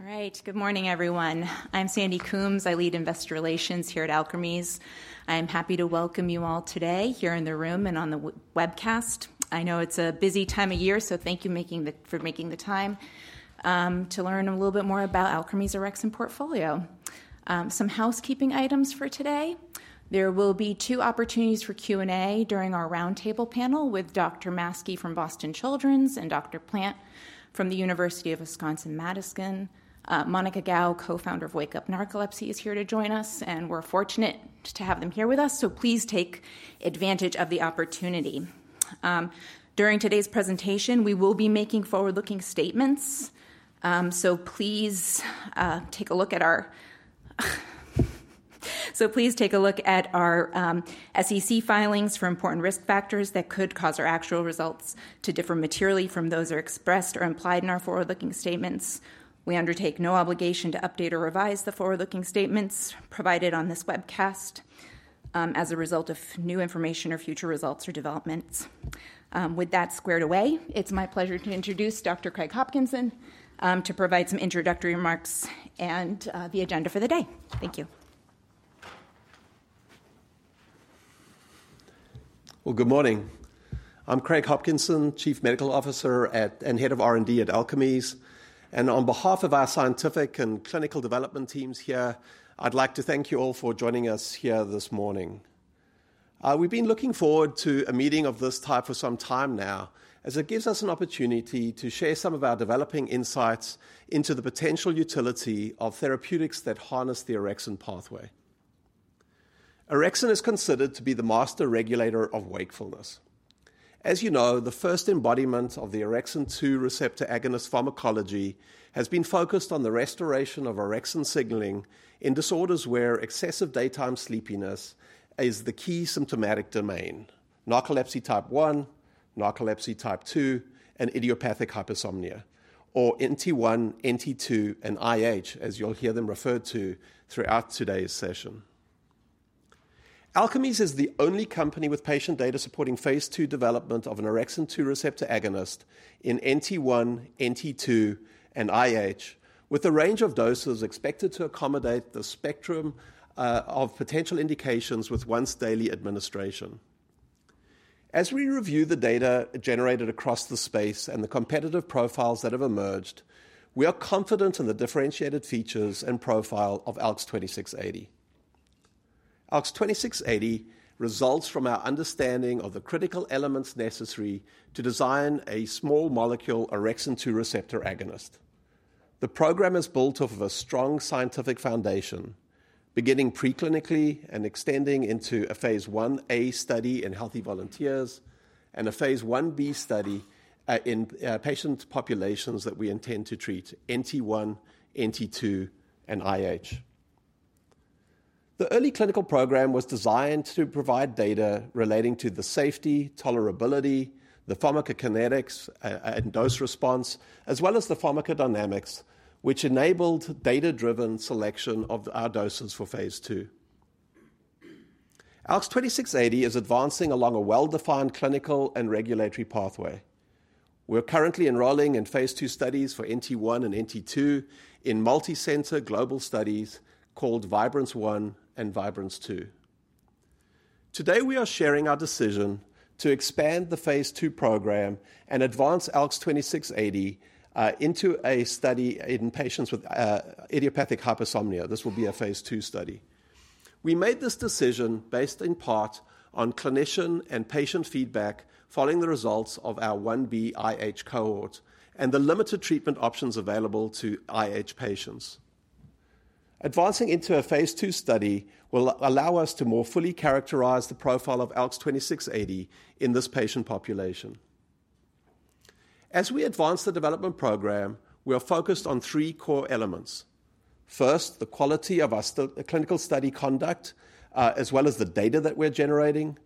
All right. Good morning, everyone. I'm Sandy Coombs. I lead Investor Relations here at Alkermes. I'm happy to welcome you all today here in the room and on the webcast. I know it's a busy time of year, so thank you for making the time to learn a little bit more about Alkermes' orexin portfolio. Some housekeeping items for today. There will be two opportunities for Q&A during our roundtable panel with Dr. Maski from Boston Children's and Dr. Plante from the University of Wisconsin-Madison. Monica Gow, co-founder of Wake Up Narcolepsy, is here to join us, and we're fortunate to have them here with us, so please take advantage of the opportunity. During today's presentation, we will be making forward-looking statements, so please take a look at our SEC filings for important risk factors that could cause our actual results to differ materially from those expressed or implied in our forward-looking statements. We undertake no obligation to update or revise the forward-looking statements provided on this webcast as a result of new information or future results or developments. With that squared away, it's my pleasure to introduce Dr. Craig Hopkinson to provide some introductory remarks and the agenda for the day. Thank you. Well, good morning. I'm Craig Hopkinson, Chief Medical Officer and Head of R&D at Alkermes, and on behalf of our scientific and clinical development teams here, I'd like to thank you all for joining us here this morning. We've been looking forward to a meeting of this type for some time now, as it gives us an opportunity to share some of our developing insights into the potential utility of therapeutics that harness the orexin pathway. Orexin is considered to be the master regulator of wakefulness. As you know, the first embodiment of the orexin-2 receptor agonist pharmacology has been focused on the restoration of orexin signaling in disorders where excessive daytime sleepiness is the key symptomatic domain: narcolepsy Type 1, narcolepsy Type 2, and idiopathic hypersomnia, or NT1, NT2, and IH, as you'll hear them referred to throughout today's session. Alkermes is the only company with patient data supporting phase 2 development of an orexin-2 receptor agonist in NT1, NT2, and IH, with a range of doses expected to accommodate the spectrum of potential indications with once-daily administration. As we review the data generated across the space and the competitive profiles that have emerged, we are confident in the differentiated features and profile of ALKS-2680. ALKS-2680 results from our understanding of the critical elements necessary to design a small molecule orexin-2 receptor agonist. The program is built off of a strong scientific foundation, beginning preclinically and extending into a phase 1a study in healthy volunteers and a phase 1b study in patient populations that we intend to treat, NT1, NT2, and IH. The early clinical program was designed to provide data relating to the safety, tolerability, the pharmacokinetics, and dose response, as well as the pharmacodynamics, which enabled data-driven selection of our doses for phase 2. ALKS-2680 is advancing along a well-defined clinical and regulatory pathway. We're currently enrolling in phase 2 studies for NT1 and NT2 in multicenter global studies called Vibrance-1 and Vibrance-2. Today, we are sharing our decision to expand the phase 2 program and advance ALKS-2680 into a study in patients with idiopathic hypersomnia. This will be a phase 2 study. We made this decision based in part on clinician and patient feedback following the results of our 1b IH cohort and the limited treatment options available to IH patients. Advancing into a phase 2 study will allow us to more fully characterize the profile of ALX-2680 in this patient population. As we advance the development program, we are focused on three core elements: first, the quality of our clinical study conduct, as well as the data that we're generating.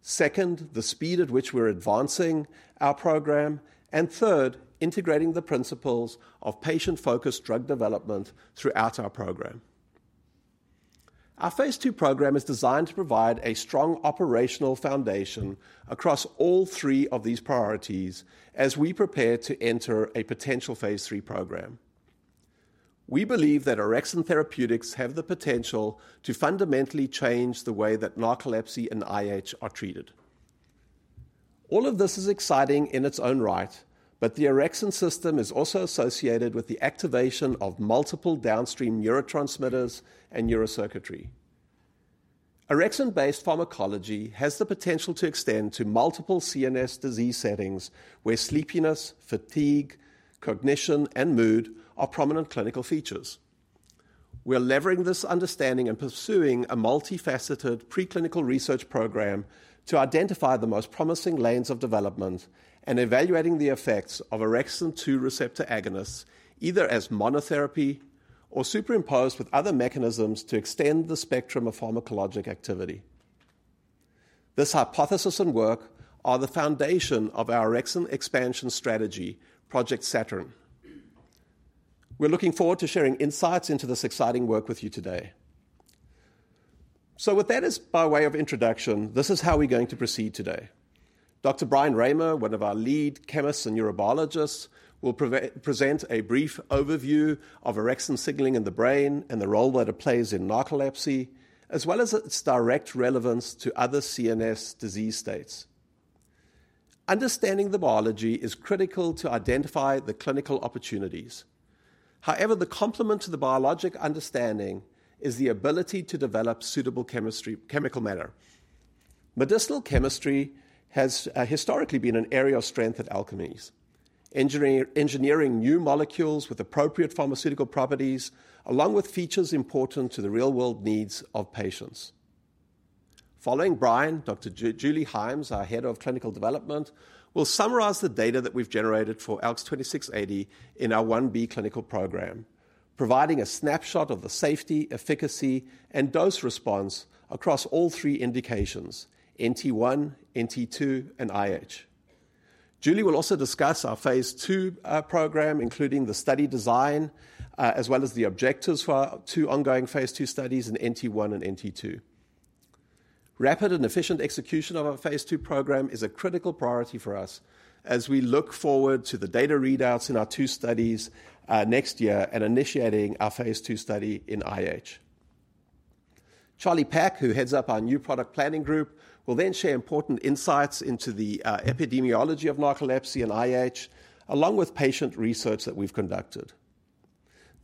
Second, the speed at which we're advancing our program. And third, integrating the principles of patient-focused drug development throughout our program. Our phase 2 program is designed to provide a strong operational foundation across all three of these priorities as we prepare to enter a potential phase 3 program. We believe that orexin therapeutics have the potential to fundamentally change the way that narcolepsy and IH are treated. All of this is exciting in its own right, but the orexin system is also associated with the activation of multiple downstream neurotransmitters and neurocircuitry. Orexin-based pharmacology has the potential to extend to multiple CNS disease settings where sleepiness, fatigue, cognition, and mood are prominent clinical features. We are leveraging this understanding and pursuing a multifaceted preclinical research program to identify the most promising lines of development and evaluating the effects of orexin-2 receptor agonists, either as monotherapy or superimposed with other mechanisms to extend the spectrum of pharmacologic activity. This hypothesis and work are the foundation of our orexin expansion strategy, Project Saturn. We're looking forward to sharing insights into this exciting work with you today. So with that as by way of introduction, this is how we're going to proceed today. Dr. Brian Raimer, one of our lead chemists and neurobiologists, will present a brief overview of orexin signaling in the brain and the role that it plays in narcolepsy, as well as its direct relevance to other CNS disease states. Understanding the biology is critical to identify the clinical opportunities. However, the complement to the biologic understanding is the ability to develop suitable chemistry, chemical matter. Medicinal chemistry has historically been an area of strength at Alkermes. Engineering new molecules with appropriate pharmaceutical properties, along with features important to the real-world needs of patients. Following Brian, Dr. Julie Himes, our Head of Clinical Development, will summarize the data that we've generated for ALX-2680 in our 1b clinical program, providing a snapshot of the safety, efficacy, and dose response across all three indications: NT1, NT2, and IH. Julie will also discuss our phase 2 program, including the study design, as well as the objectives for our two ongoing phase 2 studies in NT1 and NT2. Rapid and efficient execution of our phase 2 program is a critical priority for us as we look forward to the data readouts in our two studies next year and initiating our phase 2 study in IH. Charlie Peck, who heads up our new product planning group, will then share important insights into the epidemiology of narcolepsy and IH, along with patient research that we've conducted.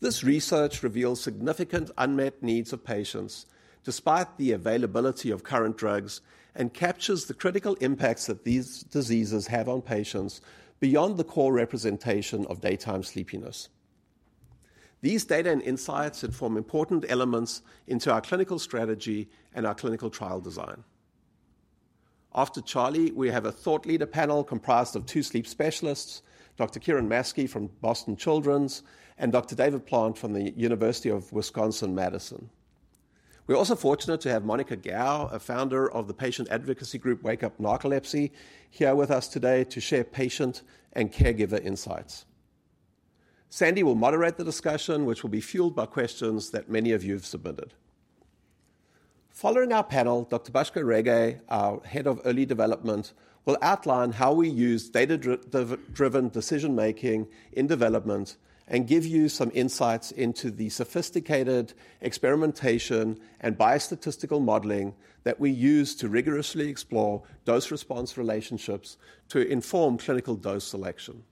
This research reveals significant unmet needs of patients despite the availability of current drugs and captures the critical impacts that these diseases have on patients beyond the core representation of daytime sleepiness. These data and insights inform important elements into our clinical strategy and our clinical trial design. After Charlie, we have a thought leader panel comprised of two sleep specialists, Dr. Kiran Maski from Boston Children's, and Dr. David Plante from the University of Wisconsin-Madison. We're also fortunate to have Monica Gow, a founder of the patient advocacy group, Wake Up Narcolepsy, here with us today to share patient and caregiver insights. Sandy will moderate the discussion, which will be fueled by questions that many of you have submitted. Following our panel, Dr. Bhaskar Rege, our Head of Early Development, will outline how we use data-driven decision making in development and give you some insights into the sophisticated experimentation and biostatistical modeling that we use to rigorously explore dose response relationships to inform clinical dose selection.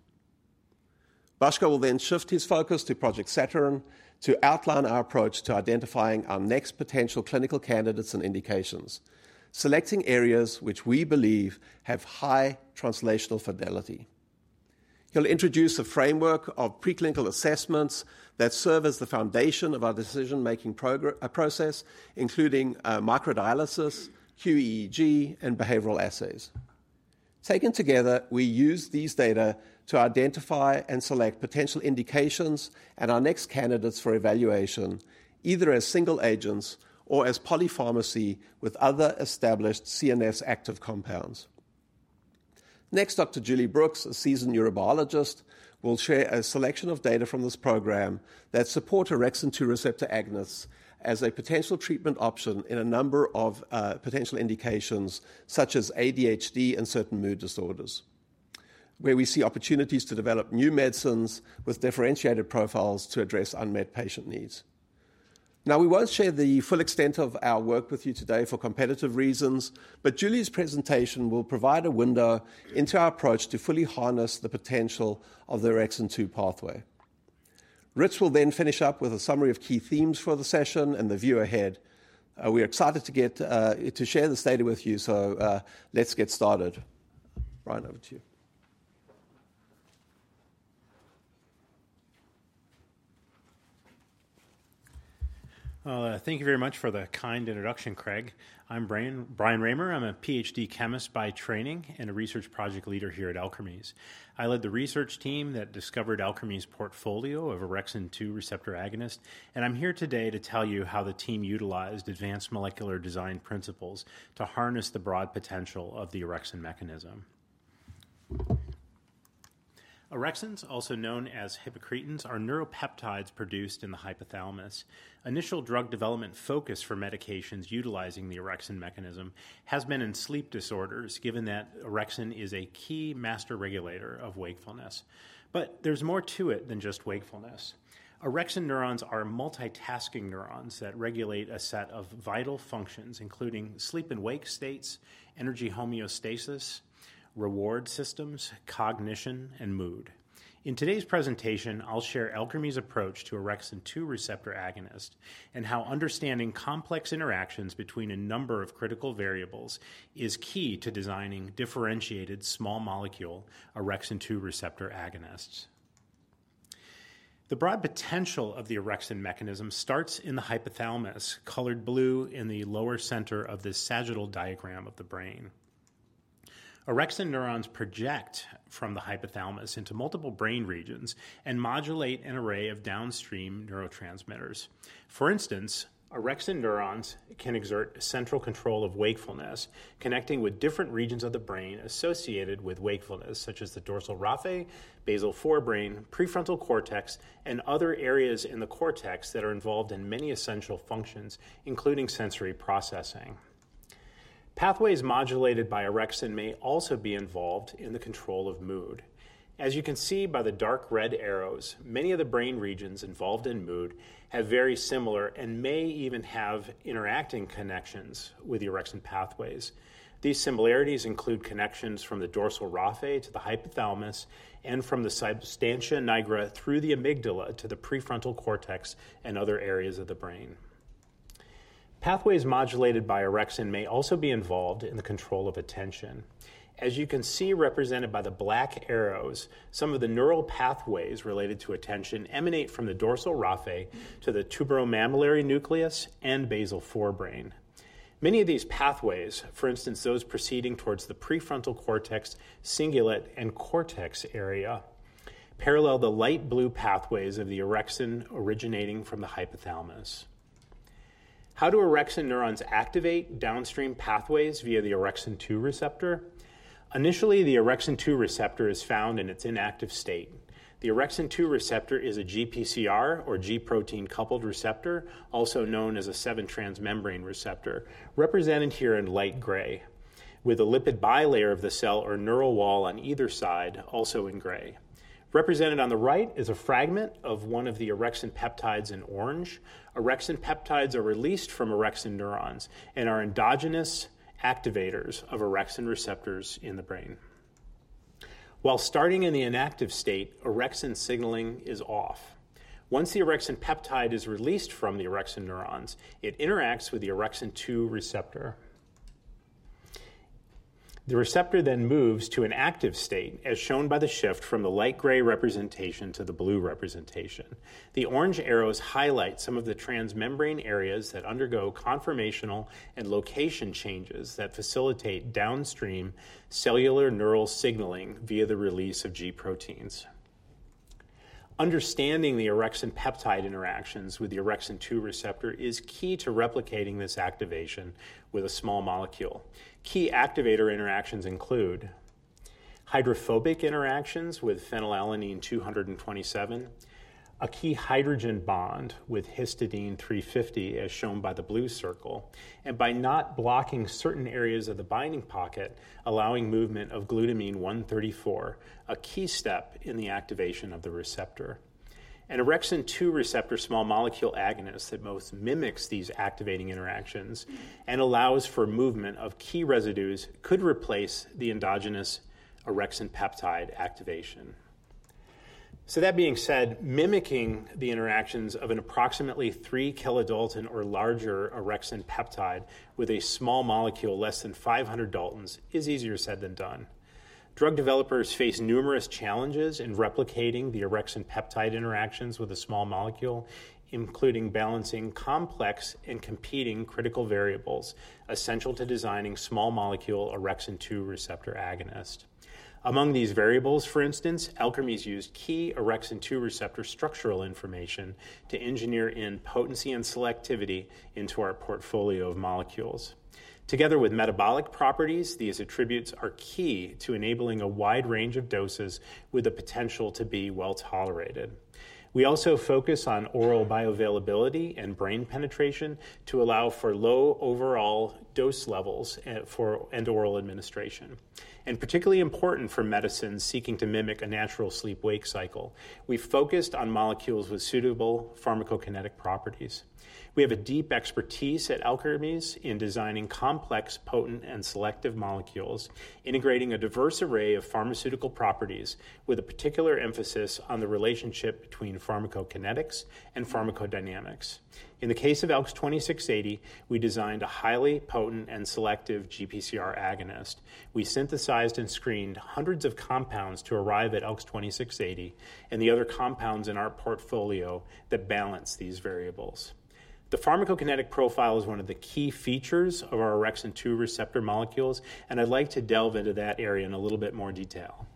Bhaskar will then shift his focus to Project Saturn to outline our approach to identifying our next potential clinical candidates and indications, selecting areas which we believe have high translational fidelity. He'll introduce a framework of preclinical assessments that serve as the foundation of our decision-making process, including microdialysis, qEEG, and behavioral assays. Taken together, we use these data to identify and select potential indications and our next candidates for evaluation, either as single agents or as polypharmacy with other established CNS active compounds. Next, Dr. Julie Brooks, a seasoned neurobiologist, will share a selection of data from this program that support orexin-2 receptor agonists as a potential treatment option in a number of potential indications, such as ADHD and certain mood disorders, where we see opportunities to develop new medicines with differentiated profiles to address unmet patient needs. Now, we won't share the full extent of our work with you today for competitive reasons, but Julie's presentation will provide a window into our approach to fully harness the potential of the orexin-2 pathway. Rich will then finish up with a summary of key themes for the session and the view ahead. We are excited to get to share this data with you, so let's get started. Brian, over to you. Thank you very much for the kind introduction, Craig. I'm Brian, Brian Reimer. I'm a Ph.D. chemist by training and a research project leader here at Alkermes. I led the research team that discovered Alkermes' portfolio of orexin-2 receptor agonist, and I'm here today to tell you how the team utilized advanced molecular design principles to harness the broad potential of the orexin mechanism. Orexins, also known as hypocretins, are neuropeptides produced in the hypothalamus. Initial drug development focus for medications utilizing the orexin mechanism has been in sleep disorders, given that orexin is a key master regulator of wakefulness. But there's more to it than just wakefulness. Orexin neurons are multitasking neurons that regulate a set of vital functions, including sleep and wake states, energy homeostasis, reward systems, cognition, and mood. In today's presentation, I'll share Alkermes' approach to orexin-2 receptor agonist and how understanding complex interactions between a number of critical variables is key to designing differentiated small molecule orexin-2 receptor agonists. The broad potential of the orexin mechanism starts in the hypothalamus, colored blue in the lower center of this sagittal diagram of the brain. Orexin neurons project from the hypothalamus into multiple brain regions and modulate an array of downstream neurotransmitters. For instance, orexin neurons candidate exert central control of wakefulness, connecting with different regions of the brain associated with wakefulness, such as the dorsal raphe, basal forebrain, prefrontal cortex, and other areas in the cortex that are involved in many essential functions, including sensory processing. Pathways modulated by orexin may also be involved in the control of mood. As you can see by the dark red arrows, many of the brain regions involved in mood have very similar and may even have interacting connections with the orexin pathways. These similarities include connections from the dorsal raphe to the hypothalamus and from the substantia nigra through the amygdala to the prefrontal cortex and other areas of the brain. Pathways modulated by orexin may also be involved in the control of attention. As you can see, represented by the black arrows, some of the neural pathways related to attention emanate from the dorsal raphe to the tuberomammillary nucleus and basal forebrain. Many of these pathways, for instance, those proceeding towards the prefrontal cortex, cingulate, and cortex area, parallel the light blue pathways of the orexin originating from the hypothalamus. How do orexin neurons activate downstream pathways via the orexin-2 receptor? Initially, the orexin-2 receptor is found in its inactive state. The orexin-2 receptor is a GPCR or G protein-coupled receptor, also known as a seven-transmembrane receptor, represented here in light gray, with a lipid bilayer of the cell or neural wall on either side, also in gray. Represented on the right is a fragment of one of the orexin peptides in orange. Orexin peptides are released from orexin neurons and are endogenous activators of orexin receptors in the brain. While starting in the inactive state, orexin signaling is off. Once the orexin peptide is released from the orexin neurons, it interacts with the orexin-2 receptor. The receptor then moves to an active state, as shown by the shift from the light gray representation to the blue representation. The orange arrows highlight some of the transmembrane areas that undergo conformational and location changes that facilitate downstream cellular neural signaling via the release of G proteins. Understanding the orexin peptide interactions with the orexin-2 receptor is key to replicating this activation with a small molecule. Key activator interactions include hydrophobic interactions with phenylalanine 227, a key hydrogen bond with histidine 350, as shown by the blue circle, and by not blocking certain areas of the binding pocket, allowing movement of glutamine 134, a key step in the activation of the receptor. An orexin-2 receptor small molecule agonist that most mimics these activating interactions and allows for movement of key residues could replace the endogenous orexin peptide activation. So that being said, mimicking the interactions of an approximately 3-kilodalton or larger orexin peptide with a small molecule less than 500 daltons is easier said than done. Drug developers face numerous challenges in replicating the orexin peptide interactions with a small molecule, including balancing complex and competing critical variables essential to designing small-molecule orexin-2 receptor agonist. Among these variables, for instance, Alkermes used key orexin-2 receptor structural information to engineer in potency and selectivity into our portfolio of molecules. Together with metabolic properties, these attributes are key to enabling a wide range of doses with the potential to be well-tolerated. We also focus on oral bioavailability and brain penetration to allow for low overall dose levels, for oral administration. Particularly important for medicines seeking to mimic a natural sleep-wake cycle, we focused on molecules with suitable pharmacokinetic properties. We have a deep expertise at Alkermes in designing complex, potent, and selective molecules, integrating a diverse array of pharmaceutical properties with a particular emphasis on the relationship between pharmacokinetics and pharmacodynamics. In the case of ALKS 2680, we designed a highly potent and selective GPCR agonist. We synthesized and screened hundreds of compounds to arrive at ALKS 2680 and the other compounds in our portfolio that balance these variables. The pharmacokinetic profile is one of the key features of our orexin-2 receptor molecules, and I'd like to delve into that area in a little bit more detail.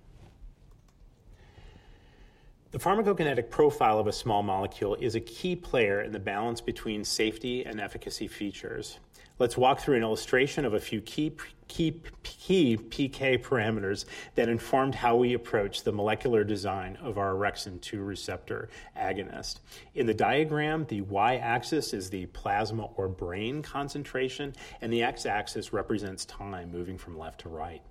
The pharmacokinetic profile of a small molecule is a key player in the balance between safety and efficacy features. Let's walk through an illustration of a few key PK parameters that informed how we approach the molecular design of our orexin-2 receptor agonist. In the diagram, the Y-axis is the plasma or brain concentration, and the X-axis represents time moving from left to right.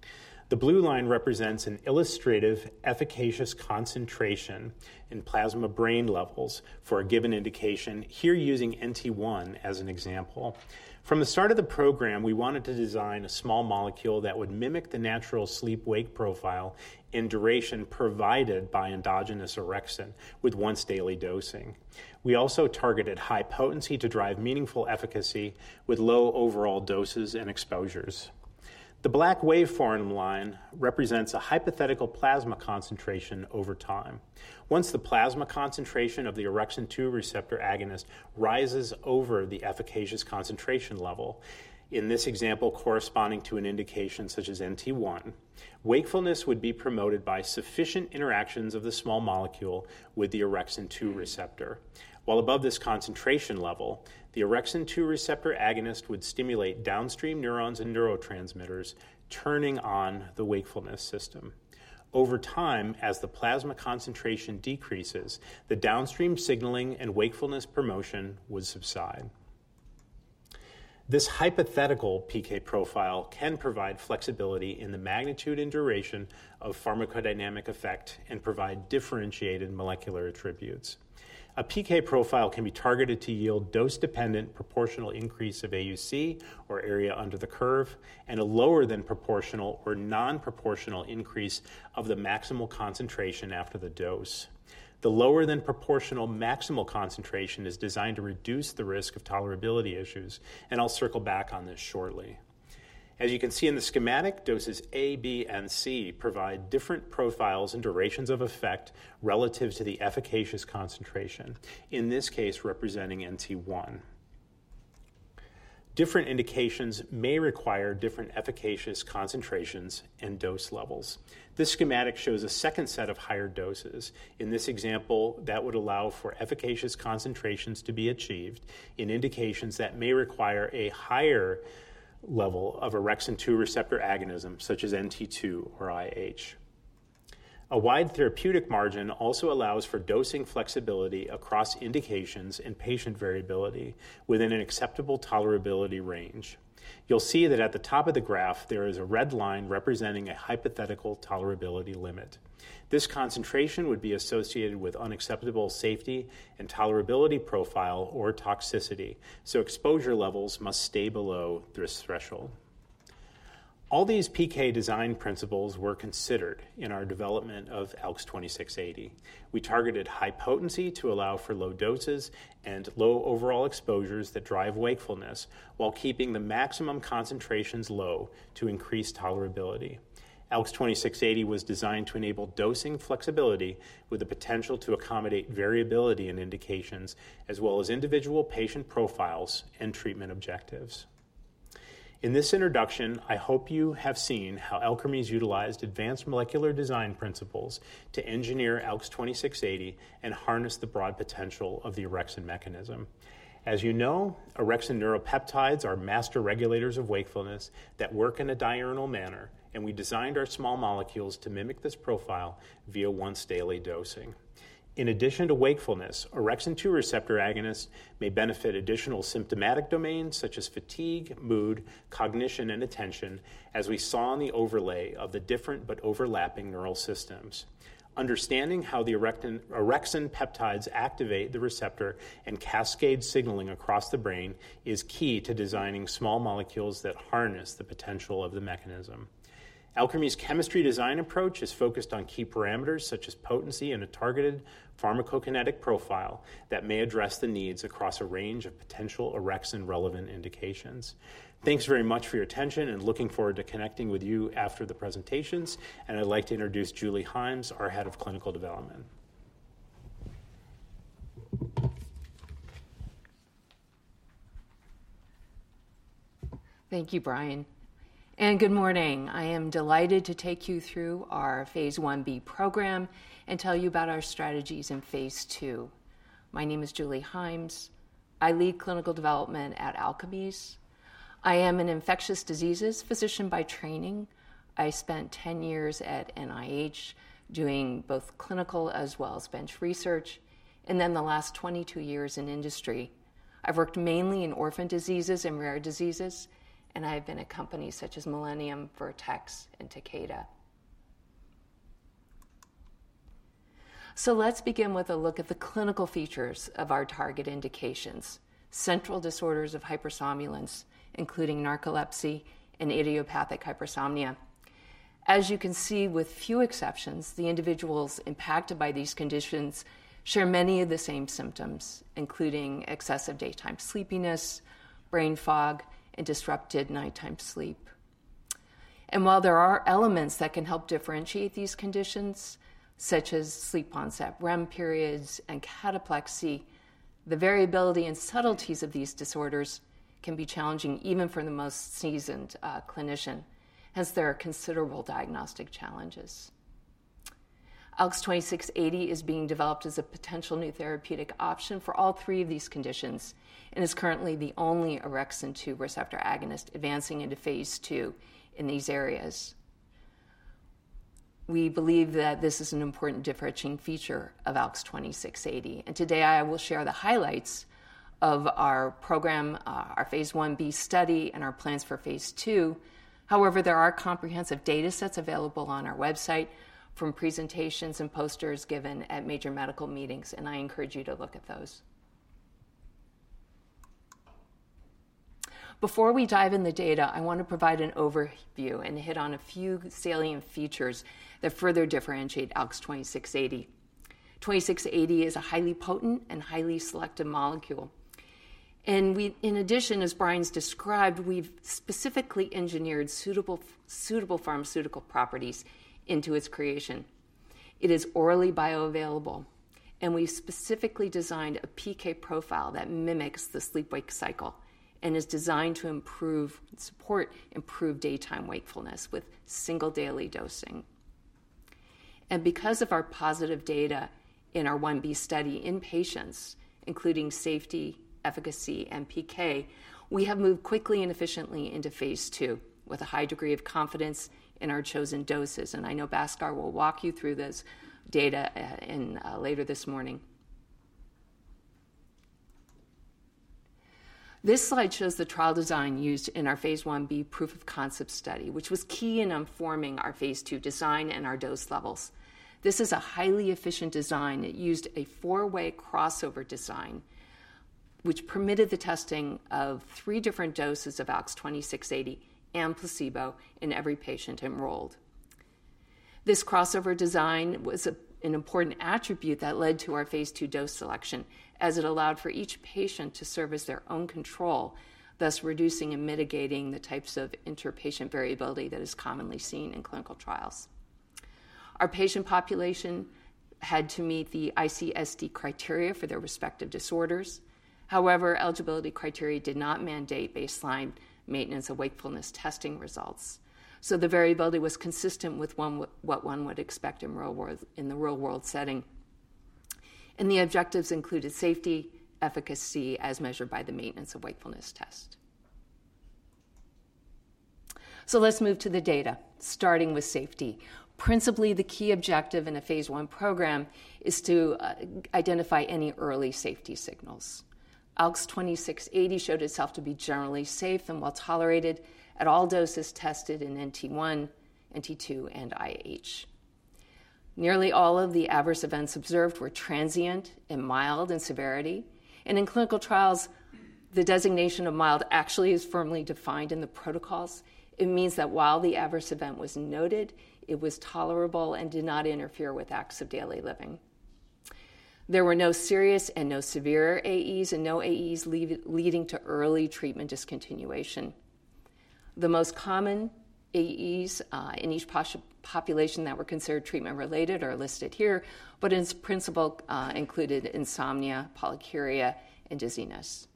The blue line represents an illustrative, efficacious concentration in plasma brain levels for a given indication, here using NT1 as an example. From the start of the program, we wanted to design a small molecule that would mimic the natural sleep-wake profile and duration provided by endogenous orexin with once-daily dosing. We also targeted high potency to drive meaningful efficacy with low overall doses and exposures. The black waveform line represents a hypothetical plasma concentration over time. Once the plasma concentration of the orexin-2 receptor agonist rises over the efficacious concentration level, in this example, corresponding to an indication such as NT1, wakefulness would be promoted by sufficient interactions of the small molecule with the orexin-2 receptor. While above this concentration level, the orexin-2 receptor agonist would stimulate downstream neurons and neurotransmitters, turning on the wakefulness system. Over time, as the plasma concentration decreases, the downstream signaling and wakefulness promotion would subside. This hypothetical PK profile can provide flexibility in the magnitude and duration of pharmacodynamic effect and provide differentiated molecular attributes. A PK profile can be targeted to yield dose-dependent proportional increase of AUC, or area under the curve, and a lower than proportional or non-proportional increase of the maximal concentration after the dose. The lower than proportional maximal concentration is designed to reduce the risk of tolerability issues, and I'll circle back on this shortly. As you can see in the schematic, doses A, B, and C provide different profiles and durations of effect relative to the efficacious concentration, in this case, representing NT1. Different indications may require different efficacious concentrations and dose levels. This schematic shows a second set of higher doses. In this example, that would allow for efficacious concentrations to be achieved in indications that may require a higher level of orexin-2 receptor agonism, such as NT-2 or IH. A wide therapeutic margin also allows for dosing flexibility across indications and patient variability within an acceptable tolerability range. You'll see that at the top of the graph, there is a red line representing a hypothetical tolerability limit. This concentration would be associated with unacceptable safety and tolerability profile or toxicity, so exposure levels must stay below this threshold. All these PK design principles were considered in our development of ALX-2680. We targeted high potency to allow for low doses and low overall exposures that drive wakefulness while keeping the maximum concentrations low to increase tolerability. ALX-2680 was designed to enable dosing flexibility with the potential to accommodate variability in indications, as well as individual patient profiles and treatment objectives. In this introduction, I hope you have seen how Alkermes utilized advanced molecular design principles to engineer ALX-2680 and harness the broad potential of the orexin mechanism. As you know, orexin neuropeptides are master regulators of wakefulness that work in a diurnal manner, and we designed our small molecules to mimic this profile via once daily dosing. In addition to wakefulness, orexin-2 receptor agonists may benefit additional symptomatic domains such as fatigue, mood, cognition, and attention, as we saw in the overlay of the different but overlapping neural systems. Understanding how the orexin peptides activate the receptor and cascade signaling across the brain is key to designing small molecules that harness the potential of the mechanism. Alkermes' chemistry design approach is focused on key parameters such as potency and a targeted pharmacokinetic profile that may address the needs across a range of potential orexin-relevant indications. Thanks very much for your attention, and looking forward to connecting with you after the presentations, and I'd like to introduce Julie Himes, our Head of Clinical Development. Thank you, Brian, and good morning. I am delighted to take you through our phase 1b program and tell you about our strategies in phase 2. My name is Julie Himes. I lead clinical development at Alkermes. I am an infectious diseases physician by training. I spent ten years at NIH doing both clinical as well as bench research, and then the last twenty-two years in industry. I've worked mainly in orphan diseases and rare diseases, and I have been at companies such as Millennium, Vertex, and Takeda, so let's begin with a look at the clinical features of our target indications, central disorders of hypersomnolence, including narcolepsy and idiopathic hypersomnia. As you can see, with few exceptions, the individuals impacted by these conditions share many of the same symptoms, including excessive daytime sleepiness, brain fog, and disrupted nighttime sleep. While there are elements that can help differentiate these conditions, such as sleep onset, REM periods, and cataplexy, the variability and subtleties of these disorders can be challenging even for the most seasoned clinician, hence there are considerable diagnostic challenges. ALX-2680 is being developed as a potential new therapeutic option for all three of these conditions and is currently the only orexin-2 receptor agonist advancing into phase 2 in these areas. We believe that this is an important differentiating feature of ALX-2680, and today I will share the highlights of our program, our phase 1b study, and our plans for phase 2. However, there are comprehensive datasets available on our website from presentations and posters given at major medical meetings, and I encourage you to look at those. Before we dive in the data, I want to provide an overview and hit on a few salient features that further differentiate ALKS 2680. 2680 is a highly potent and highly selective molecule. And we, in addition, as Brian's described, we've specifically engineered suitable pharmaceutical properties into its creation. It is orally bioavailable, and we specifically designed a PK profile that mimics the sleep-wake cycle and is designed to improve, support, improve daytime wakefulness with single daily dosing. And because of our positive data in our 1b study in patients, including safety, efficacy, and PK, we have moved quickly and efficiently into phase 2 with a high degree of confidence in our chosen doses. And I know Bhaskar will walk you through this data later this morning.... This slide shows the trial design used in our phase 1b proof of concept study, which was key in informing our phase 2 design and our dose levels. This is a highly efficient design. It used a four-way crossover design, which permitted the testing of three different doses of ALKS 2680 and placebo in every patient enrolled. This crossover design was an important attribute that led to our phase 2 dose selection, as it allowed for each patient to serve as their own control, thus reducing and mitigating the types of inter-patient variability that is commonly seen in clinical trials. Our patient population had to meet the ICSD criteria for their respective disorders. However, eligibility criteria did not mandate baseline maintenance of wakefulness testing results, so the variability was consistent with what one would expect in real world, in the real-world setting. The objectives included safety, efficacy, as measured by the Maintenance of Wakefulness Test. Let's move to the data, starting with safety. Principally, the key objective in a phase I program is to identify any early safety signals. ALKS 2680 showed itself to be generally safe and well-tolerated at all doses tested in NT1, NT2, and IH. Nearly all of the adverse events observed were transient and mild in severity, and in clinical trials, the designation of mild actually is firmly defined in the protocols. It means that while the adverse event was noted, it was tolerable and did not interfere with acts of daily living. There were no serious and no severe AEs, and no AEs leading to early treatment discontinuation. The most common AEs in each population that were considered treatment-related are listed here, but principally included insomnia, polyuria, and dizziness.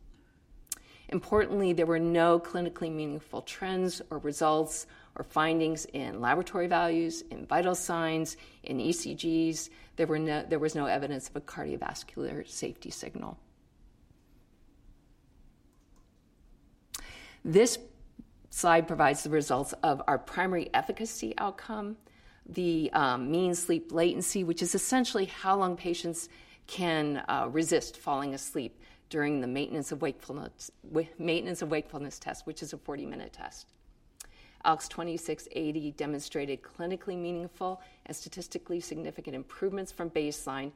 Importantly, there were no clinically meaningful trends or results or findings in laboratory values, in vital signs, in ECGs. There was no evidence of a cardiovascular safety signal. This slide provides the results of our primary efficacy outcome, the mean sleep latency, which is essentially how long patients can resist falling asleep during the maintenance of wakefulness test, which is a forty-minute test. ALKS 2680 demonstrated clinically meaningful and statistically significant improvements from baseline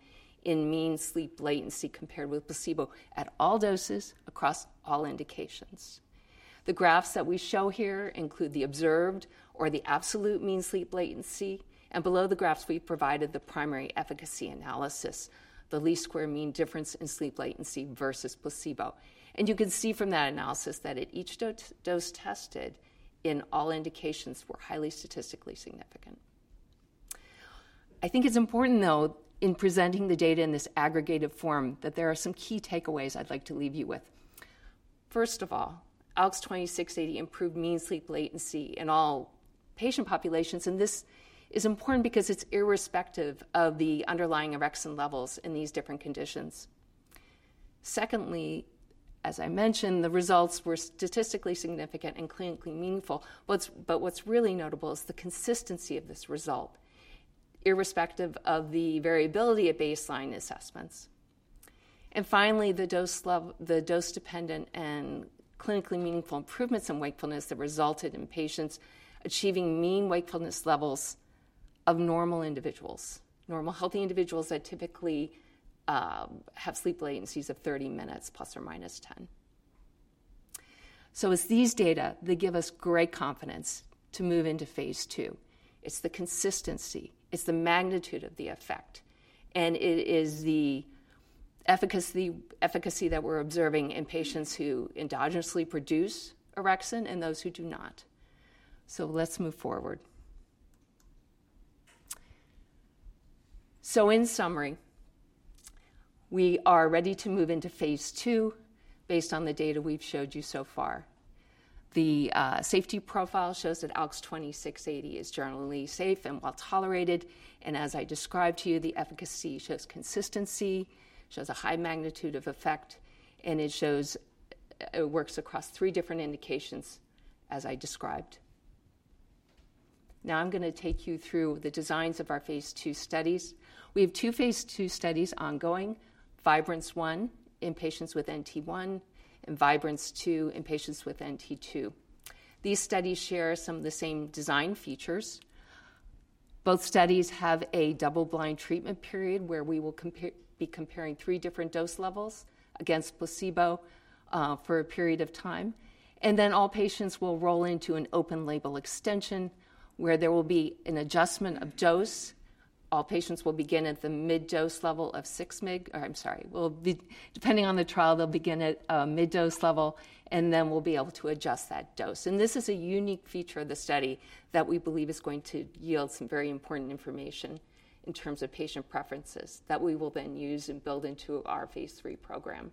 in mean sleep latency compared with placebo at all doses across all indications. The graphs that we show here include the observed or the absolute mean sleep latency, and below the graphs, we've provided the primary efficacy analysis, the least square mean difference in sleep latency versus placebo. You can see from that analysis that at each dose, dose tested in all indications were highly statistically significant. I think it's important, though, in presenting the data in this aggregated form, that there are some key takeaways I'd like to leave you with. First of all, ALKS 2680 improved mean sleep latency in all patient populations, and this is important because it's irrespective of the underlying orexin levels in these different conditions. Secondly, as I mentioned, the results were statistically significant and clinically meaningful. What's but what's really notable is the consistency of this result, irrespective of the variability at baseline assessments. Finally, the dose-dependent and clinically meaningful improvements in wakefulness that resulted in patients achieving mean wakefulness levels of normal individuals, normal healthy individuals that typically have sleep latencies of 30 minutes plus or minus 10. It's these data that give us great confidence to move into phase 2. It's the consistency, it's the magnitude of the effect, and it is the efficacy, efficacy that we're observing in patients who endogenously produce orexin and those who do not. Let's move forward. In summary, we are ready to move into phase 2 based on the data we've showed you so far. The safety profile shows that ALKS 2680 is generally safe and well-tolerated, and as I described to you, the efficacy shows consistency, shows a high magnitude of effect, and it shows it works across three different indications, as I described. Now I'm going to take you through the designs of our phase 2 studies. We have two phase 2 studies ongoing, Vibrance-1 in patients with NT1 and Vibrance-2 in patients with NT2. These studies share some of the same design features. Both studies have a double-blind treatment period where we will be comparing three different dose levels against placebo for a period of time, and then all patients will roll into an open label extension, where there will be an adjustment of dose. All patients will begin at the mid dose level of six mg... Depending on the trial, they'll begin at a mid dose level, and then we'll be able to adjust that dose. And this is a unique feature of the study that we believe is going to yield some very important information in terms of patient preferences that we will then use and build into our phase 3 program.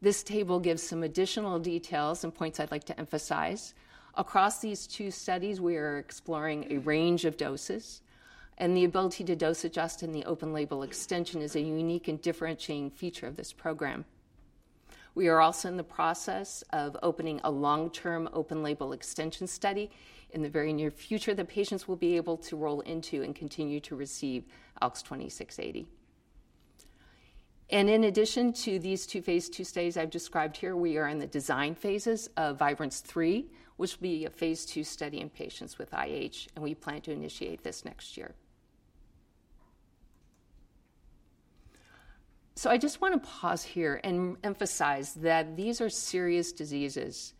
This table gives some additional details and points I'd like to emphasize. Across these two studies, we are exploring a range of doses, and the ability to dose adjust in the open-label extension is a unique and differentiating feature of this program. We are also in the process of opening a long-term, open-label extension study. In the very near future, the patients will be able to roll into and continue to receive ALKS 2680. In addition to these two phase 2 studies I've described here, we are in the design phases of Vibrance-3, which will be a phase 2 study in patients with IH, and we plan to initiate this next year. I just want to pause here and emphasize that these are serious diseases,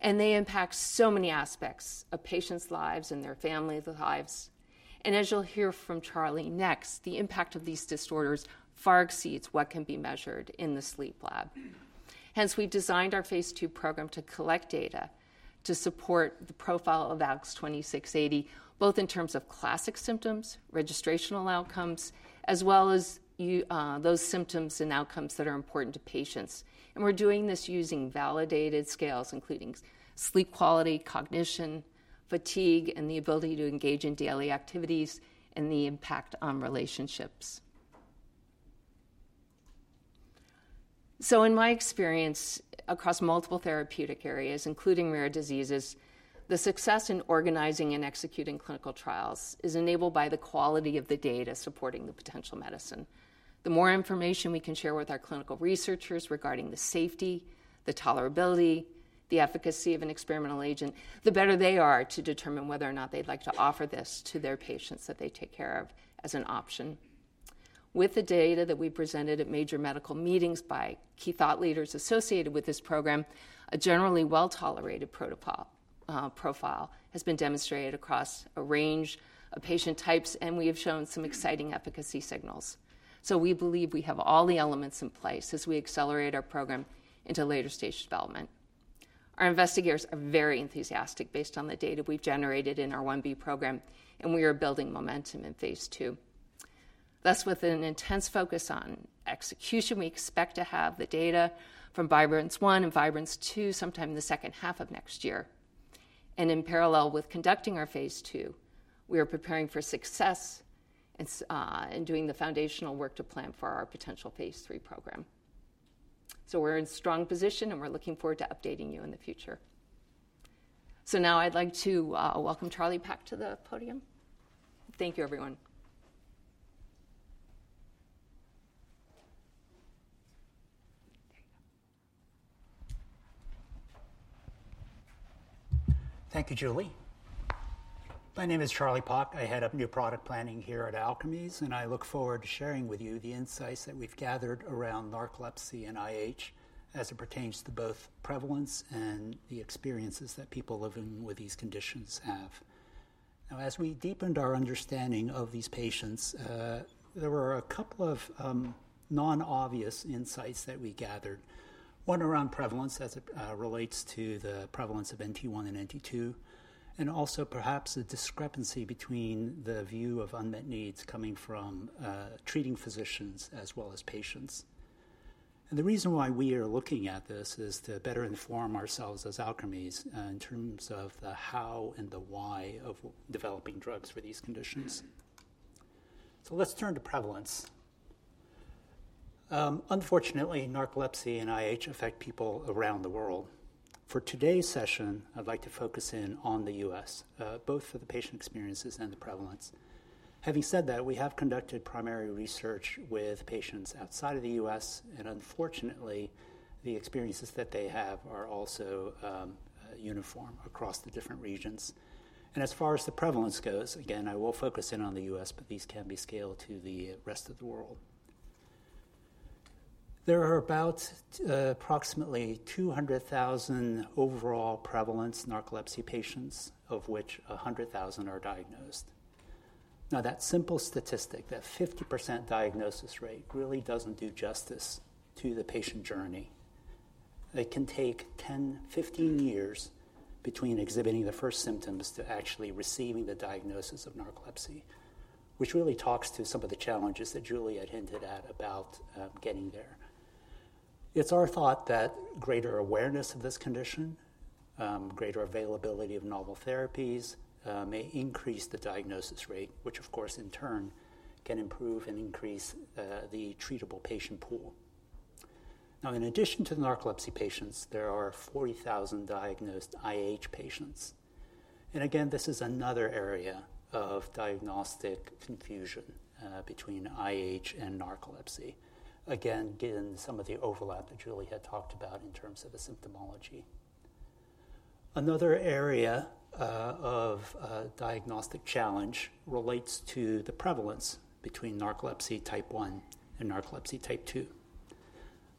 and they impact so many aspects of patients' lives and their families' lives. As you'll hear from Charlie next, the impact of these disorders far exceeds what can be measured in the sleep lab. Hence, we designed our phase 2 program to collect data to support the profile of ALKS 2680, both in terms of classic symptoms, registrational outcomes, as well as those symptoms and outcomes that are important to patients. We're doing this using validated scales, including sleep quality, cognition, fatigue, and the ability to engage in daily activities and the impact on relationships. In my experience across multiple therapeutic areas, including rare diseases, the success in organizing and executing clinical trials is enabled by the quality of the data supporting the potential medicine. The more information we can share with our clinical researchers regarding the safety, the tolerability, the efficacy of an experimental agent, the better they are to determine whether or not they'd like to offer this to their patients that they take care of as an option. With the data that we presented at major medical meetings by key thought leaders associated with this program, a generally well-tolerated protocol profile has been demonstrated across a range of patient types, and we have shown some exciting efficacy signals. So we believe we have all the elements in place as we accelerate our program into later-stage development. Our investigators are very enthusiastic based on the data we've generated in our phase 1b program, and we are building momentum in phase 2. Thus, with an intense focus on execution, we expect to have the data from Vibrance-1 and Vibrance-2 sometime in the second half of next year. And in parallel with conducting our phase 2, we are preparing for success and doing the foundational work to plan for our potential phase 3 program. So we're in strong position, and we're looking forward to updating you in the future. So now I'd like to welcome Charlie Peck to the podium. Thank you, everyone. There you go. Thank you, Julie. My name is Charlie Peck. I head up new product planning here at Alkermes, and I look forward to sharing with you the insights that we've gathered around narcolepsy and IH as it pertains to both prevalence and the experiences that people living with these conditions have. Now, as we deepened our understanding of these patients, there were a couple of non-obvious insights that we gathered. One around prevalence as it relates to the prevalence of NT1 and NT2, and also perhaps a discrepancy between the view of unmet needs coming from treating physicians as well as patients. The reason why we are looking at this is to better inform ourselves as Alkermes in terms of the how and the why of developing drugs for these conditions. Let's turn to prevalence. Unfortunately, narcolepsy and IH affect people around the world. For today's session, I'd like to focus in on the U.S., both for the patient experiences and the prevalence. Having said that, we have conducted primary research with patients outside of the U.S., and unfortunately, the experiences that they have are also uniform across the different regions. And as far as the prevalence goes, again, I will focus in on the U.S., but these can be scaled to the rest of the world. There are about approximately two hundred thousand overall prevalence narcolepsy patients, of which a hundred thousand are diagnosed. Now, that simple statistic, that 50% diagnosis rate, really doesn't do justice to the patient journey. It can take ten, fifteen years between exhibiting the first symptoms to actually receiving the diagnosis of narcolepsy, which really talks to some of the challenges that Julie had hinted at about getting there. It's our thought that greater awareness of this condition, greater availability of novel therapies, may increase the diagnosis rate, which of course, in turn, can improve and increase the treatable patient pool. Now, in addition to the narcolepsy patients, there are forty thousand diagnosed IH patients, and again, this is another area of diagnostic confusion between IH and narcolepsy. Again, given some of the overlap that Julie had talked about in terms of the symptomatology. Another area of diagnostic challenge relates to the prevalence between narcolepsy type one and narcolepsy type two.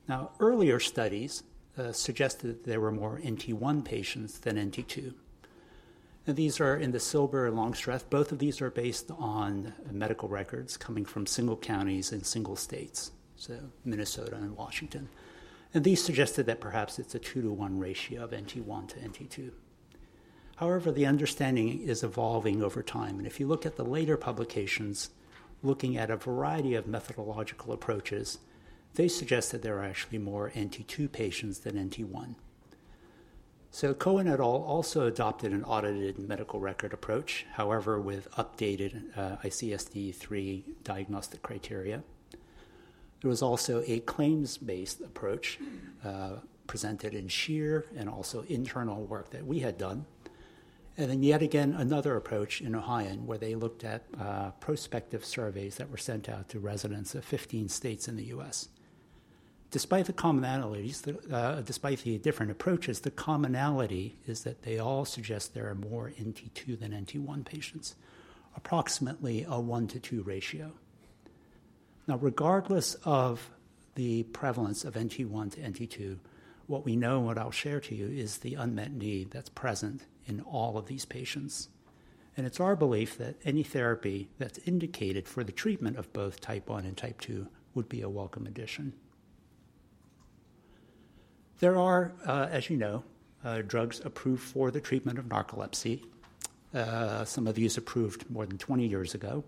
Now, earlier studies suggested that there were more NT one patients than NT two, and these are in the Silber and Longstreth. Both of these are based on medical records coming from single counties and single states, so Minnesota and Washington, and these suggested that perhaps it's a two to one ratio of NT one to NT two. However, the understanding is evolving over time, and if you look at the later publications, looking at a variety of methodological approaches, they suggest that there are actually more NT two patients than NT one, so Cohen et al. also adopted an audited medical record approach, however, with updated ICSD-3 diagnostic criteria. There was also a claims-based approach presented in Scheer and also internal work that we had done. And then yet again, another approach in Ohayon, where they looked at prospective surveys that were sent out to residents of fifteen states in the U.S. Despite the commonalities, despite the different approaches, the commonality is that they all suggest there are more NT2 than NT1 patients, approximately a one to two ratio. Now, regardless of the prevalence of NT1 to NT2, what we know and what I'll share to you is the unmet need that's present in all of these patients. And it's our belief that any therapy that's indicated for the treatment of both type one and type two would be a welcome addition. There are, as you know, drugs approved for the treatment of narcolepsy. Some of these approved more than twenty years ago,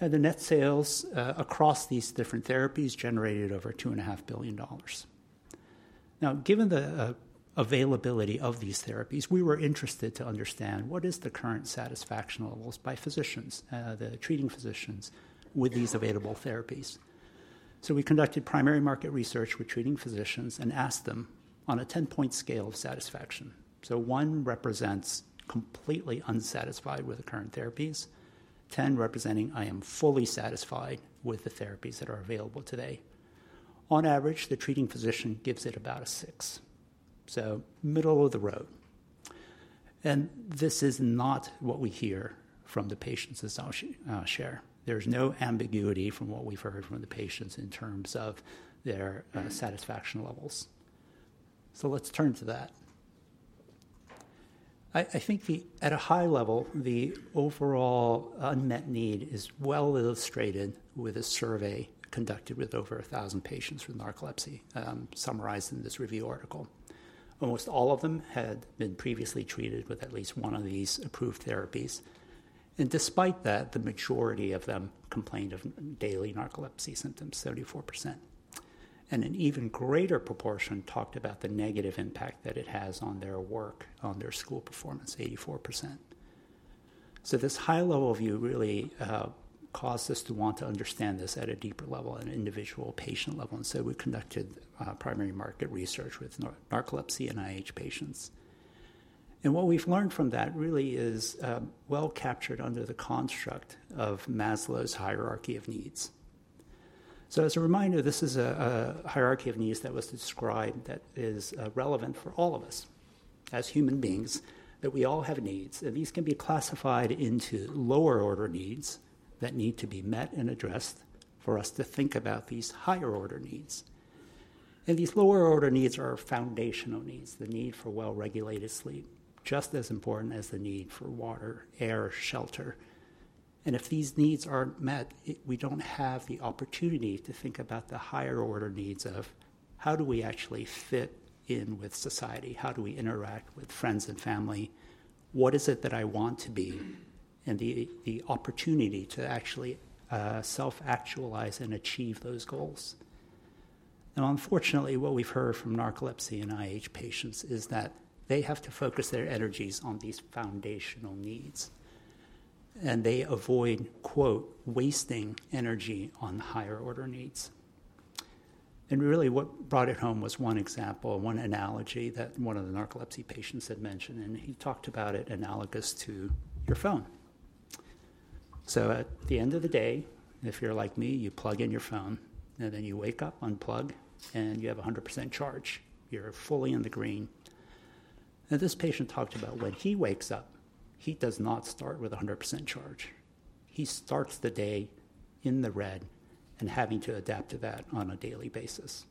and the net sales across these different therapies generated over $2.5 billion. Now, given the availability of these therapies, we were interested to understand what is the current satisfaction levels by physicians, the treating physicians, with these available therapies, so we conducted primary market research with treating physicians and asked them on a ten-point scale of satisfaction, so one represents completely unsatisfied with the current therapies, ten representing I am fully satisfied with the therapies that are available today. On average, the treating physician gives it about a six, so middle of the road, and this is not what we hear from the patients, as I'll share. There's no ambiguity from what we've heard from the patients in terms of their satisfaction levels, so let's turn to that. I think at a high level, the overall unmet need is well illustrated with a survey conducted with over a thousand patients with narcolepsy, summarized in this review article. Almost all of them had been previously treated with at least one of these approved therapies, and despite that, the majority of them complained of daily narcolepsy symptoms, 34%. And an even greater proportion talked about the negative impact that it has on their work, on their school performance, 84%. So this high level view really caused us to want to understand this at a deeper level and individual patient level, and so we conducted primary market research with narcolepsy and IH patients. And what we've learned from that really is well captured under the construct of Maslow's hierarchy of needs. As a reminder, this is a hierarchy of needs that was described that is relevant for all of us. As human beings, that we all have needs, and these can be classified into lower order needs that need to be met and addressed for us to think about these higher order needs. These lower order needs are foundational needs, the need for well-regulated sleep, just as important as the need for water, air, shelter. If these needs aren't met, we don't have the opportunity to think about the higher order needs of: How do we actually fit in with society? How do we interact with friends and family? What is it that I want to be? And the opportunity to actually self-actualize and achieve those goals. And unfortunately, what we've heard from narcolepsy and IH patients is that they have to focus their energies on these foundational needs, and they avoid, quote, "wasting energy on higher order needs." And really, what brought it home was one example, one analogy that one of the narcolepsy patients had mentioned, and he talked about it analogous to your phone. So at the end of the day, if you're like me, you plug in your phone, and then you wake up, unplug, and you have a 100% charge. You're fully in the green. And this patient talked about when he wakes up, he does not start with a 100% charge. He starts the day in the red and having to adapt to that on a daily basis.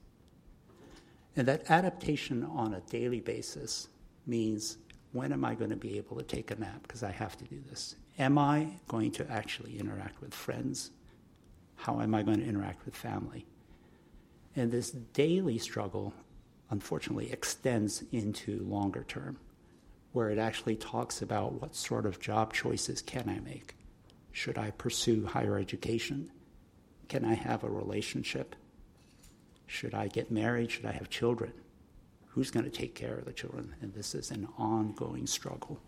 And that adaptation on a daily basis means: When am I going to be able to take a nap? 'Cause I have to do this. Am I going to actually interact with friends? How am I going to interact with family? And this daily struggle, unfortunately, extends into longer term, where it actually talks about what sort of job choices can I make? Should I pursue higher education? Can I have a relationship? Should I get married? Should I have children? Who's going to take care of the children? And this is an ongoing struggle.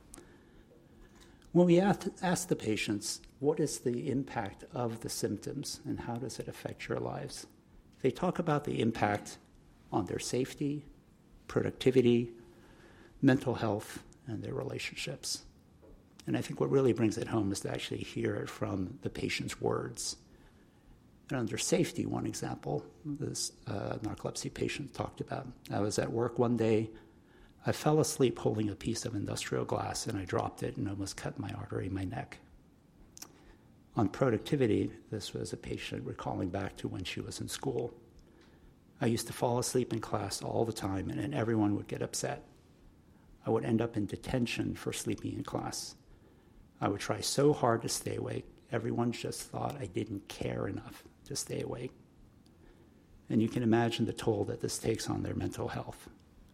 When we ask the patients, "What is the impact of the symptoms, and how does it affect your lives?" They talk about the impact on their safety, productivity, mental health, and their relationships. And I think what really brings it home is to actually hear it from the patient's words. And under safety, one example, this narcolepsy patient talked about, "I was at work one day. I fell asleep holding a piece of industrial glass, and I dropped it and almost cut my artery in my neck." On productivity, this was a patient recalling back to when she was in school. "I used to fall asleep in class all the time, and then everyone would get upset. I would end up in detention for sleeping in class. I would try so hard to stay awake. Everyone just thought I didn't care enough to stay awake." And you can imagine the toll that this takes on their mental health.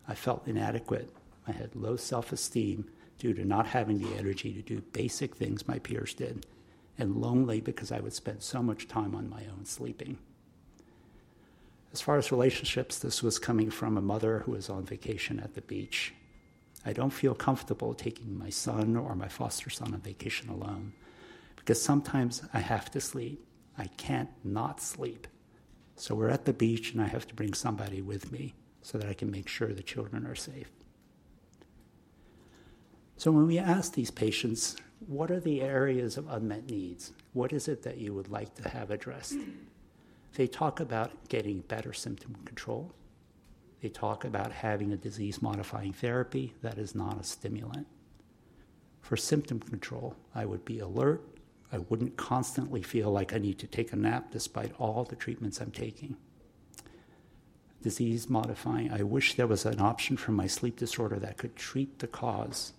"I felt inadequate. I had low self-esteem due to not having the energy to do basic things my peers did, and lonely because I would spend so much time on my own sleeping."... As far as relationships, this was coming from a mother who was on vacation at the beach. I don't feel comfortable taking my son or my foster son on vacation alone, because sometimes I have to sleep. I can't not sleep. So we're at the beach, and I have to bring somebody with me so that I can make sure the children are safe." So when we ask these patients, "What are the areas of unmet needs? What is it that you would like to have addressed?" They talk about getting better symptom control. They talk about having a disease-modifying therapy that is not a stimulant. For symptom control, I would be alert. I wouldn't constantly feel like I need to take a nap despite all the treatments I'm taking. Disease-modifying: I wish there was an option for my sleep disorder that could treat the cause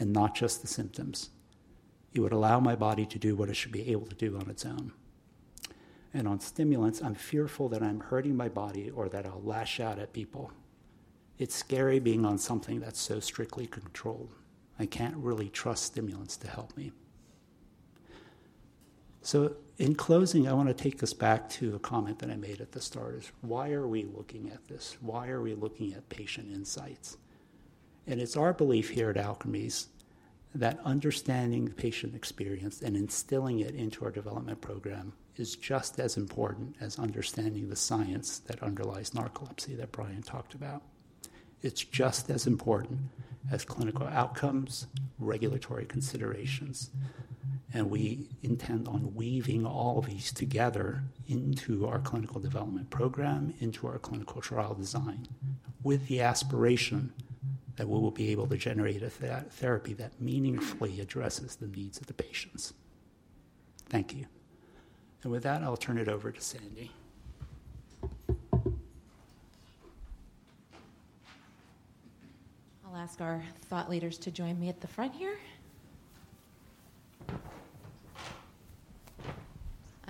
and not just the symptoms. It would allow my body to do what it should be able to do on its own. And on stimulants, I'm fearful that I'm hurting my body or that I'll lash out at people. It's scary being on something that's so strictly controlled. I can't really trust stimulants to help me. So in closing, I want to take us back to a comment that I made at the start, is why are we looking at this? Why are we looking at patient insights? And it's our belief here at Alkermes, that understanding the patient experience and instilling it into our development program is just as important as understanding the science that underlies narcolepsy that Brian talked about. It's just as important as clinical outcomes, regulatory considerations, and we intend on weaving all of these together into our clinical development program, into our clinical trial design, with the aspiration that we will be able to generate a therapy that meaningfully addresses the needs of the patients. Thank you. And with that, I'll turn it over to Sandy. I'll ask our thought leaders to join me at the front here.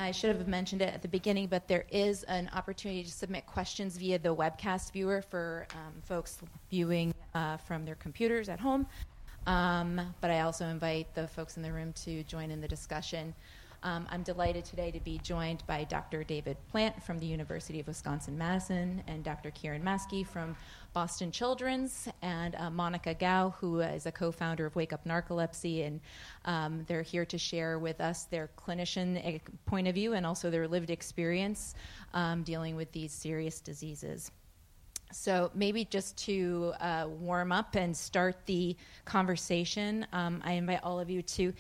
I should have mentioned it at the beginning, but there is an opportunity to submit questions via the webcast viewer for folks viewing from their computers at home, but I also invite the folks in the room to join in the discussion. I'm delighted today to be joined by Dr. David Plante from the University of Wisconsin-Madison, and Dr. Kiran Maski from Boston Children's, and Monica Gow, who is a co-founder of Wake Up Narcolepsy, and they're here to share with us their clinician point of view and also their lived experience dealing with these serious diseases. So maybe just to warm up and start the conversation, I invite all of you to,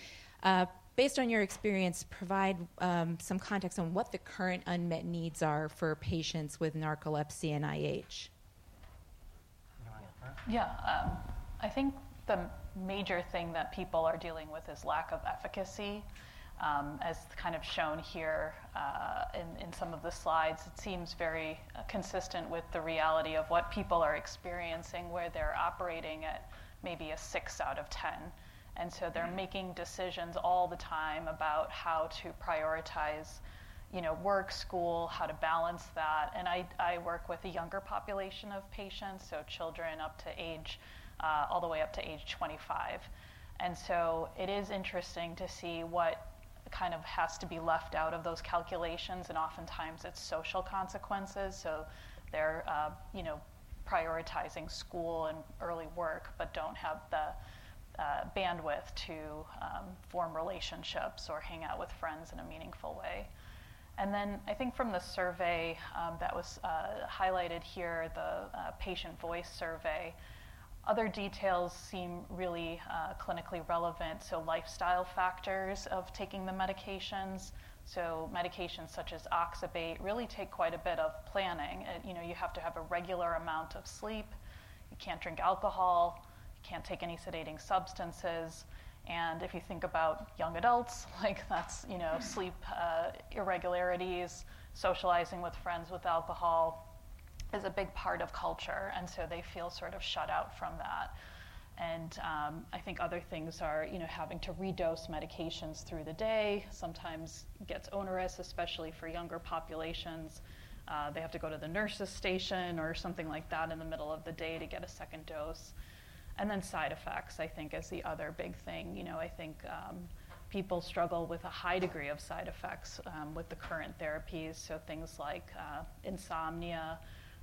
based on your experience, provide some context on what the current unmet needs are for patients with narcolepsy and IH. You want to go first? Yeah, I think the major thing that people are dealing with is lack of efficacy, as kind of shown here, in some of the slides. It seems very consistent with the reality of what people are experiencing, where they're operating at maybe a six out of 10. And so they're making decisions all the time about how to prioritize, you know, work, school, how to balance that. And I work with a younger population of patients, so children up to age, all the way up to age 25. And so it is interesting to see what kind of has to be left out of those calculations, and oftentimes, it's social consequences. So they're, you know, prioritizing school and early work, but don't have the bandwidth to form relationships or hang out with friends in a meaningful way. And then I think from the survey that was highlighted here, the Patient Voice Survey, other details seem really clinically relevant, so lifestyle factors of taking the medications. So medications such as oxybate really take quite a bit of planning. You know, you have to have a regular amount of sleep, you can't drink alcohol, you can't take any sedating substances, and if you think about young adults, like that's, you know, sleep irregularities, socializing with friends with alcohol is a big part of culture, and so they feel sort of shut out from that. And I think other things are, you know, having to redose medications through the day sometimes gets onerous, especially for younger populations. They have to go to the nurse's station or something like that in the middle of the day to get a second dose. Then side effects, I think, is the other big thing. You know, I think, people struggle with a high degree of side effects with the current therapies, so things like insomnia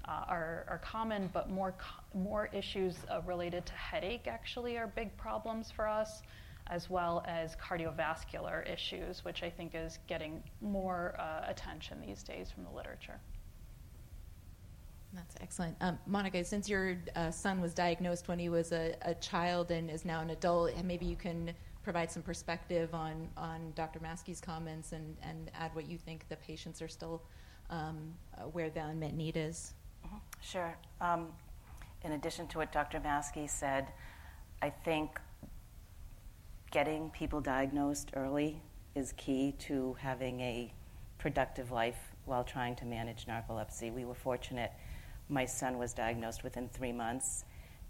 are common, but more issues related to headache actually are big problems for us, as well as cardiovascular issues, which I think is getting more attention these days from the literature. That's excellent. Monica, since your son was diagnosed when he was a child and is now an adult, and maybe you can provide some perspective on Dr. Maski's comments and add what you think the patients are still where the unmet need is. Mm-hmm. Sure. In addition to what Dr. Maski said, I think getting people diagnosed early is key to having a productive life while trying to manage narcolepsy. We were fortunate. My son was diagnosed within three months,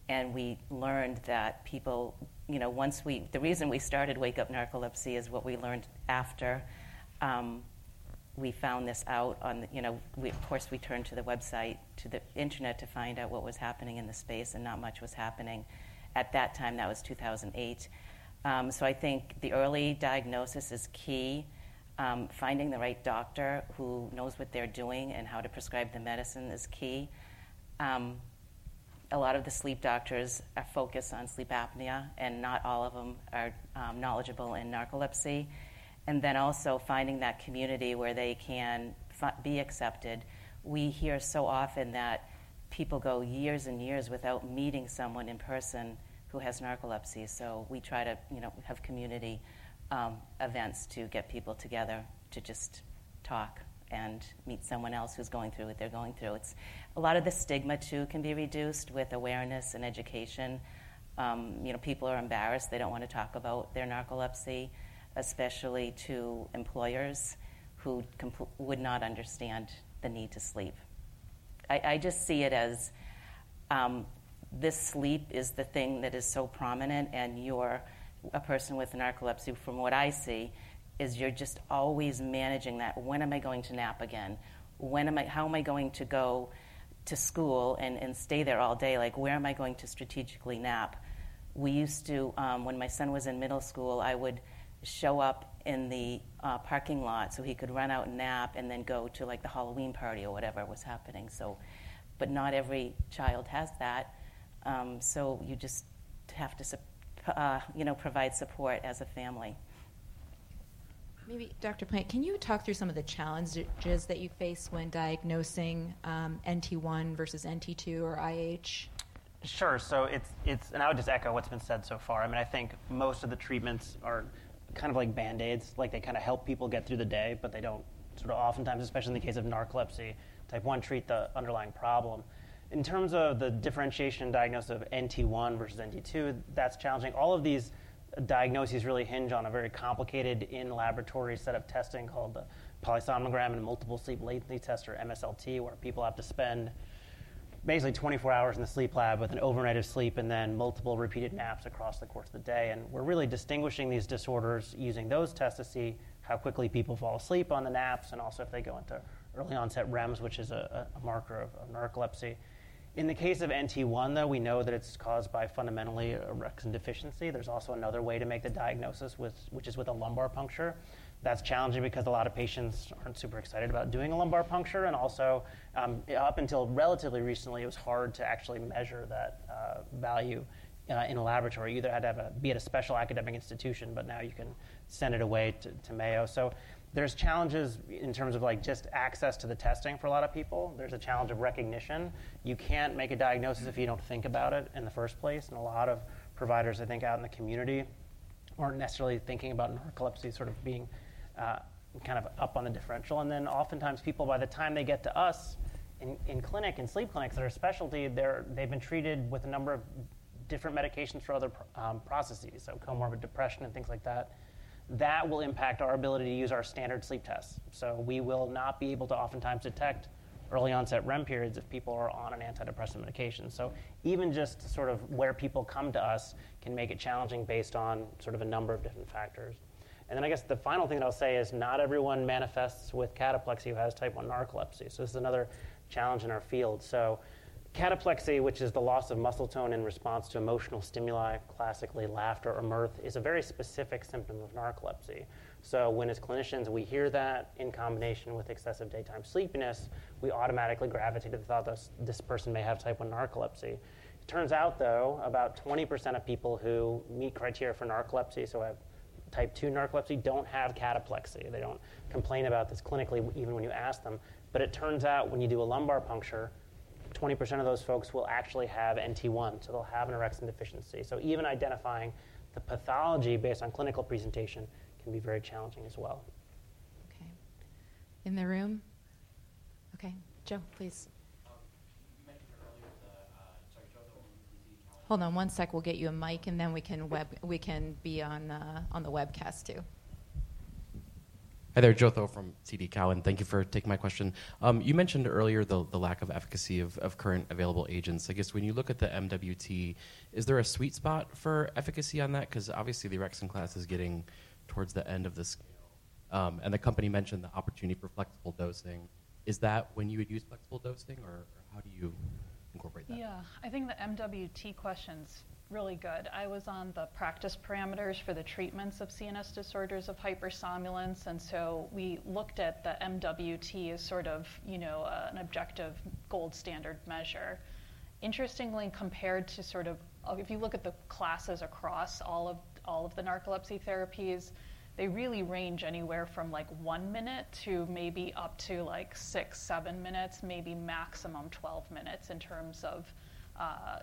and we learned that people, you know, once we-- the reason we started Wake Up Narcolepsy is what we learned after, we found this out on, you know, we, of course, we turned to the website, to the internet to find out what was happening in the space, and not much was happening at that time. That was two thousand and eight. So I think the early diagnosis is key. Finding the right doctor who knows what they're doing and how to prescribe the medicine is key. Also-... A lot of the sleep doctors are focused on sleep apnea, and not all of them are knowledgeable in narcolepsy. Then also finding that community where they can be accepted. We hear so often that people go years and years without meeting someone in person who has narcolepsy, so we try to, you know, have community events to get people together to just talk and meet someone else who's going through what they're going through. A lot of the stigma, too, can be reduced with awareness and education. You know, people are embarrassed. They don't want to talk about their narcolepsy, especially to employers who would not understand the need to sleep. I just see it as this sleep is the thing that is so prominent, and you're a person with narcolepsy, from what I see, is you're just always managing that. When am I going to nap again? When am I going to go to school and stay there all day? Like, where am I going to strategically nap? We used to when my son was in middle school, I would show up in the parking lot so he could run out and nap and then go to, like, the Halloween party or whatever was happening, so. But not every child has that, so you just have to, you know, provide support as a family. Maybe, Dr. Plante, can you talk through some of the challenges that you face when diagnosing, NT1 versus NT2 or IH? Sure. So it's-- And I would just echo what's been said so far. I mean, I think most of the treatments are kind of like Band-Aids. Like, they kind of help people get through the day, but they don't sort of oftentimes, especially in the case of Narcolepsy Type 1, treat the underlying problem. In terms of the differential diagnosis of NT1 versus NT2, that's challenging. All of these diagnoses really hinge on a very complicated in-laboratory set of testing called the polysomnogram and Multiple Sleep Latency Test, or MSLT, where people have to spend basically 24 hours in the sleep lab with an overnight of sleep and then multiple repeated naps across the course of the day. We're really distinguishing these disorders using those tests to see how quickly people fall asleep on the naps, and also if they go into early onset REMs, which is a marker of narcolepsy. In the case of NT1, though, we know that it's caused by fundamentally orexin deficiency. There's also another way to make the diagnosis, which is with a lumbar puncture. That's challenging because a lot of patients aren't super excited about doing a lumbar puncture, and also, up until relatively recently, it was hard to actually measure that value in a laboratory. You either had to be at a special academic institution, but now you can send it away to Mayo. So there's challenges in terms of, like, just access to the testing for a lot of people. There's a challenge of recognition. You can't make a diagnosis if you don't think about it in the first place, and a lot of providers, I think, out in the community, aren't necessarily thinking about narcolepsy sort of being kind of up on a differential. And then oftentimes, people, by the time they get to us in clinic, in sleep clinics, that are a specialty, they've been treated with a number of different medications for other processes, so comorbid depression and things like that. That will impact our ability to use our standard sleep tests. So we will not be able to oftentimes detect early onset REM periods if people are on an antidepressant medication. So even just sort of where people come to us can make it challenging based on sort of a number of different factors. I guess the final thing that I'll say is, not everyone manifests with cataplexy who has type 1 narcolepsy. This is another challenge in our field. Cataplexy, which is the loss of muscle tone in response to emotional stimuli, classically, laughter or mirth, is a very specific symptom of narcolepsy. When, as clinicians, we hear that in combination with excessive daytime sleepiness, we automatically gravitate to the thought that this, this person may have type 1 narcolepsy. It turns out, though, about 20% of people who meet criteria for narcolepsy, so have type 2 narcolepsy, don't have cataplexy. They don't complain about this clinically, even when you ask them. It turns out, when you do a lumbar puncture, 20% of those folks will actually have NT1, so they'll have an orexin deficiency. Even identifying the pathology based on clinical presentation can be very challenging as well. Okay. In the room? Okay, Joe, please. You mentioned earlier the... Sorry, Joseph Thome- Hold on one sec. We'll get you a mic, and then we can web-- we can be on the webcast, too. Hi, there. Joseph Thome from TD Cowen. Thank you for taking my question. You mentioned earlier the lack of efficacy of current available agents. I guess when you look at the MWT, is there a sweet spot for efficacy on that? Because obviously, the orexin class is getting towards the end of the scale. And the company mentioned the opportunity for flexible dosing. Is that when you would use flexible dosing, or how do you incorporate that? Yeah, I think the MWT question's really good. I was on the practice parameters for the treatments of CNS disorders of hypersomnolence, and so we looked at the MWT as sort of, you know, an objective gold standard measure. Interestingly, compared to sort of... If you look at the classes across all of, all of the narcolepsy therapies, they really range anywhere from, like, one minute to maybe up to, like, 6, 7 minutes, maybe maximum 12 minutes, in terms of,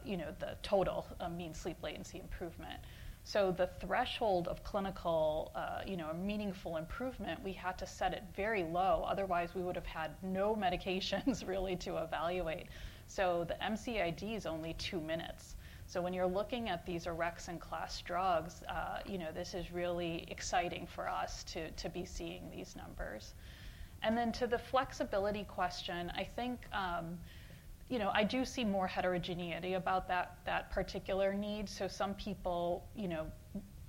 you know, the total mean sleep latency improvement. So the threshold of clinical, you know, a meaningful improvement, we had to set it very low. Otherwise, we would have had no medications really to evaluate. So the MCID is only two minutes. So when you're looking at these orexin class drugs, you know, this is really exciting for us to, to be seeing these numbers. And then to the flexibility question, I think, you know, I do see more heterogeneity about that, that particular need. So some people, you know,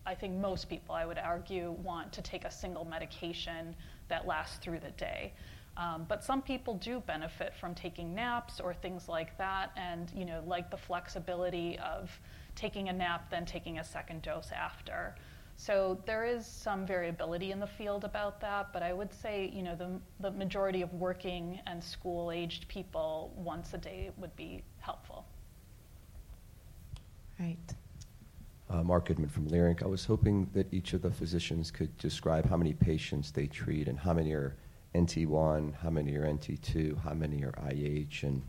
I think most people, I would argue, want to take a single medication that lasts through the day. But some people do benefit from taking naps or things like that, and, you know, like the flexibility of taking a nap, then taking a second dose after. So there is some variability in the field about that, but I would say, you know, the, the majority of working and school-aged people, once a day would be helpful.... Right. Marc Goodman from Leerink Partners. I was hoping that each of the physicians could describe how many patients they treat, and how many are NT one, how many are NT two, how many are IH, and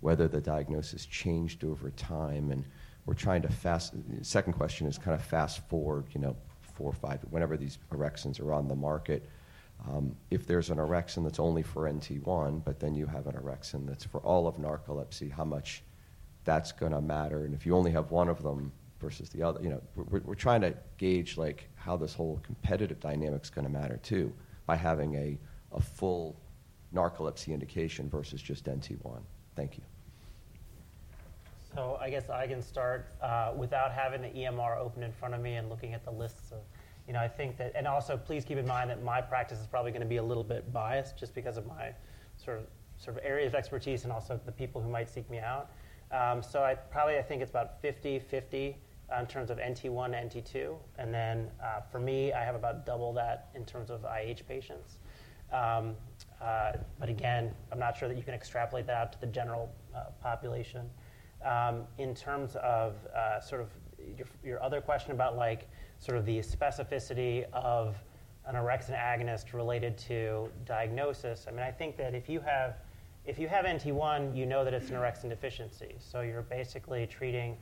whether the diagnosis changed over time. And we're trying to fast forward, you know, four or five, whenever these orexins are on the market, if there's an orexin that's only for NT one, but then you have an orexin that's for all of narcolepsy, how much that's gonna matter, and if you only have one of them versus the other? You know, we're trying to gauge like, how this whole competitive dynamic is gonna matter, too, by having a full narcolepsy indication versus just NT one. Thank you. So, I guess I can start without having the EMR open in front of me and looking at the lists of. You know, I think that. And also, please keep in mind that my practice is probably gonna be a little bit biased just because of my sort of area of expertise and also the people who might seek me out. So, I probably, I think it's about fifty/fifty in terms of NT one and NT two, and then for me, I have about double that in terms of IH patients. But again, I'm not sure that you can extrapolate that out to the general population. In terms of sort of your other question about like sort of the specificity of an orexin agonist related to diagnosis, I mean, I think that if you have NT1, you know that it's an orexin deficiency, so you're basically treating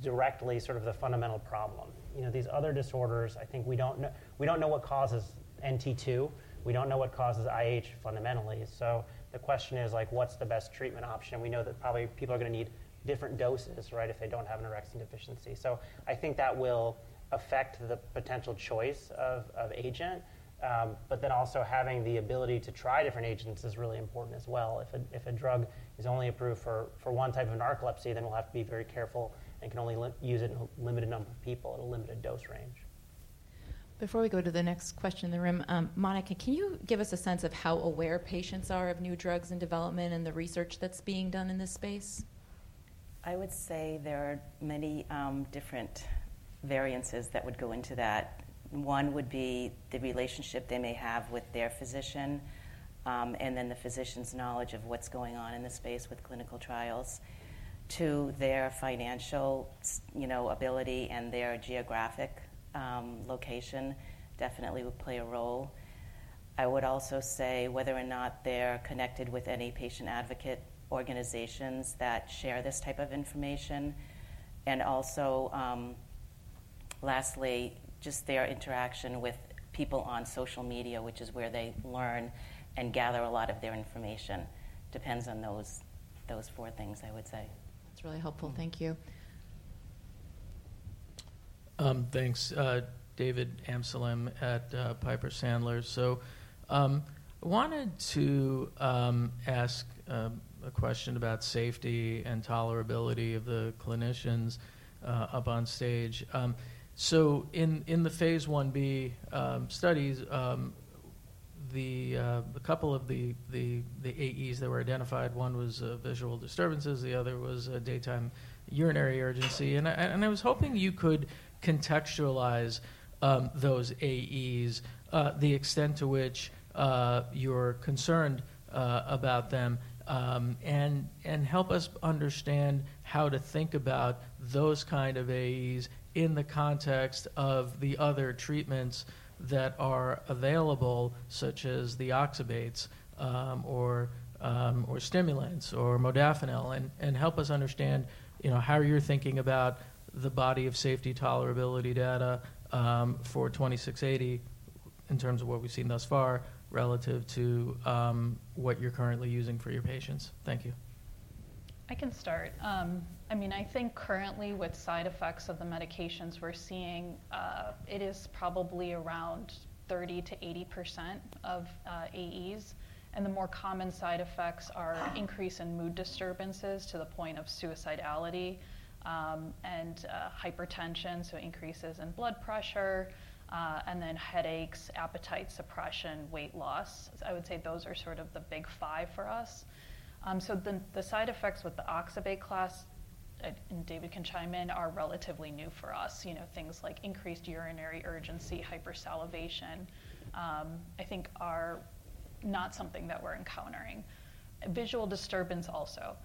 directly sort of the fundamental problem. You know, these other disorders, I think we don't know what causes NT2, we don't know what causes IH fundamentally. So the question is, like, what's the best treatment option? We know that probably people are gonna need different doses, right, if they don't have an orexin deficiency. So I think that will affect the potential choice of agent. But then also having the ability to try different agents is really important as well. If a drug is only approved for one type of narcolepsy, then we'll have to be very careful and can only use it in a limited number of people at a limited dose range. Before we go to the next question in the room, Monica, can you give us a sense of how aware patients are of new drugs and development and the research that's being done in this space? I would say there are many different variances that would go into that. One would be the relationship they may have with their physician, and then the physician's knowledge of what's going on in this space with clinical trials, to their financial you know, ability and their geographic location definitely would play a role. I would also say whether or not they're connected with any patient advocate organizations that share this type of information, and also, lastly, just their interaction with people on social media, which is where they learn and gather a lot of their information, depends on those four things, I would say. That's really helpful. Thank you. Thanks. David Amsellem at Piper Sandler, so I wanted to ask a question about safety and tolerability of the clinicians up on stage, so in the Phase I-B studies, a couple of the AEs that were identified, one was visual disturbances, the other was daytime urinary urgency. And I was hoping you could contextualize those AEs, the extent to which you're concerned about them. Help us understand how to think about those kind of AEs in the context of the other treatments that are available, such as the oxybates, or stimulants or modafinil, and help us understand, you know, how you're thinking about the body of safety tolerability data for 2680 in terms of what we've seen thus far, relative to what you're currently using for your patients. Thank you. I can start. I mean, I think currently with side effects of the medications we're seeing, it is probably around 30%-80% of AEs, and the more common side effects are increase in mood disturbances to the point of suicidality, and hypertension, so increases in blood pressure, and then headaches, appetite suppression, weight loss. I would say those are sort of the big five for us. So the side effects with the oxybate class, and David can chime in, are relatively new for us. You know, things like increased urinary urgency, hypersalivation, I think are not something that we're encountering. Visual disturbance also.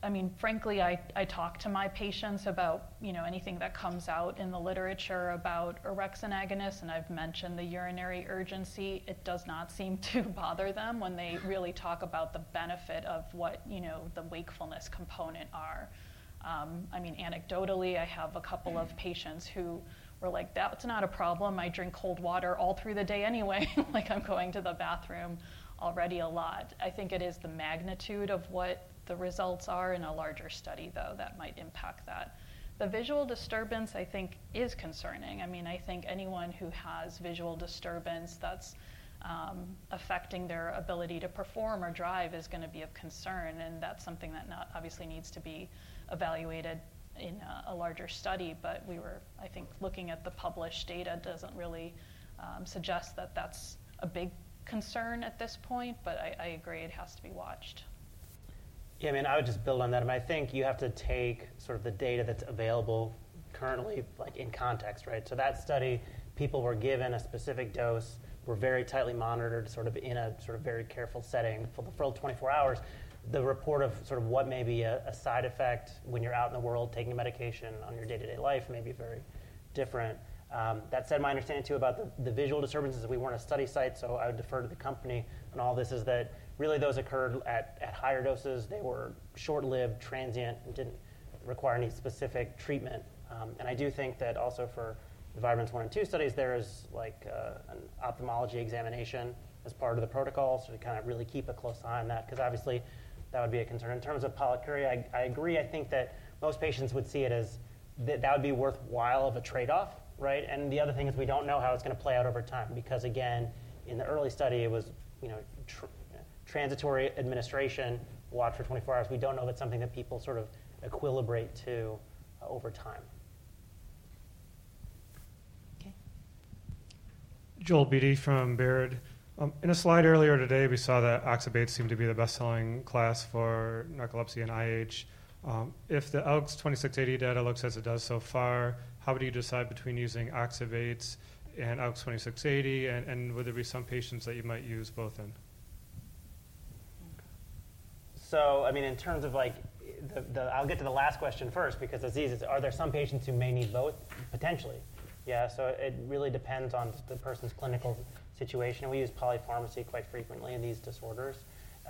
I mean, frankly, I talk to my patients about, you know, anything that comes out in the literature about orexin agonists, and I've mentioned the urinary urgency. It does not seem to bother them when they really talk about the benefit of what, you know, the wakefulness component are. I mean, anecdotally, I have a couple of patients who were like: "That's not a problem. I drink cold water all through the day anyway." Like, "I'm going to the bathroom already a lot." I think it is the magnitude of what the results are in a larger study, though, that might impact that. The visual disturbance, I think, is concerning. I mean, I think anyone who has visual disturbance that's affecting their ability to perform or drive is gonna be of concern, and that's something that now obviously needs to be evaluated in a larger study. But we were. I think looking at the published data doesn't really suggest that that's a big concern at this point, but I agree it has to be watched. Yeah, I mean, I would just build on that, and I think you have to take sort of the data that's available currently, like in context, right? So that study, people were given a specific dose, were very tightly monitored, sort of in a sort of very careful setting for a full twenty-four hours. The report of sort of what may be a, a side effect when you're out in the world taking medication on your day-to-day life may be very different. That said, my understanding, too, about the, the visual disturbances, we weren't a study site, so I would defer to the company. And all this is that really, those occurred at, at higher doses. They were short-lived, transient, and didn't require any specific treatment. And I do think that also for the Vibrance-1 and 2 studies, there is, like, an ophthalmology examination as part of the protocol. So we kind of really keep a close eye on that because obviously, that would be a concern. In terms of polyuria, I agree. I think that most patients would see it as that that would be worthwhile of a trade-off, right? And the other thing is we don't know how it's gonna play out over time, because, again, in the early study, it was, you know, transitory administration, watch for twenty-four hours. We don't know if it's something that people sort of equilibrate to over time. Okay. Joel Beatty from Baird. In a slide earlier today, we saw that oxybates seemed to be the best-selling class for narcolepsy and IH. If the ALKS 2680 data looks as it does so far, how would you decide between using oxybates and ALKS 2680, and would there be some patients that you might use both in? I mean, in terms of like, I'll get to the last question first, because it's easy. Are there some patients who may need both? Potentially, yeah. So it really depends on the person's clinical situation. We use polypharmacy quite frequently in these disorders.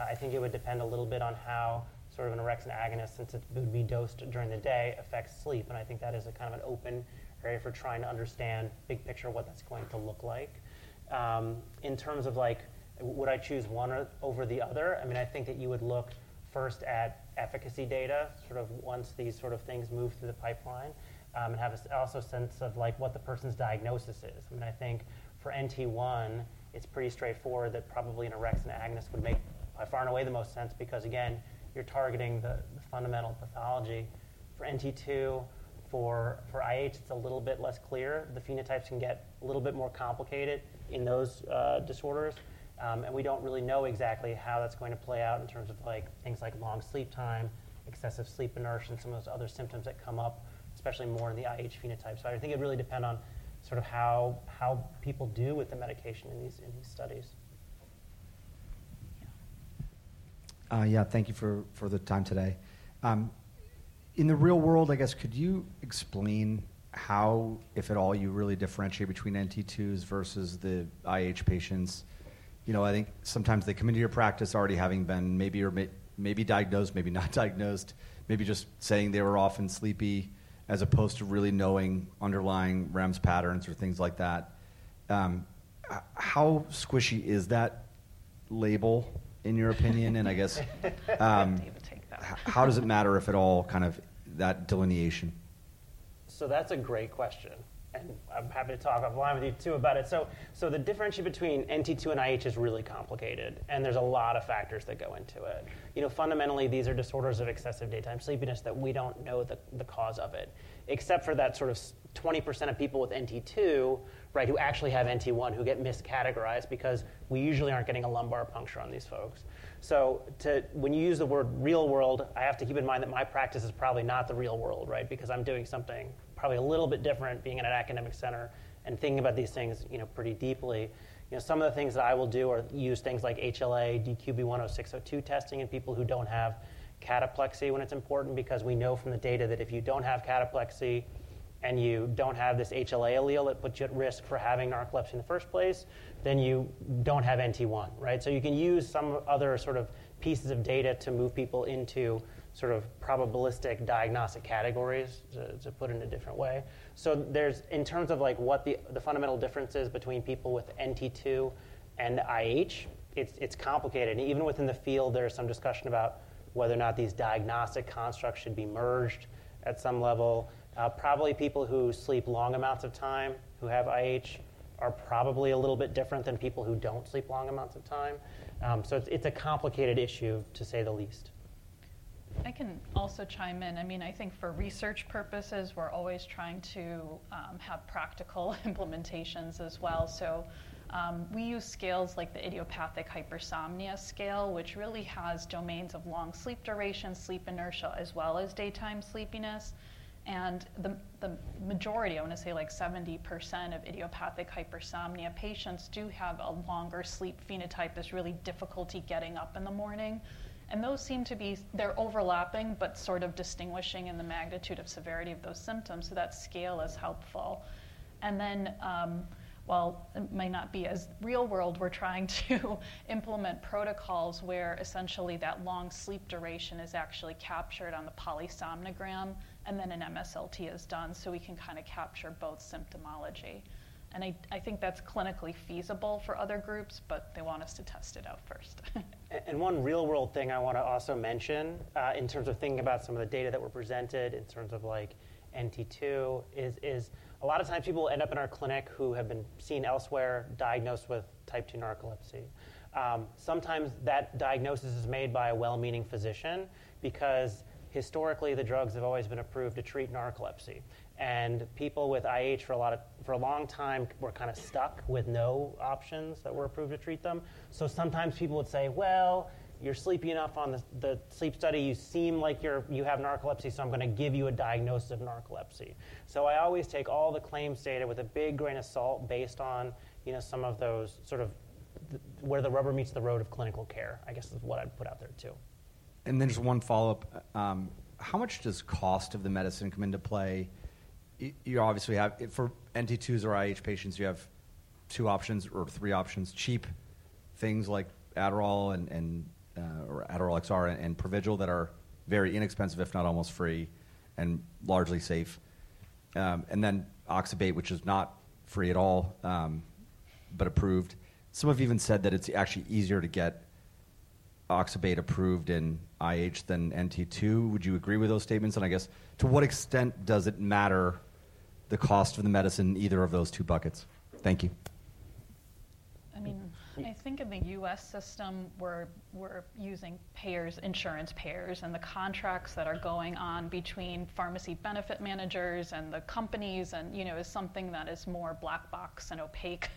I think it would depend a little bit on how sort of an orexin agonist, since it would be dosed during the day, affects sleep, and I think that is a kind of an open area for trying to understand big picture, what that's going to look like. In terms of like, would I choose one over the other? I mean, I think that you would look first at efficacy data, sort of once these sort of things move through the pipeline, and have also a sense of like, what the person's diagnosis is. I mean, I think for NT one, it's pretty straightforward that probably an orexin agonist would make by far and away the most sense, because again, you're targeting the fundamental pathology. For NT two, for IH, it's a little bit less clear. The phenotypes can get a little bit more complicated in those disorders. And we don't really know exactly how that's going to play out in terms of like, things like long sleep time, excessive sleep inertia, and some of those other symptoms that come up, especially more in the IH phenotype. So I think it'd really depend on sort of how people do with the medication in these studies. Yeah, thank you for the time today. In the real world, I guess, could you explain how, if at all, you really differentiate between NT2s versus the IH patients? You know, I think sometimes they come into your practice already having been maybe diagnosed, maybe not diagnosed, maybe just saying they were often sleepy, as opposed to really knowing underlying REM patterns or things like that. How squishy is that label, in your opinion? And I guess- David, take that. How does it matter, if at all, kind of that delineation? That's a great question, and I'm happy to talk a lot with you, too, about it. So, the difference between NT two and IH is really complicated, and there's a lot of factors that go into it. You know, fundamentally, these are disorders of excessive daytime sleepiness that we don't know the cause of it, except for that sort of 20% of people with NT two, right, who actually have NT one, who get miscategorized because we usually aren't getting a lumbar puncture on these folks. So, when you use the word real world, I have to keep in mind that my practice is probably not the real world, right? Because I'm doing something probably a little bit different, being in an academic center and thinking about these things, you know, pretty deeply. You know, some of the things that I will do are use things like HLA-DQB1*0602 testing in people who don't have cataplexy when it's important, because we know from the data that if you don't have cataplexy and you don't have this HLA allele, it puts you at risk for having narcolepsy in the first place, then you don't have NT1, right? So you can use some other sort of pieces of data to move people into sort of probabilistic diagnostic categories, to, to put it in a different way. So there's... In terms of like, what the, the fundamental difference is between people with NT2 and IH, it's, it's complicated. Even within the field, there is some discussion about whether or not these diagnostic constructs should be merged at some level. Probably people who sleep long amounts of time, who have IH, are probably a little bit different than people who don't sleep long amounts of time. So it's a complicated issue, to say the least. I can also chime in. I mean, I think for research purposes, we're always trying to have practical implementations as well. So, we use scales like theIdiopathic Hypersomnia Scale, which really has domains of long sleep duration, sleep inertia, as well as daytime sleepiness. And the majority, I want to say, like 70% of idiopathic hypersomnia patients do have a longer sleep phenotype, this real difficulty getting up in the morning. And those seem to be, they're overlapping, but sort of distinguishing in the magnitude of severity of those symptoms, so that scale is helpful. And then, while it may not be as real world, we're trying to implement protocols where essentially that long sleep duration is actually captured on the polysomnogram, and then an MSLT is done, so we can kinda capture both symptomology. I think that's clinically feasible for other groups, but they want us to test it out first. And one real-world thing I want to also mention, in terms of thinking about some of the data that were presented in terms of like NT two is, a lot of times people end up in our clinic who have been seen elsewhere, diagnosed with type two narcolepsy. Sometimes that diagnosis is made by a well-meaning physician because historically, the drugs have always been approved to treat narcolepsy. And people with IH, for a long time, were kind of stuck with no options that were approved to treat them. So sometimes people would say, "Well, you're sleepy enough on the sleep study. You seem like you have narcolepsy, so I'm gonna give you a diagnosis of narcolepsy." So I always take all the claims data with a big grain of salt based on, you know, some of those sort of... where the rubber meets the road of clinical care, I guess is what I'd put out there, too. And then just one follow-up. How much does cost of the medicine come into play? You obviously have, for NT2s or IH patients, you have two options or three options: cheap things like Adderall and or Adderall XR and Provigil, that are very inexpensive, if not almost free, and largely safe. And then oxybate, which is not free at all, but approved. Some have even said that it's actually easier to get oxybate approved in IH than NT 2. Would you agree with those statements? And I guess, to what extent does it matter, the cost of the medicine in either of those two buckets? Thank you. I mean, I think in the U.S. system, we're using payers, insurance payers, and the contracts that are going on between pharmacy benefit managers and the companies and, you know, is something that is more black box and opaque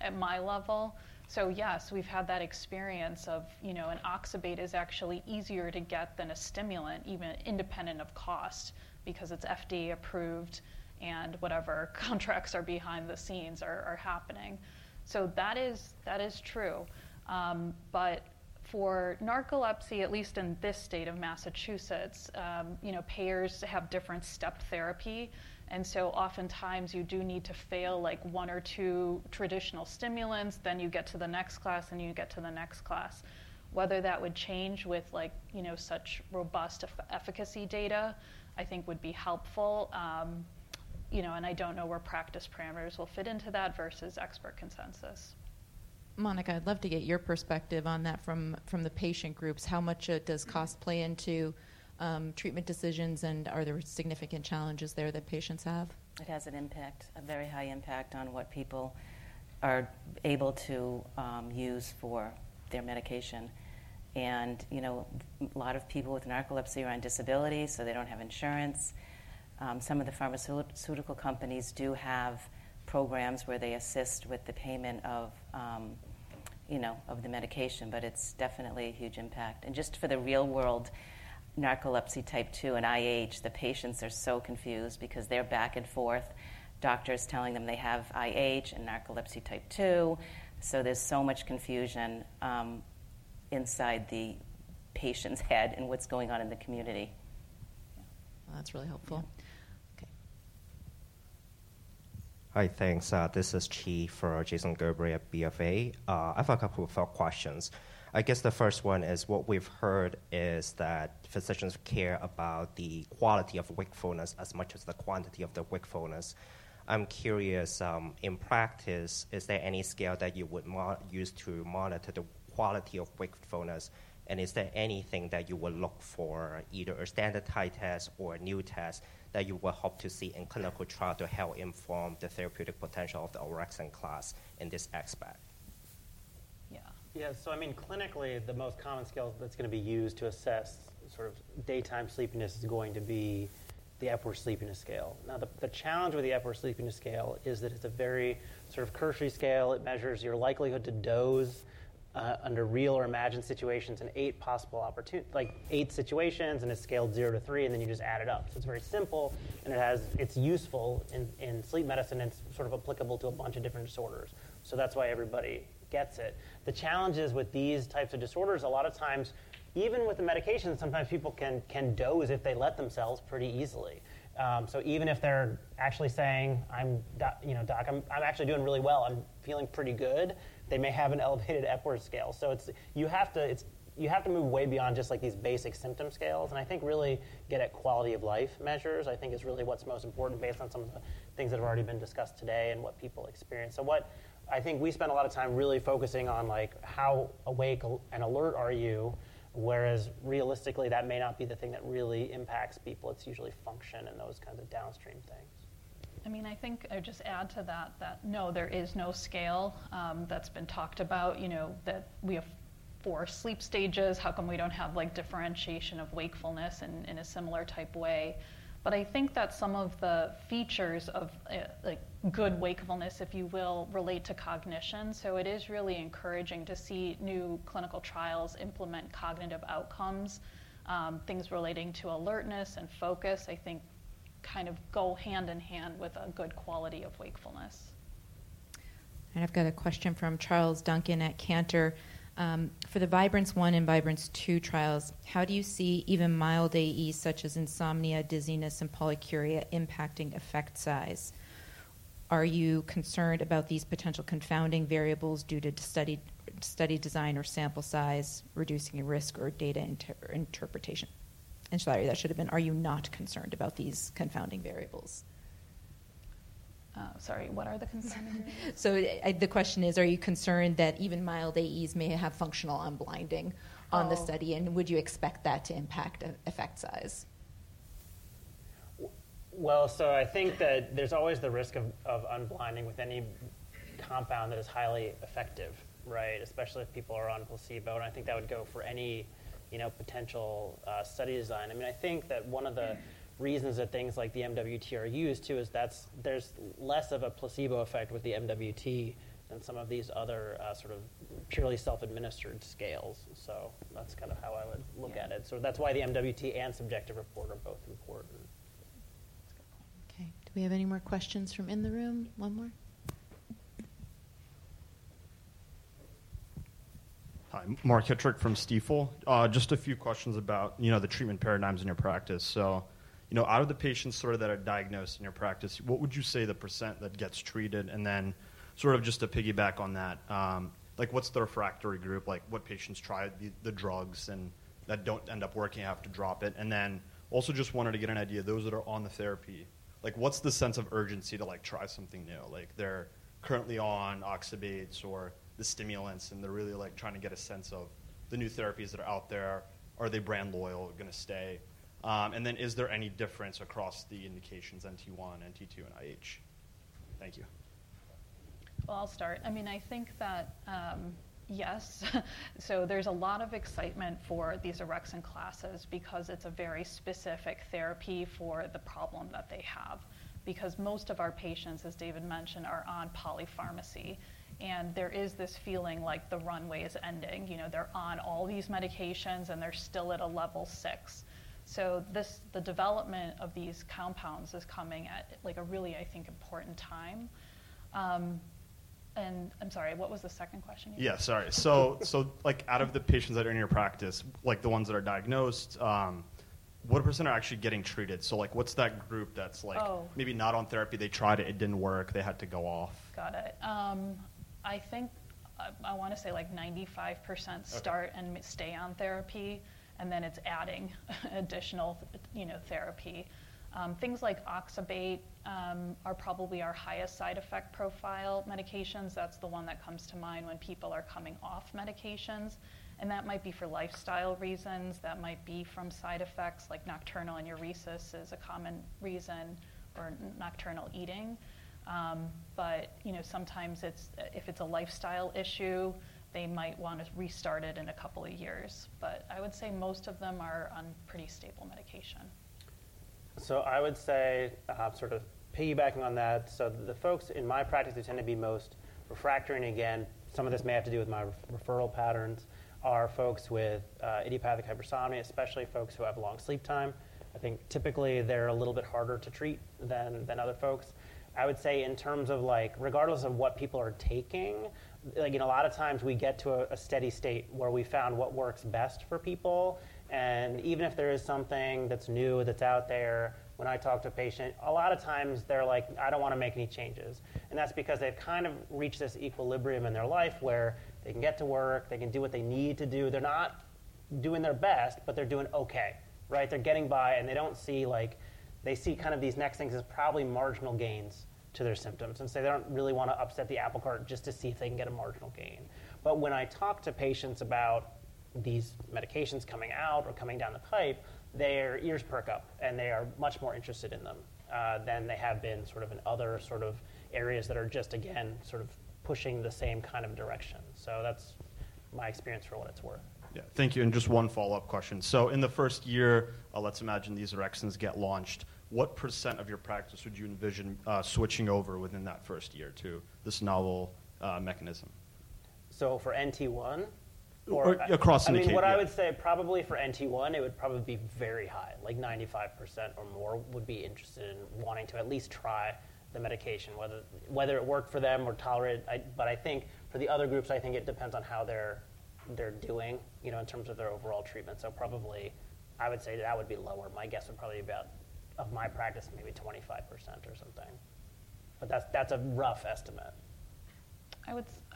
at my level. So yes, we've had that experience of, you know, an oxybate is actually easier to get than a stimulant, even independent of cost, because it's FDA-approved and whatever contracts are behind the scenes are happening. So that is, that is true, but for narcolepsy, at least in this state of Massachusetts, you know, payers have different step therapy, and so oftentimes you do need to fail like one or two traditional stimulants, then you get to the next class, and you get to the next class. Whether that would change with like, you know, such robust efficacy data, I think would be helpful. You know, and I don't know where practice parameters will fit into that versus expert consensus. Monica, I'd love to get your perspective on that from the patient groups. How much does cost play into treatment decisions, and are there significant challenges there that patients have? It has an impact, a very high impact on what people are able to use for their medication. You know, a lot of people with narcolepsy are on disability, so they don't have insurance. Some of the pharmaceutical companies do have programs where they assist with the payment of, you know, of the medication, but it's definitely a huge impact. Just for the real world, Narcolepsy Type 2 and IH, the patients are so confused because they're back and forth, doctors telling them they have IH and Narcolepsy Type 2. So there's so much confusion inside the patient's head and what's going on in the community. That's really helpful. Okay. Hi, thanks. This is Qi for Jason Gerberry at BoFA. I've a couple of follow-up questions. I guess the first one is, what we've heard is that physicians care about the quality of wakefulness as much as the quantity of the wakefulness. I'm curious, in practice, is there any scale that you would use to monitor the quality of wakefulness? And is there anything that you would look for, either a standardized test or a new test, that you would hope to see in clinical trial to help inform the therapeutic potential of the orexin class in this aspect? Yeah. Yeah, so I mean, clinically, the most common scale that's gonna be used to assess sort of daytime sleepiness is going to be the Epworth Sleepiness Scale. Now, the challenge with the Epworth Sleepiness Scale is that it's a very sort of cursory scale. It measures your likelihood to doze under real or imagined situations in eight possible opportunities, like, eight situations, and it's scaled zero to three, and then you just add it up. So it's very simple, and it's useful in sleep medicine, and it's sort of applicable to a bunch of different disorders. So that's why everybody gets it. The challenges with these types of disorders, a lot of times, even with the medication, sometimes people can doze if they let themselves pretty easily. So even if they're actually saying, "I'm, Doc, you know, Doc, I'm actually doing really well, I'm feeling pretty good," they may have an elevated Epworth scale. You have to move way beyond just, like, these basic symptom scales, and I think really get at quality-of-life measures, I think is really what's most important based on some of the things that have already been discussed today and what people experience. I think we spend a lot of time really focusing on, like, how awake and alert are you, whereas realistically, that may not be the thing that really impacts people. It's usually function and those kind of downstream things. I mean, I think I would just add to that, that no, there is no scale, that's been talked about, you know, that we have four sleep stages, how come we don't have, like, differentiation of wakefulness in a similar type way? But I think that some of the features of, like, good wakefulness, if you will, relate to cognition. So it is really encouraging to see new clinical trials implement cognitive outcomes. Things relating to alertness and focus, I think, kind of go hand in hand with a good quality of wakefulness. And I've got a question from Charles Duncan at Cantor Fitzgerald. For the Vibrance-1 and Vibrance-2 trials, how do you see even mild AEs such as insomnia, dizziness, and polyuria impacting effect size? Are you concerned about these potential confounding variables due to study design or sample size, reducing your risk or data interpretation? And sorry, that should have been: Are you not concerned about these confounding variables? Oh, sorry, what are the confounding variables? The question is: Are you concerned that even mild AEs may have functional unblinding on the study? Oh. and would you expect that to impact effect size? Well, so I think that there's always the risk of unblinding with any compound that is highly effective, right? Especially if people are on a placebo, and I think that would go for any, you know, potential study design. I mean, I think that one of the reasons that things like the MWT are used, too, is that there's less of a placebo effect with the MWT than some of these other sort of purely self-administered scales. So that's kind of how I would look at it. Yeah. That's why the MWT and subjective report are both important.... Okay. Do we have any more questions from the room? One more. Hi, Mark Hetrick from Stifel. Just a few questions about, you know, the treatment paradigms in your practice. So, you know, out of the patients sort of that are diagnosed in your practice, what would you say the percent that gets treated? And then sort of just to piggyback on that, like, what's the refractory group? Like, what patients tried the drugs and that don't end up working, have to drop it. And then also just wanted to get an idea, those that are on the therapy, like, what's the sense of urgency to, like, try something new? Like, they're currently on oxybates or the stimulants, and they're really, like, trying to get a sense of the new therapies that are out there. Are they brand loyal, are going to stay? And then is there any difference across the indications, NT one, NT two, and IH? Thank you. I'll start. I mean, I think that, yes, so there's a lot of excitement for these orexin classes because it's a very specific therapy for the problem that they have. Because most of our patients, as David mentioned, are on polypharmacy, and there is this feeling like the runway is ending. You know, they're on all these medications, and they're still at a level six. So this, the development of these compounds is coming at, like, a really, I think, important time, and I'm sorry, what was the second question again? Yeah, sorry. So, so, like, out of the patients that are in your practice, like the ones that are diagnosed, what percent are actually getting treated? So, like, what's that group that's like- Oh. Maybe not on therapy, they tried it, it didn't work, they had to go off. Got it. I think, I want to say, like, 95%- Okay... start and stay on therapy, and then it's adding additional, you know, therapy. Things like oxybate are probably our highest side effect profile medications. That's the one that comes to mind when people are coming off medications, and that might be for lifestyle reasons, that might be from side effects, like nocturnal enuresis is a common reason, or nocturnal eating. But, you know, sometimes it's, if it's a lifestyle issue, they might want to restart it in a couple of years. But I would say most of them are on pretty stable medication. So I would say, sort of piggybacking on that, so the folks in my practice that tend to be most refractory, again, some of this may have to do with my referral patterns, are folks with idiopathic hypersomnia, especially folks who have long sleep time. I think typically they're a little bit harder to treat than other folks. I would say in terms of, like, regardless of what people are taking, like, you know, a lot of times we get to a steady state where we found what works best for people, and even if there is something that's new, that's out there, when I talk to a patient, a lot of times they're like: "I don't want to make any changes." And that's because they've kind of reached this equilibrium in their life where they can get to work, they can do what they need to do. They're not doing their best, but they're doing okay, right? They're getting by, and they don't see, like... They see kind of these next things as probably marginal gains to their symptoms and so they don't really want to upset the apple cart just to see if they can get a marginal gain. But when I talk to patients about these medications coming out or coming down the pipe, their ears perk up, and they are much more interested in them than they have been sort of in other sort of areas that are just, again, sort of pushing the same kind of direction. So that's my experience for what it's worth. Yeah. Thank you, and just one follow-up question. So in the first year, let's imagine these orexins get launched, what percent of your practice would you envision, switching over within that first year to this novel, mechanism? So for NT1 or- Or across the- I mean, what I would say, probably for NT1, it would probably be very high, like 95% or more would be interested in wanting to at least try the medication, whether it worked for them or tolerate. I, but I think for the other groups, I think it depends on how they're doing, you know, in terms of their overall treatment. So probably I would say that would be lower. My guess would probably be about, of my practice, maybe 25% or something, but that's a rough estimate. I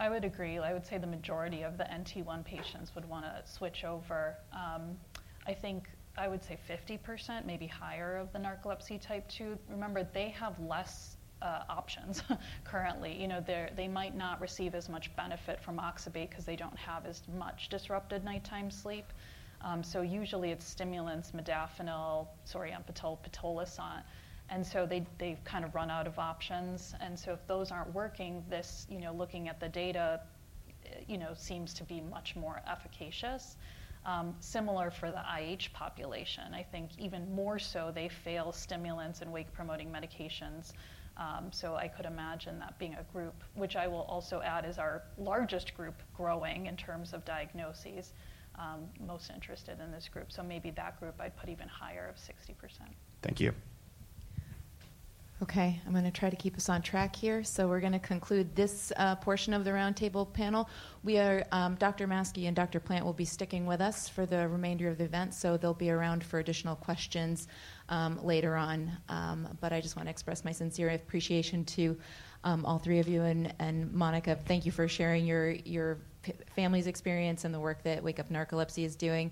would agree. I would say the majority of the NT1 patients would wanna switch over. I think I would say 50%, maybe higher, of the narcolepsy type 2. Remember, they have less options currently. You know, they're. They might not receive as much benefit from oxybate because they don't have as much disrupted nighttime sleep. So usually it's stimulants, modafinil, solriamfetol, pitolisant, and so they've kind of run out of options. And so if those aren't working, you know, looking at the data, you know, seems to be much more efficacious. Similar for the IH population. I think even more so, they fail stimulants and wake-promoting medications. So I could imagine that being a group, which I will also add, is our largest group growing in terms of diagnoses, most interested in this group. So maybe that group, I'd put even higher of 60%. Thank you. Okay, I'm going to try to keep us on track here. So we're going to conclude this portion of the roundtable panel. We are, Dr. Maski and Dr. Plante will be sticking with us for the remainder of the event, so they'll be around for additional questions later on. But I just want to express my sincere appreciation to all three of you, and Monica, thank you for sharing your family's experience and the work that Wake Up Narcolepsy is doing.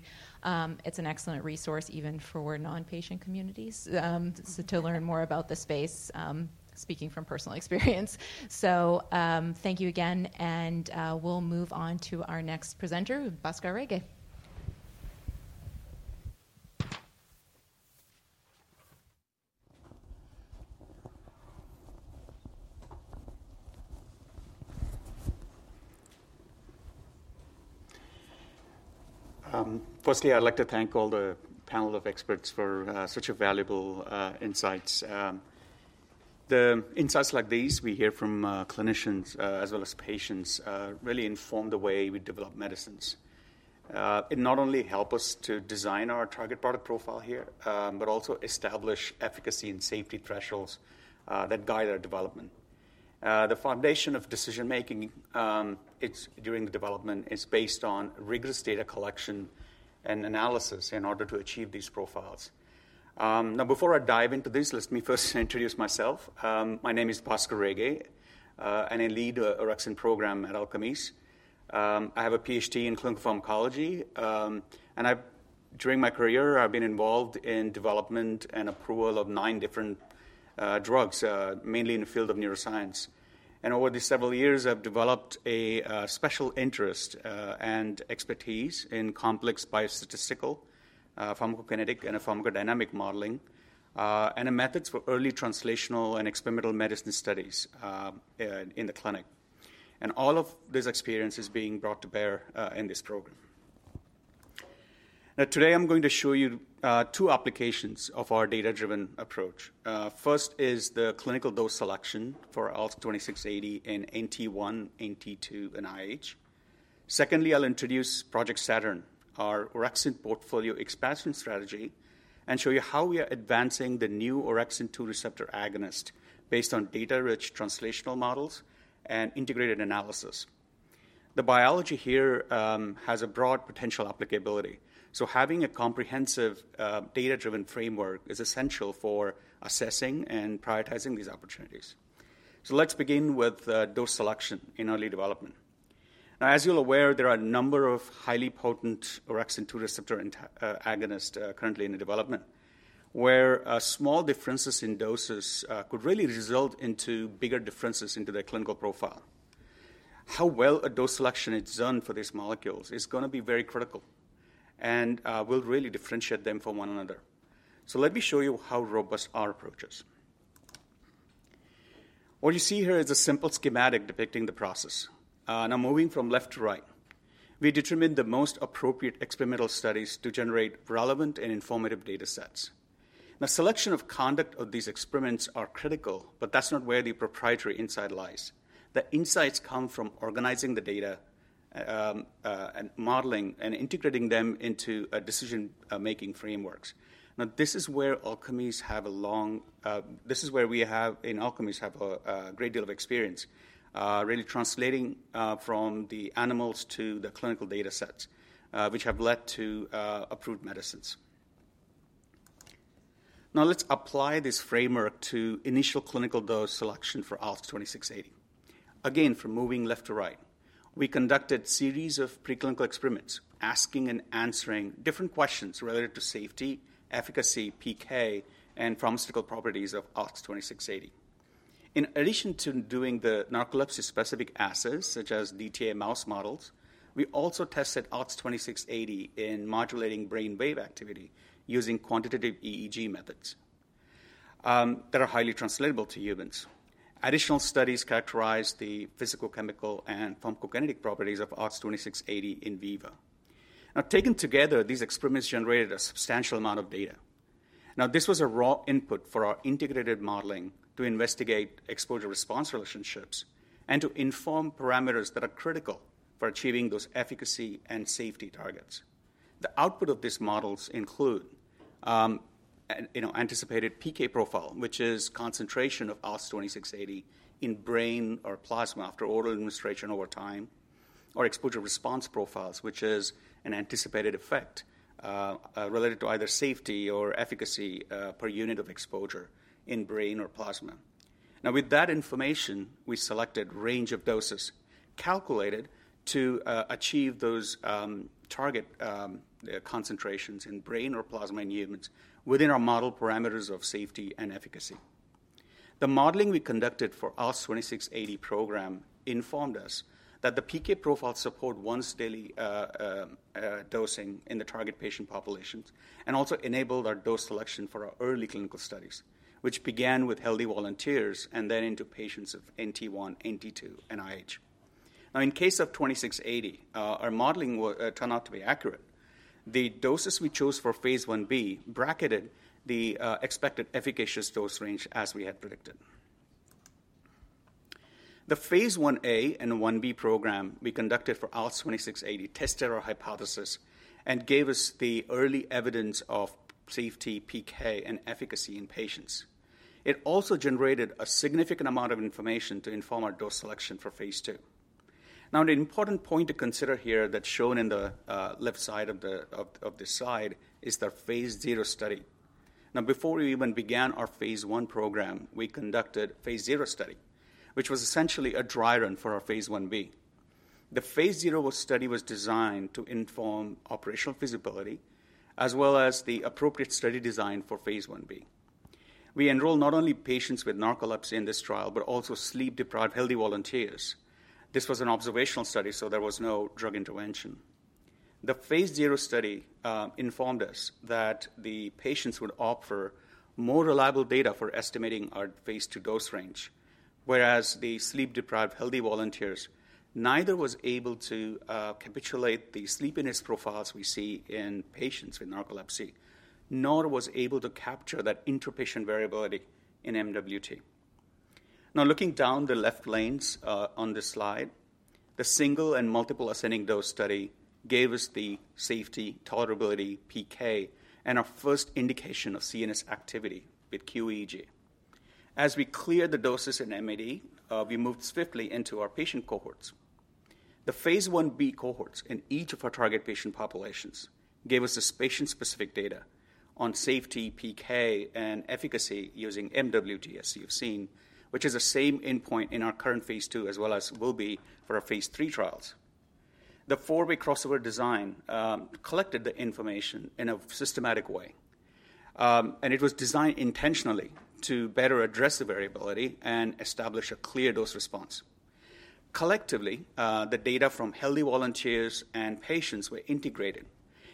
It's an excellent resource, even for non-patient communities, so to learn more about the space, speaking from personal experience. Thank you again, and we'll move on to our next presenter, Bhaskar Rege. Firstly, I'd like to thank all the panel of experts for such a valuable insights. The insights like these we hear from clinicians as well as patients really inform the way we develop medicines. It not only help us to design our target product profile here, but also establish efficacy and safety thresholds that guide our development. The foundation of decision-making it's during the development is based on rigorous data collection and analysis in order to achieve these profiles. Now, before I dive into this, let me first introduce myself. My name is Bhaskar Rege, and I lead the orexin program at Alkermes. I have a Ph.D. in clinical pharmacology, and I've, during my career, I've been involved in development and approval of nine different drugs, mainly in the field of neuroscience. And over the several years, I've developed a special interest and expertise in complex biostatistical, pharmacokinetic, and pharmacodynamic modeling and methods for early translational and experimental medicine studies, in the clinic. And all of this experience is being brought to bear in this program. Now, today I'm going to show you two applications of our data-driven approach. First is the clinical dose selection for ALKS 2680 in NT one, NT two, and IH. Secondly, I'll introduce Project Saturn, our orexin portfolio expansion strategy, and show you how we are advancing the new orexin-2 receptor agonist based on data-rich translational models and integrated analysis. The biology here has a broad potential applicability, so having a comprehensive data-driven framework is essential for assessing and prioritizing these opportunities. So let's begin with dose selection in early development. Now, as you're aware, there are a number of highly potent orexin-2 receptor agonist currently in the development, where small differences in doses could really result into bigger differences into their clinical profile. How well a dose selection is done for these molecules is gonna be very critical and will really differentiate them from one another. So let me show you how robust our approach is. What you see here is a simple schematic depicting the process. Now moving from left to right, we determine the most appropriate experimental studies to generate relevant and informative data sets. Now, selection of conduct of these experiments are critical, but that's not where the proprietary insight lies. The insights come from organizing the data, and modeling and integrating them into a decision making frameworks. Now, this is where we have, in Alkermes, a great deal of experience, really translating from the animals to the clinical data sets, which have led to approved medicines. Now, let's apply this framework to initial clinical dose selection for ALKS 2680. Again, from moving left to right, we conducted series of preclinical experiments, asking and answering different questions related to safety, efficacy, PK, and pharmaceutical properties of ALKS 2680. In addition to doing the narcolepsy-specific assays, such as DTA mouse models, we also tested ALKS 2680 in modulating brain wave activity using quantitative EEG methods that are highly translatable to humans. Additional studies characterized the physicochemical and pharmacokinetic properties of ALKS 2680 in vivo. Now, taken together, these experiments generated a substantial amount of data. Now, this was a raw input for our integrated modeling to investigate exposure-response relationships and to inform parameters that are critical for achieving those efficacy and safety targets. The output of these models include, you know, an anticipated PK profile, which is concentration of ALKS 2680 in brain or plasma after oral administration over time, or exposure response profiles, which is an anticipated effect related to either safety or efficacy per unit of exposure in brain or plasma. Now, with that information, we selected range of doses calculated to achieve those target concentrations in brain or plasma in humans within our model parameters of safety and efficacy. The modeling we conducted for ALKS 2680 program informed us that the PK profile support once daily dosing in the target patient populations and also enabled our dose selection for our early clinical studies, which began with healthy volunteers and then into patients of NT1, NT2, and IH. Now, in case of 2680, our modeling turned out to be accurate. The doses we chose for phase 1b bracketed the expected efficacious dose range as we had predicted. The phase 1a and 1b program we conducted for ALKS 2680 tested our hypothesis and gave us the early evidence of safety, PK, and efficacy in patients. It also generated a significant amount of information to inform our dose selection for phase 2. Now, the important point to consider here that's shown in the left side of this slide is the phase 0 study. Now, before we even began our phase 1 program, we conducted phase 0 study, which was essentially a dry run for our phase 1b. The phase 0 study was designed to inform operational feasibility as well as the appropriate study design for phase 1b. We enrolled not only patients with narcolepsy in this trial, but also sleep-deprived healthy volunteers. This was an observational study, so there was no drug intervention. The phase 0 study informed us that the patients would offer more reliable data for estimating our phase 2 dose range. Whereas the sleep-deprived healthy volunteers, neither was able to replicate the sleepiness profiles we see in patients with narcolepsy, nor was able to capture that inter-patient variability in MWT. Now, looking down the left lanes on this slide, the single and multiple ascending dose study gave us the safety, tolerability, PK, and our first indication of CNS activity with qEEG. As we cleared the doses in MAD, we moved swiftly into our patient cohorts. The phase 1b cohorts in each of our target patient populations gave us this patient-specific data on safety, PK, and efficacy using MWT, as you've seen, which is the same endpoint in our current phase 2 as well as will be for our phase 3 trials. The four-way crossover design collected the information in a systematic way. And it was designed intentionally to better address the variability and establish a clear dose response. Collectively, the data from healthy volunteers and patients were integrated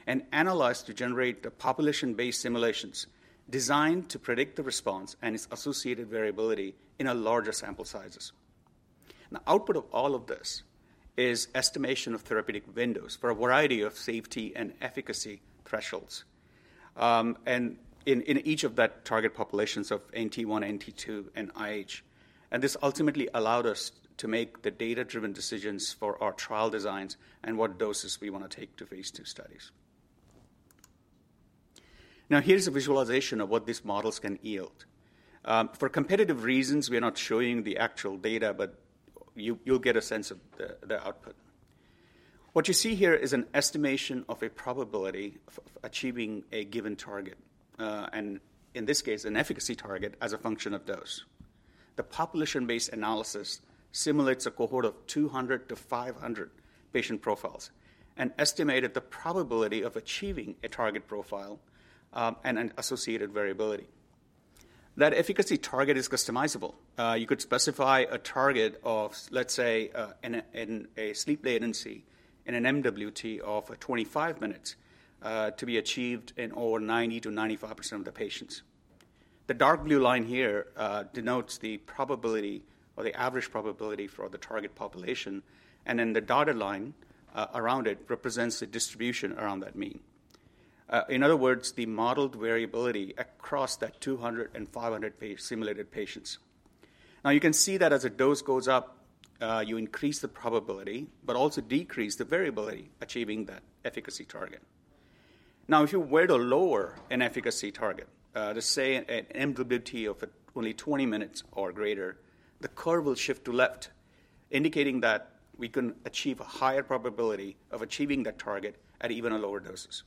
and analyzed to generate the population-based simulations designed to predict the response and its associated variability in a larger sample sizes. The output of all of this is estimation of therapeutic windows for a variety of safety and efficacy thresholds, and in each of that target populations of NT1, NT2, and IH. And this ultimately allowed us to make the data-driven decisions for our trial designs and what doses we want to take to phase 2 studies. Now, here's a visualization of what these models can yield. For competitive reasons, we are not showing the actual data, but you, you'll get a sense of the output. What you see here is an estimation of a probability of achieving a given target, and in this case, an efficacy target as a function of dose. The population-based analysis simulates a cohort of 200 to 500 patient profiles and estimated the probability of achieving a target profile, and an associated variability. That efficacy target is customizable. You could specify a target of, let's say, in a sleep latency in an MWT of 25 minutes, to be achieved in over 90%-95% of the patients. The dark blue line here denotes the probability or the average probability for the target population, and then the dotted line around it represents the distribution around that mean. In other words, the modeled variability across that 200 to 500 simulated patients. Now, you can see that as the dose goes up, you increase the probability but also decrease the variability achieving that efficacy target. Now, if you were to lower an efficacy target to, say, an MWT of only 20 minutes or greater, the curve will shift to the left, indicating that we can achieve a higher probability of achieving that target at even a lower doses.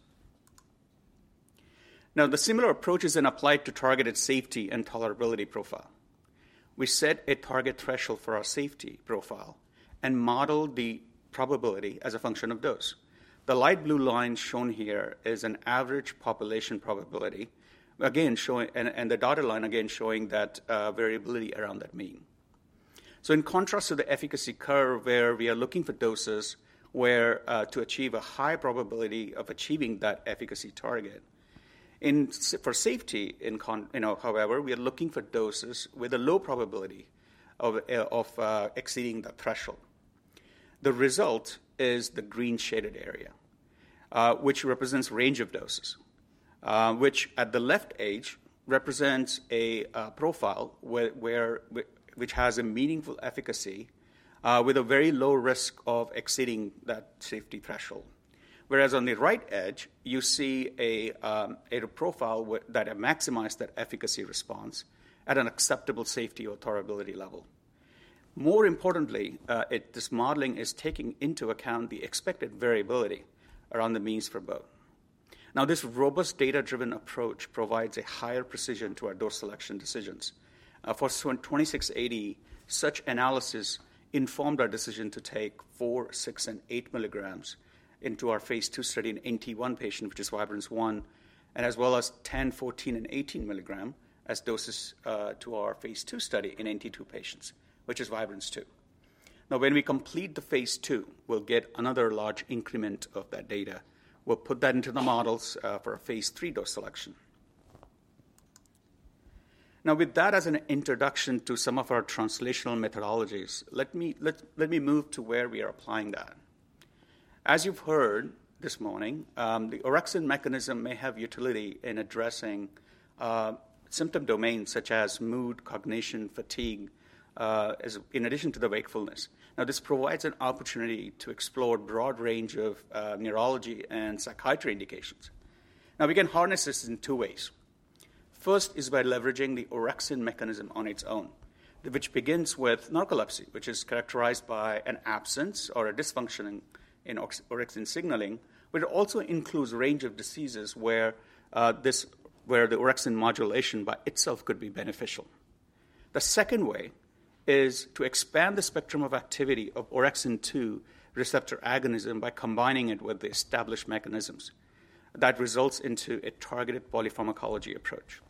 Now, a similar approach is then applied to targeted safety and tolerability profile. We set a target threshold for our safety profile and model the probability as a function of dose. The light blue line shown here is an average population probability, again, showing and the dotted line again showing that variability around that mean. So in contrast to the efficacy curve, where we are looking for doses where to achieve a high probability of achieving that efficacy target, in safety, in contrast you know, however, we are looking for doses with a low probability of exceeding the threshold. The result is the green shaded area, which represents range of doses, which at the left edge represents a profile which has a meaningful efficacy with a very low risk of exceeding that safety threshold. Whereas on the right edge, you see a profile that maximize that efficacy response at an acceptable safety or tolerability level. More importantly, this modeling is taking into account the expected variability around the means for both. Now, this robust data-driven approach provides a higher precision to our dose selection decisions. For 2680, such analysis informed our decision to take four, six, and eight milligrams into our phase 2 study in NT1 patient, which is Vibrance-1, and as well as 10, 14, and 18 milligram as doses, to our phase 2 study in NT2 patients, which is Vibrance-2. Now, when we complete the phase 2, we'll get another large increment of that data. We'll put that into the models, for our phase 3 dose selection. Now, with that as an introduction to some of our translational methodologies, let me move to where we are applying that. As you've heard this morning, the orexin mechanism may have utility in addressing symptom domains such as mood, cognition, fatigue in addition to the wakefulness. Now, this provides an opportunity to explore a broad range of neurology and psychiatry indications. Now, we can harness this in two ways. First is by leveraging the orexin mechanism on its own, which begins with narcolepsy, which is characterized by an absence or a dysfunction in orexin signaling, but it also includes a range of diseases where the orexin modulation by itself could be beneficial. The second way is to expand the spectrum of activity of orexin-2 receptoragonism by combining it with the established mechanisms. That results into a targeted polypharmacology approach.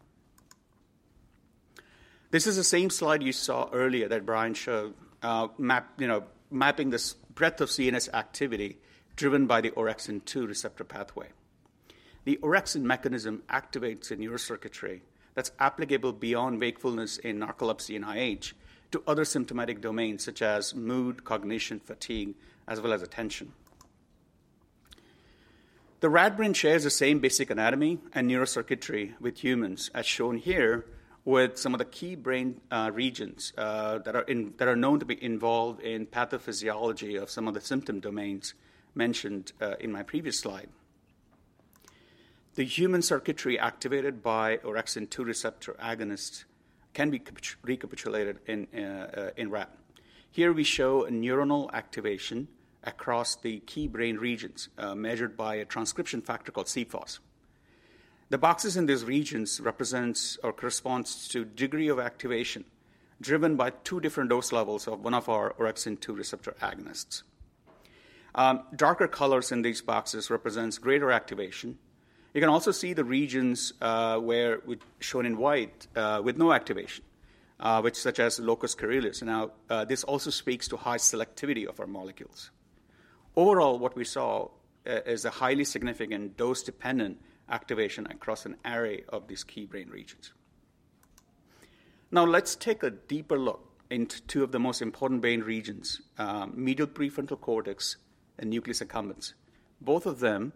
This is the same slide you saw earlier that Brian showed, you know, mapping this breadth of CNS activity driven by the orexin-2 receptor pathway. The orexin mechanism activates a neurocircuitry that's applicable beyond wakefulness in narcolepsy and IH to other symptomatic domains, such as mood, cognition, fatigue, as well as attention. The rat brain shares the same basic anatomy and neurocircuitry with humans, as shown here with some of the key brain regions that are known to be involved in pathophysiology of some of the symptom domains mentioned in my previous slide. The human circuitry activated by orexin-2 receptor agonist can be recapitulated in rat. Here we show a neuronal activation across the key brain regions measured by a transcription factor called c-Fos. The boxes in these regions represents or corresponds to degree of activation, driven by two different dose levels of one of our orexin-2 receptor agonists. Darker colors in these boxes represents greater activation. You can also see the regions, whereas shown in white, with no activation, such as locus coeruleus. Now, this also speaks to high selectivity of our molecules. Overall, what we saw is a highly significant dose-dependent activation across an array of these key brain regions. Now, let's take a deeper look into two of the most important brain regions, medial prefrontal cortex and nucleus accumbens. Both of them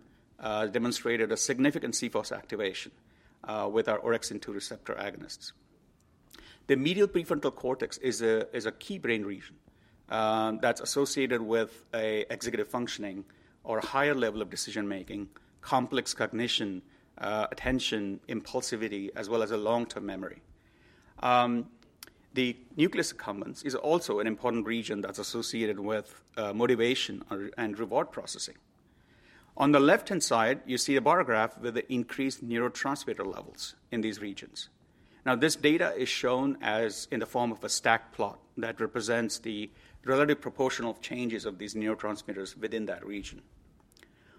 demonstrated a significant c-Fos activation with our orexin-2 receptor agonists. The medial prefrontal cortex is a key brain region that's associated with a executive functioning or higher level of decision making, complex cognition, attention, impulsivity, as well as a long-term memory. The nucleus accumbens is also an important region that's associated with motivation and reward processing. On the left-hand side, you see a bar graph with the increased neurotransmitter levels in these regions. Now, this data is shown as in the form of a stack plot that represents the relative proportional changes of these neurotransmitters within that region.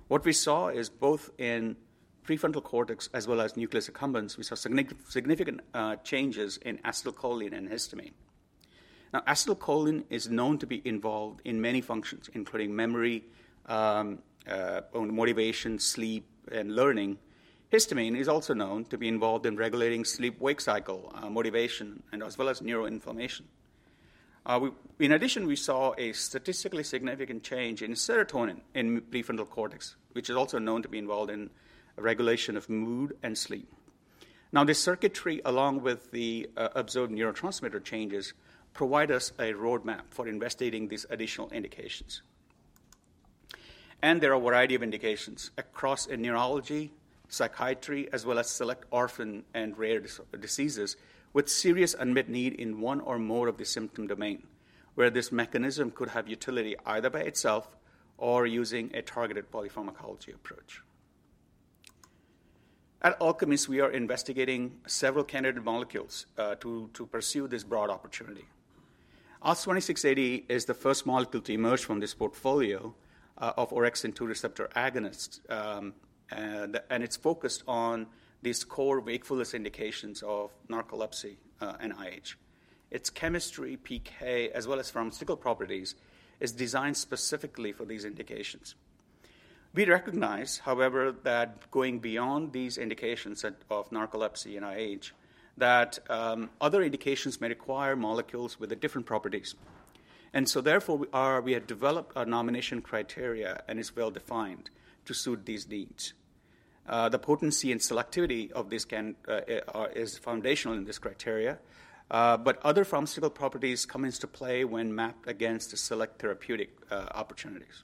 What we saw is both in prefrontal cortex as well as nucleus accumbens, we saw significant changes in acetylcholine and histamine. Now, acetylcholine is known to be involved in many functions, including memory, motivation, sleep, and learning. Histamine is also known to be involved in regulating sleep-wake cycle, motivation, and as well as neuroinflammation. In addition, we saw a statistically significant change in serotonin in prefrontal cortex, which is also known to be involved in regulation of mood and sleep. Now, this circuitry, along with the observed neurotransmitter changes, provide us a roadmap for investigating these additional indications. There are a variety of indications across neurology, psychiatry, as well as select orphan and rare diseases with serious unmet need in one or more of the symptom domain, where this mechanism could have utility either by itself or using a targeted polypharmacology approach. At Alkermes, we are investigating several candidate molecules to pursue this broad opportunity. ALKS 2680 is the first molecule to emerge from this portfolio of orexin-2 receptor agonists, and it's focused on these core wakefulness indications of narcolepsy and IH. Its chemistry, PK, as well as pharmaceutical properties, is designed specifically for these indications. We recognize, however, that going beyond these indications of narcolepsy and IH, that other indications may require molecules with the different properties. So therefore, we have developed a nomination criteria, and it's well defined to suit these needs. The potency and selectivity of this can is foundational in this criteria, but other pharmaceutical properties come into play when mapped against the select therapeutic opportunities.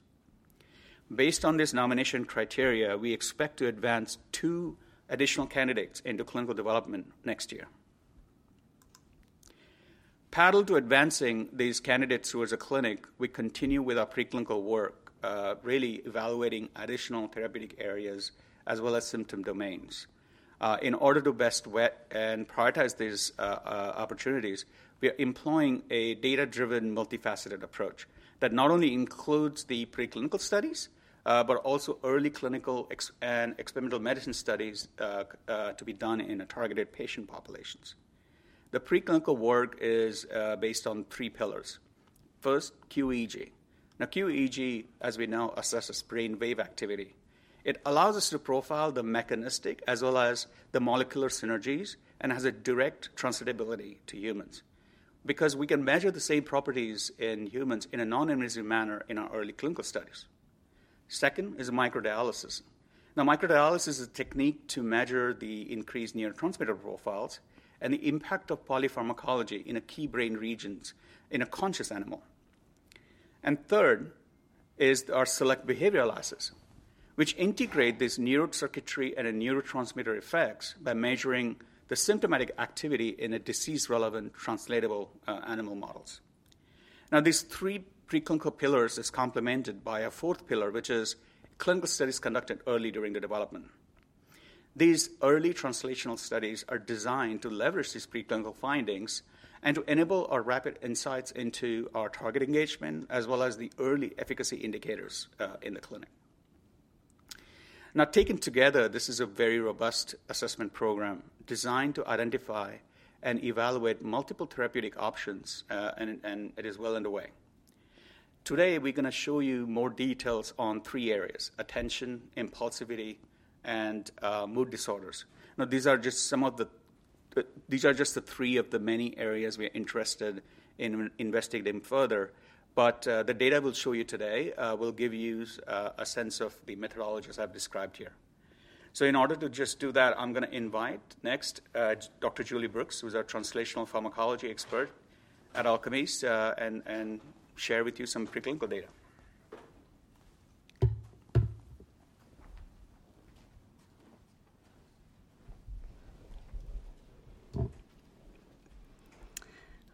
Based on this nomination criteria, we expect to advance two additional candidates into clinical development next year. Parallel to advancing these candidates towards a clinic, we continue with our preclinical work, really evaluating additional therapeutic areas as well as symptom domains. In order to best vet and prioritize these opportunities, we are employing a data-driven, multifaceted approach that not only includes the preclinical studies, but also early clinical experience and experimental medicine studies to be done in targeted patient populations. The preclinical work is based on three pillars. First, qEEG. Now, qEEG, as we know, assesses brain wave activity. It allows us to profile the mechanistic as well as the molecular synergies and has a direct translatability to humans because we can measure the same properties in humans in a non-invasive manner in our early clinical studies. Second is microdialysis. Now, microdialysis is a technique to measure the increased neurotransmitter profiles and the impact of polypharmacology in a key brain regions in a conscious animal. And third is our select behavioral assays, which integrate this neurocircuitry and a neurotransmitter effects by measuring the symptomatic activity in a disease-relevant, translatable, animal models. Now, these three preclinical pillars is complemented by a fourth pillar, which is clinical studies conducted early during the development. These early translational studies are designed to leverage these preclinical findings and to enable our rapid insights into our target engagement, as well as the early efficacy indicators, in the clinic. Now, taken together, this is a very robust assessment program designed to identify and evaluate multiple therapeutic options, and it is well underway. Today, we're gonna show you more details on three areas: attention, impulsivity, and mood disorders. Now, these are just some of the; these are just the three of the many areas we are interested in investigating further. But, the data we'll show you today will give you a sense of the methodologies I've described here. So in order to just do that, I'm gonna invite next Dr. Julie Brooks, who is our Translational Pharmacology expert at Alkermes, and share with you some preclinical data.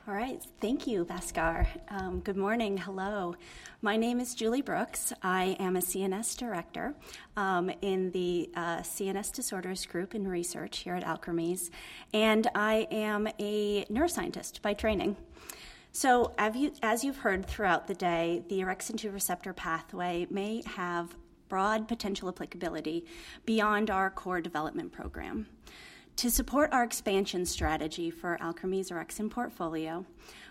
All right. Thank you, Bhaskar. Good morning. Hello. My name is Julie Brooks. I am a CNS director in the CNS Disorders Group in research here at Alkermes, and I am a neuroscientist by training. So, as you've heard throughout the day, the orexin-2 receptor pathway may have broad potential applicability beyond our core development program. To support our expansion strategy for Alkermes' orexin portfolio,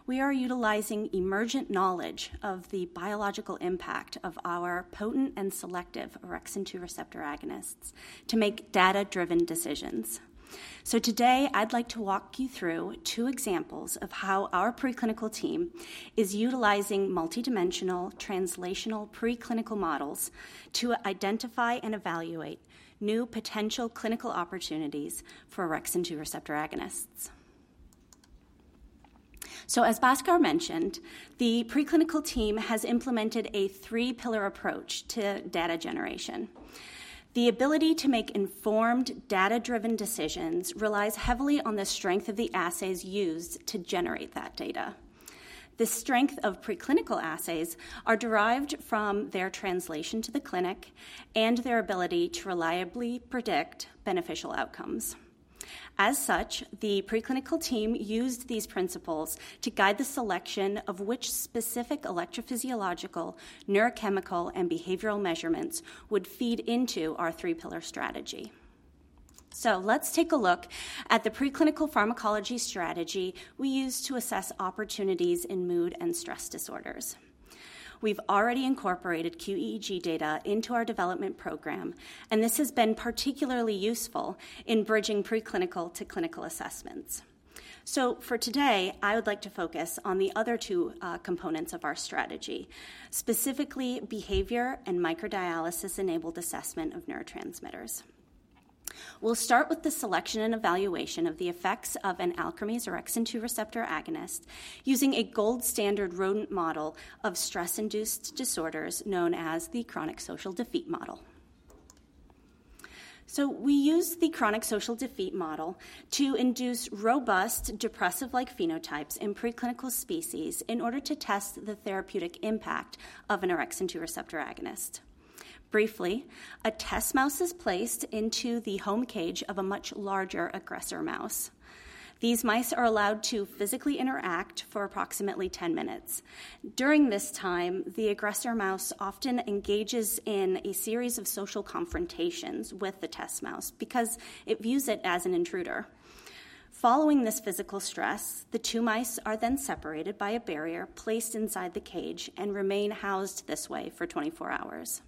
we are utilizing emergent knowledge of the biological impact of our potent and selective orexin-2 receptor agonists to make data-driven decisions. So today, I'd like to walk you through two examples of how our preclinical team is utilizing multidimensional, translational preclinical models to identify and evaluate new potential clinical opportunities for orexin-2 receptor agonists. So, as Bhaskar mentioned, the preclinical team has implemented a three-pillar approach to data generation. The ability to make informed, data-driven decisions relies heavily on the strength of the assays used to generate that data. The strength of preclinical assays are derived from their translation to the clinic and their ability to reliably predict beneficial outcomes. As such, the preclinical team used these principles to guide the selection of which specific electrophysiological, neurochemical, and behavioral measurements would feed into our three-pillar strategy. So let's take a look at the preclinical pharmacology strategy we use to assess opportunities in mood and stress disorders. We've already incorporated qEEG data into our development program, and this has been particularly useful in bridging preclinical to clinical assessments. So for today, I would like to focus on the other two, components of our strategy, specifically behavior and microdialysis-enabled assessment of neurotransmitters. We'll start with the selection and evaluation of the effects of an Alkermes orexin-2 receptor agonist using a gold standard rodent model of stress-induced disorders known as the chronic social defeat model. So we use the chronic social defeat model to induce robust, depressive-like phenotypes in preclinical species in order to test the therapeutic impact of an orexin-2 receptor agonist. Briefly, a test mouse is placed into the home cage of a much larger aggressor mouse. These mice are allowed to physically interact for approximately 10 minutes. During this time, the aggressor mouse often engages in a series of social confrontations with the test mouse because it views it as an intruder. Following this physical stress, the two mice are then separated by a barrier placed inside the cage and remain housed this way for 24 hours.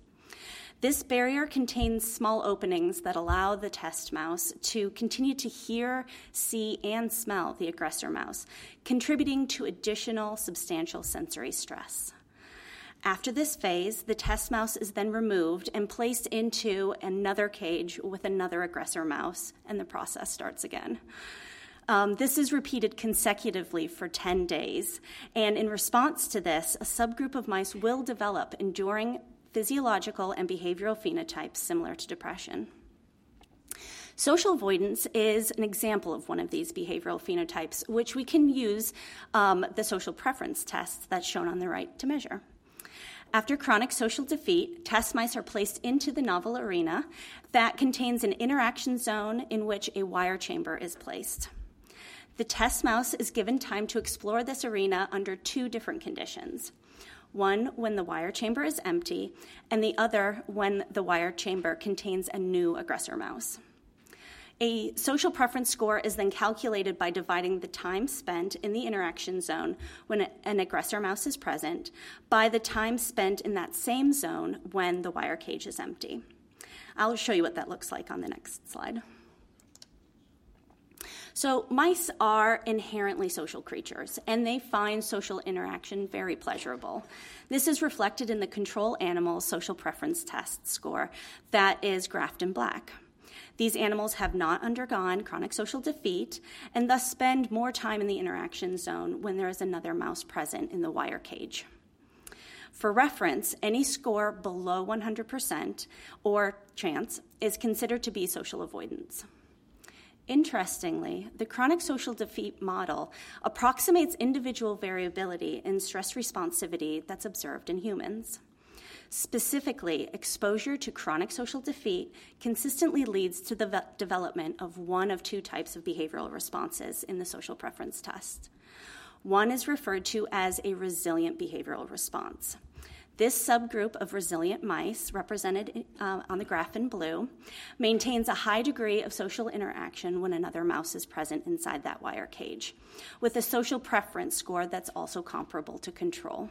This barrier contains small openings that allow the test mouse to continue to hear, see, and smell the aggressor mouse, contributing to additional substantial sensory stress. After this phase, the test mouse is then removed and placed into another cage with another aggressor mouse, and the process starts again. This is repeated consecutively for 10 days, and in response to this, a subgroup of mice will develop enduring physiological and behavioral phenotypes similar to depression. Social avoidance is an example of one of these behavioral phenotypes, which we can use the social preference test that's shown on the right to measure. After chronic social defeat, test mice are placed into the novel arena that contains an interaction zone in which a wire chamber is placed. The test mouse is given time to explore this arena under two different conditions: one, when the wire chamber is empty, and the other, when the wire chamber contains a new aggressor mouse. A social preference score is then calculated by dividing the time spent in the interaction zone when an aggressor mouse is present by the time spent in that same zone when the wire cage is empty. I'll show you what that looks like on the next slide. So mice are inherently social creatures, and they find social interaction very pleasurable. This is reflected in the control animal social preference test score that is graphed in black. These animals have not undergone chronic social defeat and thus spend more time in the interaction zone when there is another mouse present in the wire cage. For reference, any score below 100% or chance is considered to be social avoidance. Interestingly, the chronic social defeat model approximates individual variability in stress responsivity that's observed in humans. Specifically, exposure to chronic social defeat consistently leads to the development of one of two types of behavioral responses in the social preference test. One is referred to as a resilient behavioral response. This subgroup of resilient mice, represented on the graph in blue, maintains a high degree of social interaction when another mouse is present inside that wire cage, with a social preference score that's also comparable to control.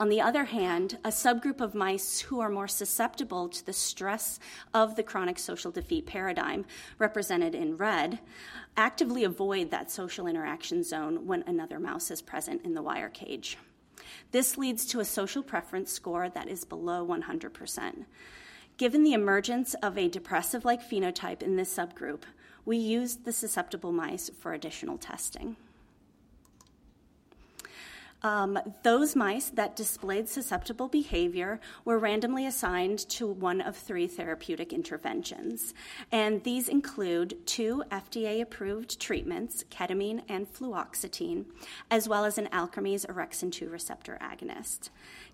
On the other hand, a subgroup of mice who are more susceptible to the stress of the chronic social defeat paradigm, represented in red, actively avoid that social interaction zone when another mouse is present in the wire cage. This leads to a social preference score that is below 100%. Given the emergence of a depressive-like phenotype in this subgroup, we used the susceptible mice for additional testing. Those mice that displayed susceptible behavior were randomly assigned to one of three therapeutic interventions, and these include two FDA-approved treatments, ketamine and fluoxetine, as well as an Alkermes orexin-2 receptor agonist.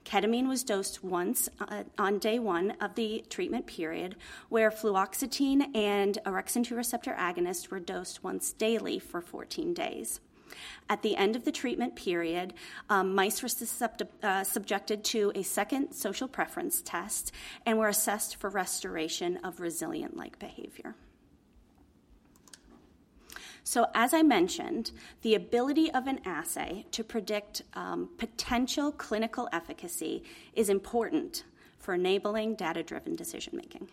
Ketamine was dosed once on day one of the treatment period, where fluoxetine and orexin-2 receptor agonist were dosed once daily for fourteen days. At the end of the treatment period, mice were subjected to a second social preference test and were assessed for restoration of resilient-like behavior. As I mentioned, the ability of an assay to predict potential clinical efficacy is important for enabling data-driven decision making.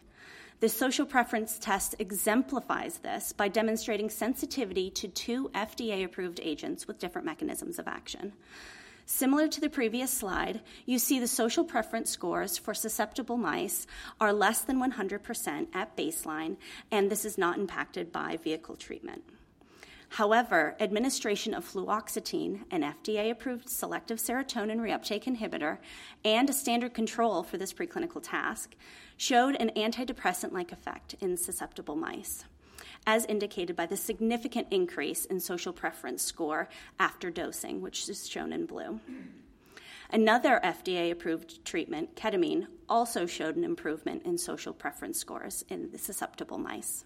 The social preference test exemplifies this by demonstrating sensitivity to two FDA-approved agents with different mechanisms of action. Similar to the previous slide, you see the social preference scores for susceptible mice are less than 100% at baseline, and this is not impacted by vehicle treatment. However, administration of fluoxetine, an FDA-approved selective serotonin reuptake inhibitor and a standard control for this preclinical task, showed an antidepressant-like effect in susceptible mice, as indicated by the significant increase in social preference score after dosing, which is shown in blue. Another FDA-approved treatment, ketamine, also showed an improvement in social preference scores in the susceptible mice.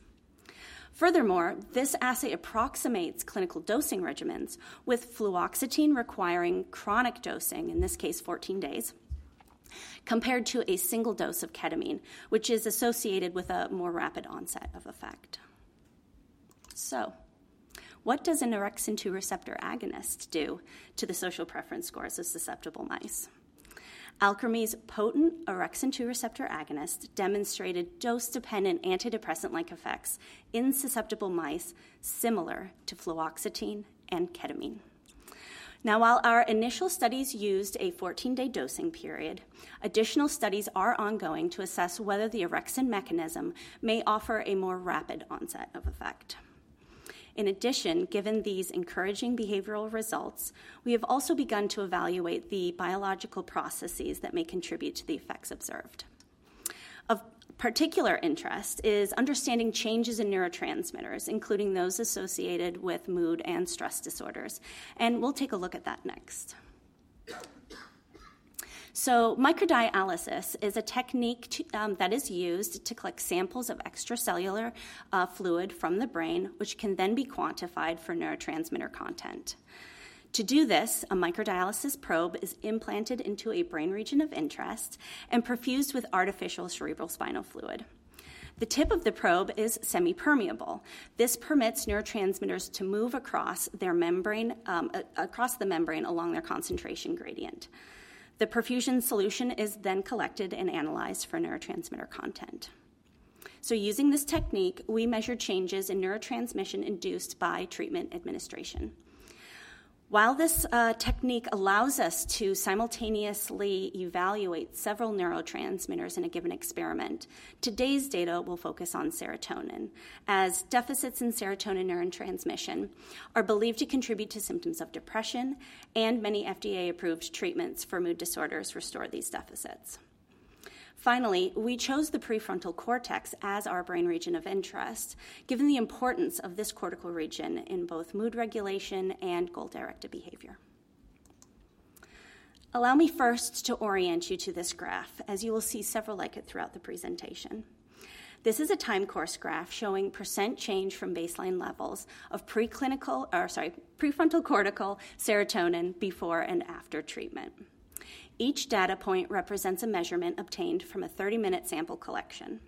Furthermore, this assay approximates clinical dosing regimens, with fluoxetine requiring chronic dosing, in this case 14 days, compared to a single dose of ketamine, which is associated with a more rapid onset of effect. What does an orexin-2 receptor agonist do to the social preference scores of susceptible mice? Alkermes' potent orexin-2 receptor agonist demonstrated dose-dependent antidepressant-like effects in susceptible mice similar to fluoxetine and ketamine. Now, while our initial studies used a fourteen-day dosing period, additional studies are ongoing to assess whether the orexin mechanism may offer a more rapid onset of effect. In addition, given these encouraging behavioral results, we have also begun to evaluate the biological processes that may contribute to the effects observed. Of particular interest is understanding changes in neurotransmitters, including those associated with mood and stress disorders, and we'll take a look at that next. Microdialysis is a technique that is used to collect samples of extracellular fluid from the brain, which can then be quantified for neurotransmitter content. To do this, a microdialysis probe is implanted into a brain region of interest and perfused with artificial cerebrospinal fluid. The tip of the probe is semipermeable. This permits neurotransmitters to move across the membrane along their concentration gradient. The perfusion solution is then collected and analyzed for neurotransmitter content. So using this technique, we measure changes in neurotransmission induced by treatment administration. While this technique allows us to simultaneously evaluate several neurotransmitters in a given experiment, today's data will focus on serotonin, as deficits in serotonin neurotransmission are believed to contribute to symptoms of depression, and many FDA-approved treatments for mood disorders restore these deficits. Finally, we chose the prefrontal cortex as our brain region of interest, given the importance of this cortical region in both mood regulation and goal-directed behavior. Allow me first to orient you to this graph, as you will see several like it throughout the presentation. This is a time course graph showing % change from baseline levels of preclinical, or sorry, prefrontal cortical serotonin before and after treatment. Each data point represents a measurement obtained from a thirty-minute sample collection.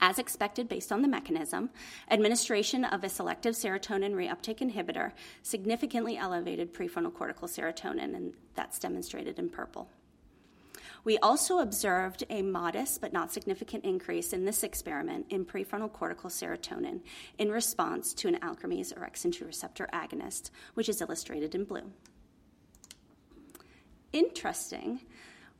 As expected, based on the mechanism, administration of a selective serotonin reuptake inhibitor significantly elevated prefrontal cortical serotonin, and that's demonstrated in purple. We also observed a modest but not significant increase in this experiment in prefrontal cortical serotonin in response to an Alkermes orexin-2 receptor agonist, which is illustrated in blue. Interesting,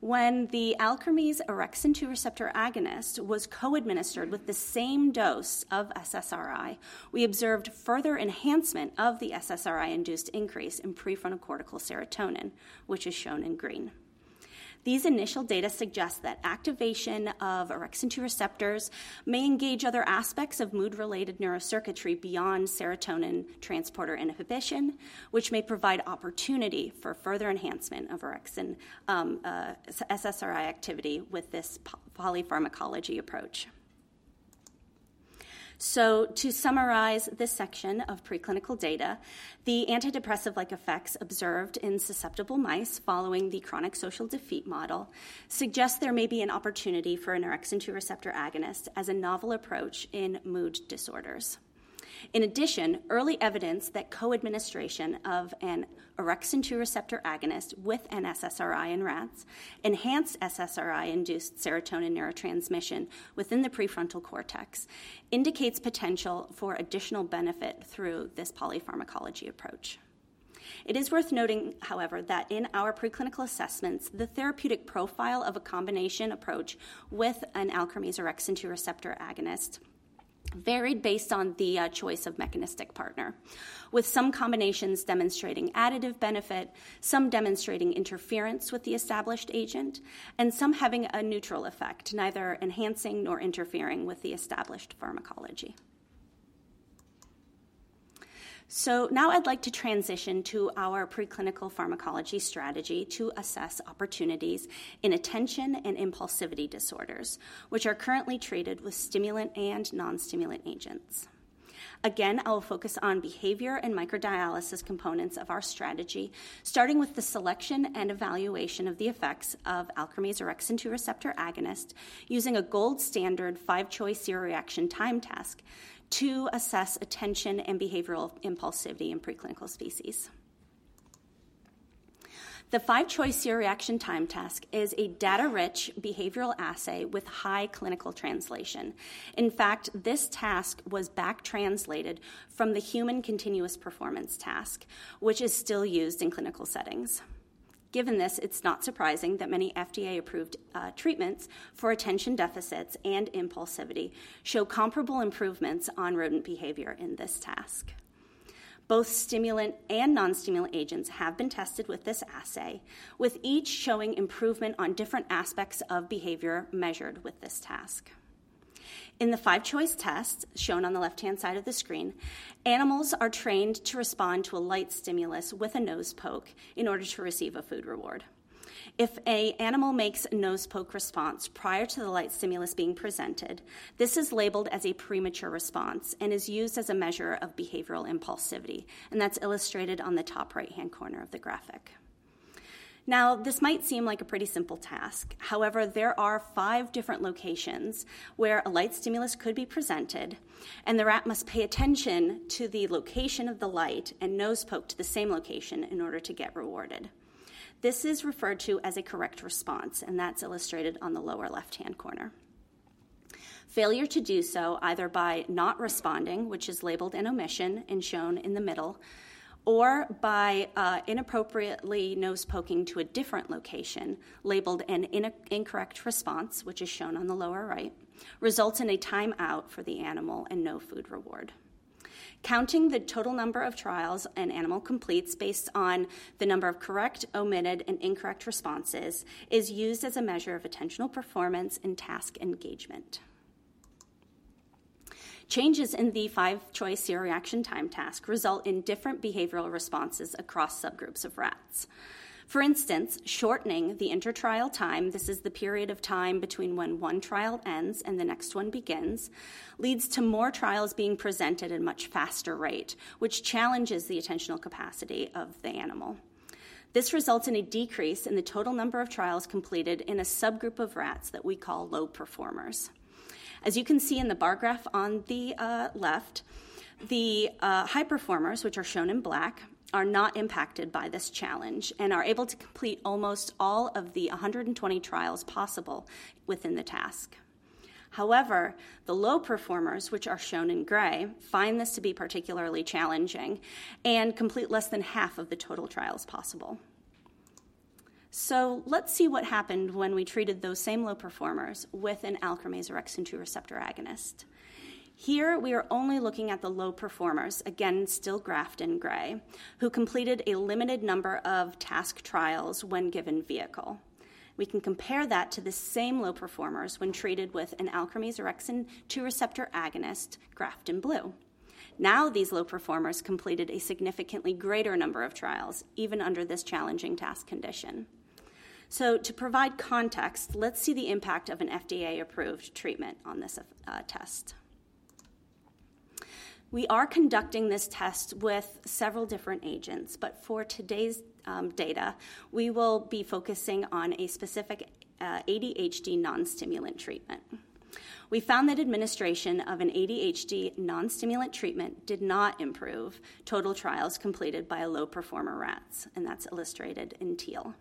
when the Alkermes orexin-2 receptor agonist was co-administered with the same dose of SSRI, we observed further enhancement of the SSRI-induced increase in prefrontal cortical serotonin, which is shown in green. These initial data suggest that activation of orexin-2 receptors may engage other aspects of mood-related neurocircuitry beyond serotonin transporter inhibition, which may provide opportunity for further enhancement of orexin, SSRI activity with this polypharmacology approach. So to summarize this section of preclinical data, the antidepressive-like effects observed in susceptible mice following the chronic social defeat model suggest there may be an opportunity for an orexin-2 receptor agonist as a novel approach in mood disorders. In addition, early evidence that co-administration of an orexin-2 receptor agonist with an SSRI in rats enhance SSRI-induced serotonin neurotransmission within the prefrontal cortex indicates potential for additional benefit through this polypharmacology approach. It is worth noting, however, that in our preclinical assessments, the therapeutic profile of a combination approach with an Alkermes orexin-2 receptor agonist varied based on the choice of mechanistic partner, with some combinations demonstrating additive benefit, some demonstrating interference with the established agent, and some having a neutral effect, neither enhancing nor interfering with the established pharmacology. So now I'd like to transition to our preclinical pharmacology strategy to assess opportunities in attention and impulsivity disorders, which are currently treated with stimulant and non-stimulant agents. Again, I will focus on behavior and microdialysis components of our strategy, starting with the selection and evaluation of the effects of Alkermes orexin-2 receptor agonist, using a gold standard Five-Choice Serial Reaction Time Task to assess attention and behavioral impulsivity in preclinical species. The Five-Choice Serial Reaction Time Task is a data-rich behavioral assay with high clinical translation. In fact, this task was back-translated from the human continuous performance task, which is still used in clinical settings. Given this, it's not surprising that many FDA-approved treatments for attention deficits and impulsivity show comparable improvements on rodent behavior in this task. Both stimulant and non-stimulant agents have been tested with this assay, with each showing improvement on different aspects of behavior measured with this task. In the five-choice tests, shown on the left-hand side of the screen, animals are trained to respond to a light stimulus with a nose poke in order to receive a food reward. If an animal makes a nose poke response prior to the light stimulus being presented, this is labeled as a premature response and is used as a measure of behavioral impulsivity, and that's illustrated on the top right-hand corner of the graphic. Now, this might seem like a pretty simple task. However, there are five different locations where a light stimulus could be presented, and the rat must pay attention to the location of the light and nose poke to the same location in order to get rewarded. This is referred to as a correct response, and that's illustrated on the lower left-hand corner. Failure to do so, either by not responding, which is labeled an omission and shown in the middle, or by inappropriately nose poking to a different location, labeled an incorrect response, which is shown on the lower right, results in a timeout for the animal and no food reward. Counting the total number of trials an animal completes based on the number of correct, omitted, and incorrect responses is used as a measure of attentional performance and task engagement. Changes in the Five-Choice Serial Reaction Time Task result in different behavioral responses across subgroups of rats. For instance, shortening the intertrial time, this is the period of time between when one trial ends and the next one begins, leads to more trials being presented at a much faster rate, which challenges the attentional capacity of the animal. This results in a decrease in the total number of trials completed in a subgroup of rats that we call low performers. As you can see in the bar graph on the left, the high performers, which are shown in black, are not impacted by this challenge and are able to complete almost all of the 120 trials possible within the task. However, the low performers, which are shown in gray, find this to be particularly challenging and complete less than half of the total trials possible. So let's see what happened when we treated those same low performers with an Alkermes orexin-2 receptor agonist. Here, we are only looking at the low performers, again, still graphed in gray, who completed a limited number of task trials when given vehicle. We can compare that to the same low performers when treated with an Alkermes orexin-2 receptor agonist graphed in blue. Now, these low performers completed a significantly greater number of trials, even under this challenging task condition. So to provide context, let's see the impact of an FDA-approved treatment on this test. We are conducting this test with several different agents, but for today's data, we will be focusing on a specific ADHD non-stimulant treatment. We found that administration of an ADHD non-stimulant treatment did not improve total trials completed by low performer rats, and that's illustrated in teal.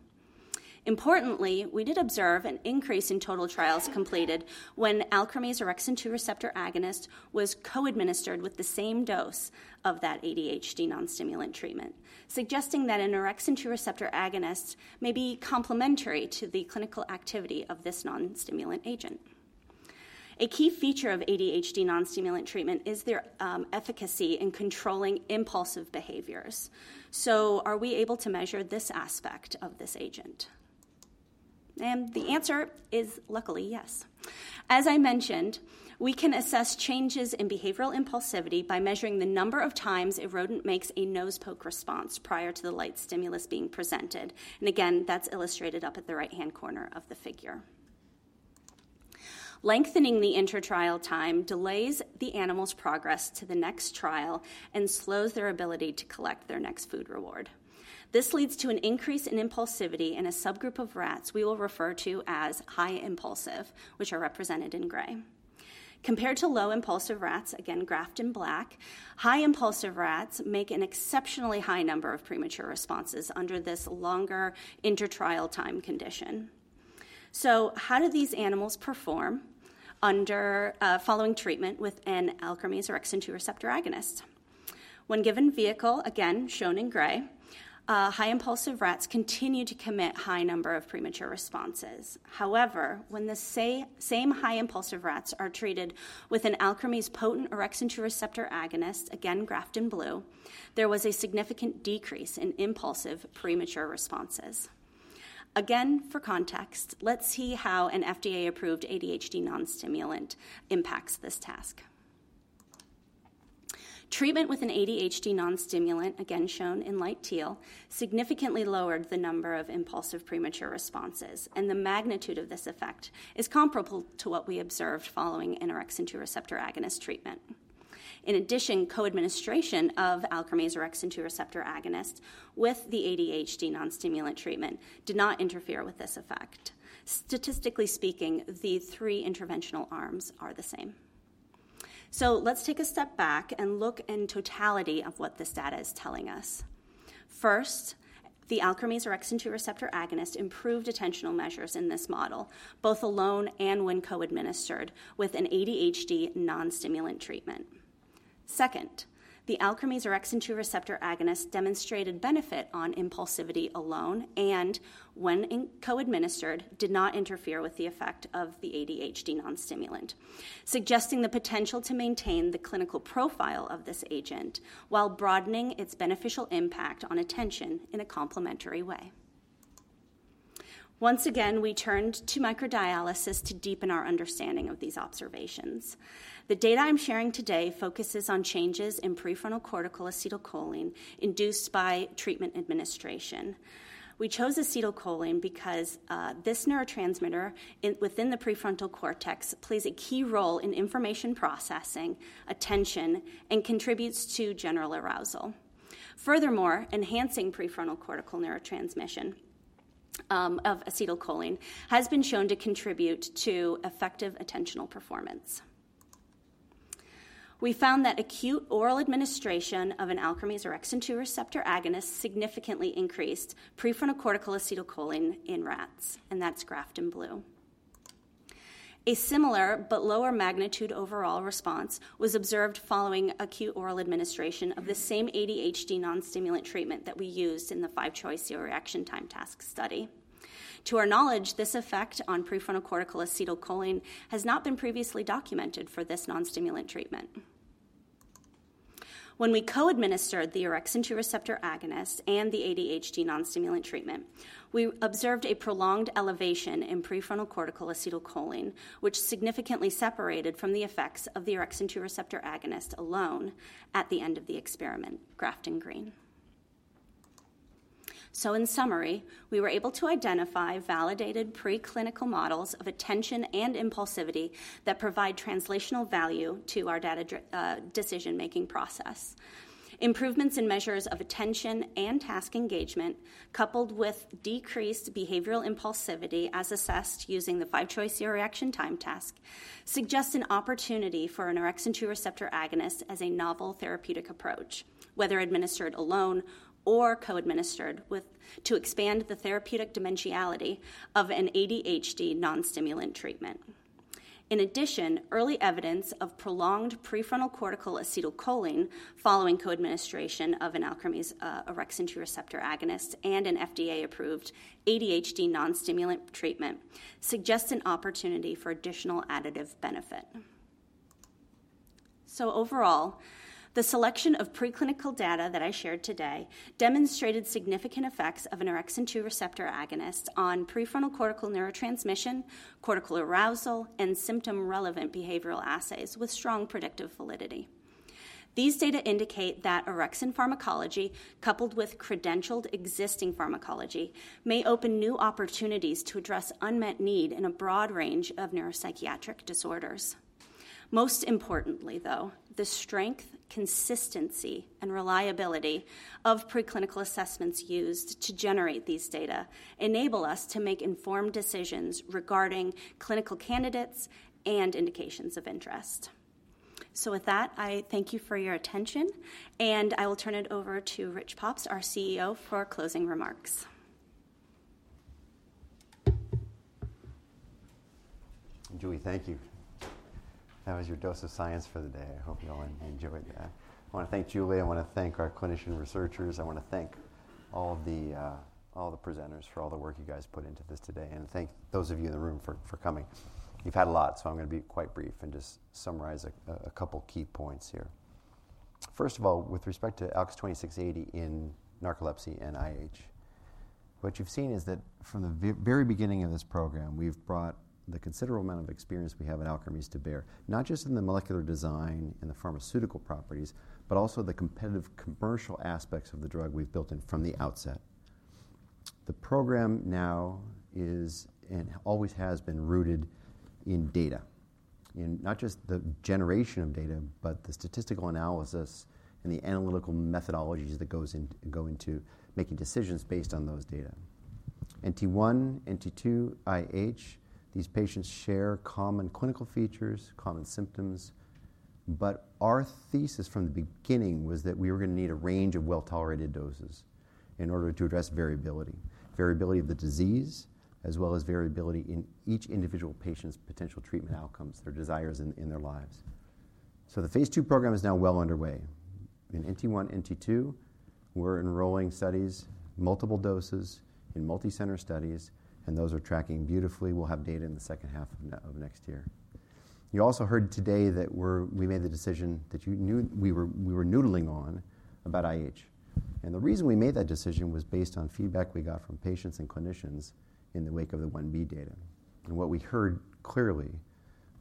Importantly, we did observe an increase in total trials completed when Alkermes orexin-2 receptor agonist was co-administered with the same dose of that ADHD non-stimulant treatment, suggesting that an orexin-2 receptor agonist may be complementary to the clinical activity of this non-stimulant agent. A key feature of ADHD non-stimulant treatment is their efficacy in controlling impulsive behaviors. So are we able to measure this aspect of this agent? And the answer is luckily, yes. As I mentioned, we can assess changes in behavioral impulsivity by measuring the number of times a rodent makes a nose poke response prior to the light stimulus being presented. And again, that's illustrated up at the right-hand corner of the figure. Lengthening the inter-trial time delays the animal's progress to the next trial and slows their ability to collect their next food reward. This leads to an increase in impulsivity in a subgroup of rats we will refer to as high impulsive, which are represented in gray. Compared to low impulsive rats, again, graphed in black, high impulsive rats make an exceptionally high number of premature responses under this longer inter-trial time condition. So how do these animals perform under following treatment with an Alkermes orexin-2 receptor agonist? When given vehicle, again, shown in gray, high impulsive rats continue to commit high number of premature responses. However, when the same high impulsive rats are treated with an Alkermes potent orexin-2 receptor agonist, again, graphed in blue, there was a significant decrease in impulsive premature responses. Again, for context, let's see how an FDA-approved ADHD non-stimulant impacts this task. Treatment with an ADHD non-stimulant, again, shown in light teal, significantly lowered the number of impulsive premature responses, and the magnitude of this effect is comparable to what we observed following an orexin-2 receptor agonist treatment. In addition, co-administration of Alkermes orexin-2 receptor agonist with the ADHD non-stimulant treatment did not interfere with this effect. Statistically speaking, the three interventional arms are the same. So let's take a step back and look in totality of what this data is telling us. First, the Alkermes orexin-2 receptor agonist improved attentional measures in this model, both alone and when co-administered with an ADHD non-stimulant treatment. Second, the Alkermes orexin-2 receptor agonist demonstrated benefit on impulsivity alone, and when co-administered, did not interfere with the effect of the ADHD non-stimulant, suggesting the potential to maintain the clinical profile of this agent while broadening its beneficial impact on attention in a complementary way. Once again, we turned to microdialysis to deepen our understanding of these observations. The data I'm sharing today focuses on changes in prefrontal cortical acetylcholine induced by treatment administration. We chose acetylcholine because this neurotransmitter within the prefrontal cortex plays a key role in information processing, attention, and contributes to general arousal. Furthermore, enhancing prefrontal cortical neurotransmission of acetylcholine has been shown to contribute to effective attentional performance. We found that acute oral administration of an Alkermes orexin-2 receptor agonist significantly increased prefrontal cortical acetylcholine in rats, and that's graphed in blue. A similar but lower magnitude overall response was observed following acute oral administration of the same ADHD non-stimulant treatment that we used in the five-choice serial reaction time task study. To our knowledge, this effect on prefrontal cortical acetylcholine has not been previously documented for this non-stimulant treatment. When we co-administered the orexin-2 receptor agonist and the ADHD non-stimulant treatment, we observed a prolonged elevation in prefrontal cortical acetylcholine, which significantly separated from the effects of the orexin-2 receptor agonist alone at the end of the experiment, graphed in green. So in summary, we were able to identify validated preclinical models of attention and impulsivity that provide translational value to our data-driven decision-making process. Improvements in measures of attention and task engagement, coupled with decreased behavioral impulsivity, as assessed using the five-choice serial reaction time task, suggests an opportunity for an orexin-2 receptor agonist as a novel therapeutic approach, whether administered alone or co-administered with, to expand the therapeutic dimensionality of an ADHD non-stimulant treatment. In addition, early evidence of prolonged prefrontal cortical acetylcholine following co-administration of an Alkermes orexin-2 receptor agonist and an FDA-approved ADHD non-stimulant treatment suggests an opportunity for additional additive benefit. So overall, the selection of preclinical data that I shared today demonstrated significant effects of an orexin-2 receptor agonist on prefrontal cortical neurotransmission, cortical arousal, and symptom-relevant behavioral assays with strong predictive validity. These data indicate that orexin pharmacology, coupled with credentialed existing pharmacology, may open new opportunities to address unmet need in a broad range of neuropsychiatric disorders. Most importantly, though, the strength, consistency, and reliability of preclinical assessments used to generate these data enable us to make informed decisions regarding clinical candidates and indications of interest. So with that, I thank you for your attention, and I will turn it over to Rich Pops, our CEO, for closing remarks. Julie, thank you. That was your dose of science for the day. I hope you all enjoyed that. I wanna thank Julie. I wanna thank our clinician researchers. I wanna thank all of the presenters for all the work you guys put into this today, and thank those of you in the room for coming. You've had a lot, so I'm gonna be quite brief and just summarize a couple key points here. First of all, with respect to ALKS 2680 in narcolepsy and IH, what you've seen is that from the very beginning of this program, we've brought the considerable amount of experience we have at Alkermes to bear, not just in the molecular design and the pharmaceutical properties, but also the competitive commercial aspects of the drug we've built in from the outset.... The program now is and always has been rooted in data. In not just the generation of data, but the statistical analysis and the analytical methodologies that goes into making decisions based on those data. NT one, NT two, IH, these patients share common clinical features, common symptoms, but our thesis from the beginning was that we were gonna need a range of well-tolerated doses in order to address variability. Variability of the disease, as well as variability in each individual patient's potential treatment outcomes, their desires in their lives. The phase II program is now well underway. In NT one, NT two, we're enrolling studies, multiple doses in multi-center studies, and those are tracking beautifully. We'll have data in the second half of next year. You also heard today that we're, we made the decision that you knew we were, we were noodling on about IH. And the reason we made that decision was based on feedback we got from patients and clinicians in the wake of the phase 1b data. And what we heard clearly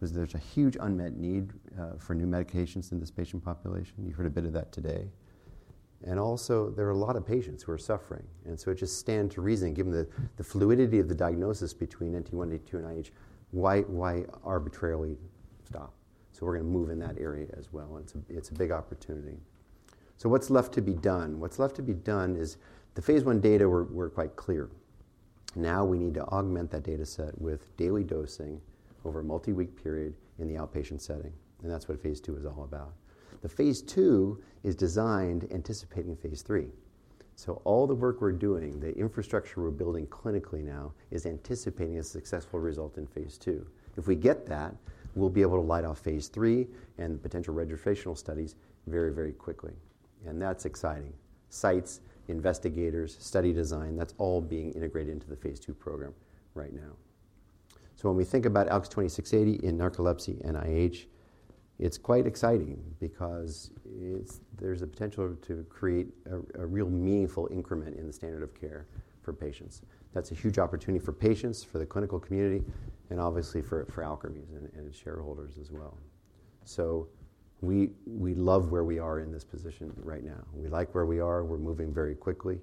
was there's a huge unmet need for new medications in this patient population. You've heard a bit of that today. And also, there are a lot of patients who are suffering, and so it just stand to reason, given the, the fluidity of the diagnosis between NT one, NT two, and IH, why, why arbitrarily stop? So we're gonna move in that area as well, and it's, it's a big opportunity. So what's left to be done? What's left to be done is the phase 1 data were quite clear. Now we need to augment that data set with daily dosing over a multi-week period in the outpatient setting, and that's what phase II is all about. The phase II is designed anticipating phase III. So all the work we're doing, the infrastructure we're building clinically now, is anticipating a successful result in phase II. If we get that, we'll be able to light off phase III and potential registrational studies very, very quickly, and that's exciting. Sites, investigators, study design, that's all being integrated into the phase II program right now. So when we think about ALKS two thousand six hundred and eighty in narcolepsy and IH, it's quite exciting because it's, there's a potential to create a real meaningful increment in the standard of care for patients. That's a huge opportunity for patients, for the clinical community, and obviously for Alkermes and its shareholders as well. So we love where we are in this position right now. We like where we are. We're moving very quickly.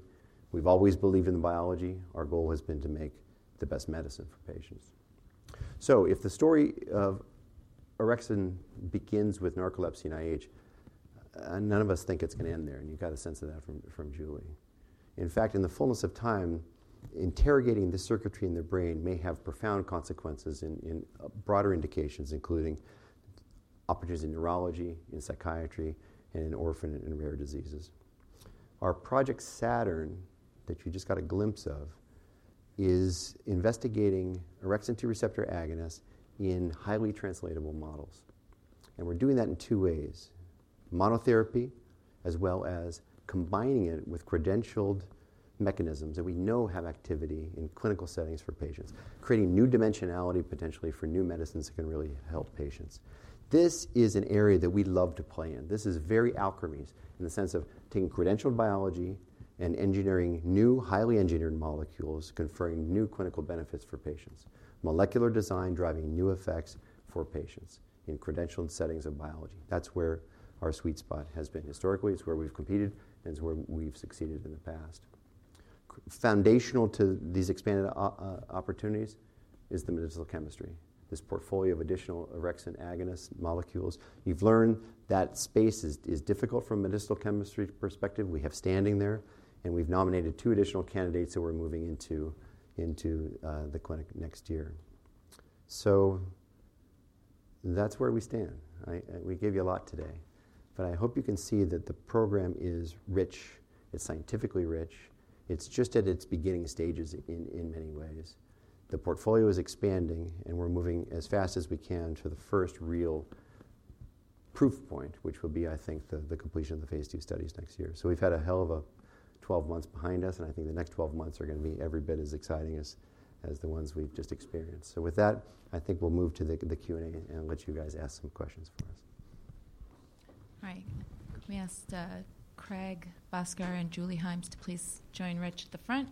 We've always believed in the biology. Our goal has been to make the best medicine for patients. So if the story of orexin begins with narcolepsy and IH, none of us think it's gonna end there, and you got a sense of that from Julie. In fact, in the fullness of time, interrogating the circuitry in the brain may have profound consequences in broader indications, including opportunities in neurology, in psychiatry, and in orphan and rare diseases. Our Project Saturn, that you just got a glimpse of, is investigating orexin two receptor agonist in highly translatable models, and we're doing that in two ways: monotherapy, as well as combining it with credentialed mechanisms that we know have activity in clinical settings for patients, creating new dimensionality, potentially for new medicines that can really help patients. This is an area that we love to play in. This is very Alkermes in the sense of taking credentialed biology and engineering new, highly engineered molecules, conferring new clinical benefits for patients. Molecular design, driving new effects for patients in credentialed settings of biology. That's where our sweet spot has been historically. It's where we've competed, and it's where we've succeeded in the past. Foundational to these expanded opportunities is the medicinal chemistry, this portfolio of additional orexin agonist molecules. You've learned that space is difficult from a medicinal chemistry perspective. We have standing there, and we've nominated two additional candidates that we're moving into the clinic next year. So that's where we stand, right? We gave you a lot today, but I hope you can see that the program is rich, it's scientifically rich. It's just at its beginning stages in many ways. The portfolio is expanding, and we're moving as fast as we can to the first real proof point, which will be, I think, the completion of the phase II studies next year. So we've had a hell of a 12 months behind us, and I think the next 12 months are gonna be every bit as exciting as the ones we've just experienced. So with that, I think we'll move to the Q&A and let you guys ask some questions for us. All right. Let me ask Craig, Bhaskar, and Julie Himes to please join Rich at the front.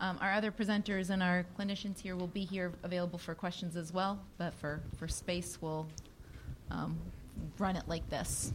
Our other presenters and our clinicians here will be here, available for questions as well, but for space, we'll run it like this.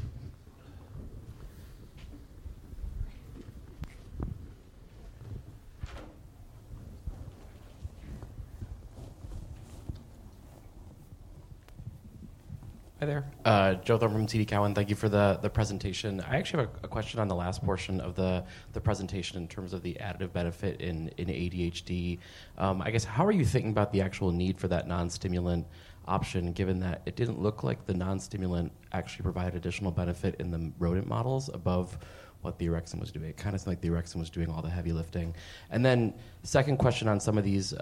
Hi there, Joseph Thome from TD Cowen. Thank you for the presentation. I actually have a question on the last portion of the presentation in terms of the additive benefit in ADHD. I guess, how are you thinking about the actual need for that non-stimulant option, given that it didn't look like the non-stimulant actually provided additional benefit in the rodent models above what the orexin was doing? It kind of seemed like the orexin was doing all the heavy lifting. And then second question on some of these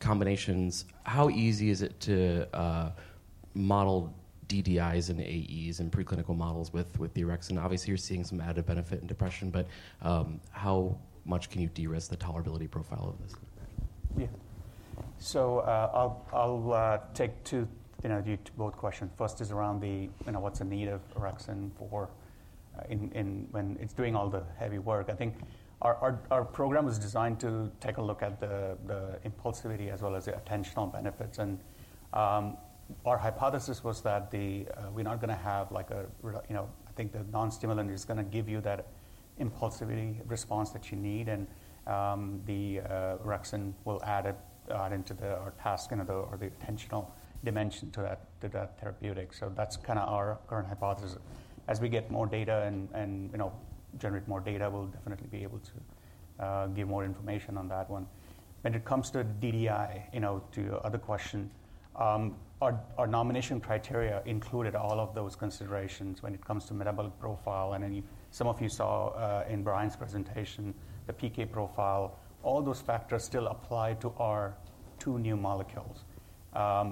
combinations, how easy is it to model DDIs and AE's in preclinical models with the orexin? Obviously, you're seeing some added benefit in depression, but, how much can you de-risk the tolerability profile of this? Yeah. So, I'll take two, you know, to both questions. First is around the, you know, what's the need of orexin for, in when it's doing all the heavy work? I think our program was designed to take a look at the impulsivity as well as the attentional benefits. And, our hypothesis was that the-- we're not gonna have like a. You know, I think the non-stimulant is gonna give you that-... impulsivity response that you need, and the orexin will add it into the or task, you know, the attentional dimension to that, to that therapeutic. So that's kind of our current hypothesis. As we get more data and you know, generate more data, we'll definitely be able to give more information on that one. When it comes to DDI, you know, to your other question, our nomination criteria included all of those considerations when it comes to metabolic profile and then some of you saw in Brian's presentation the PK profile. All those factors still apply to our two new molecules.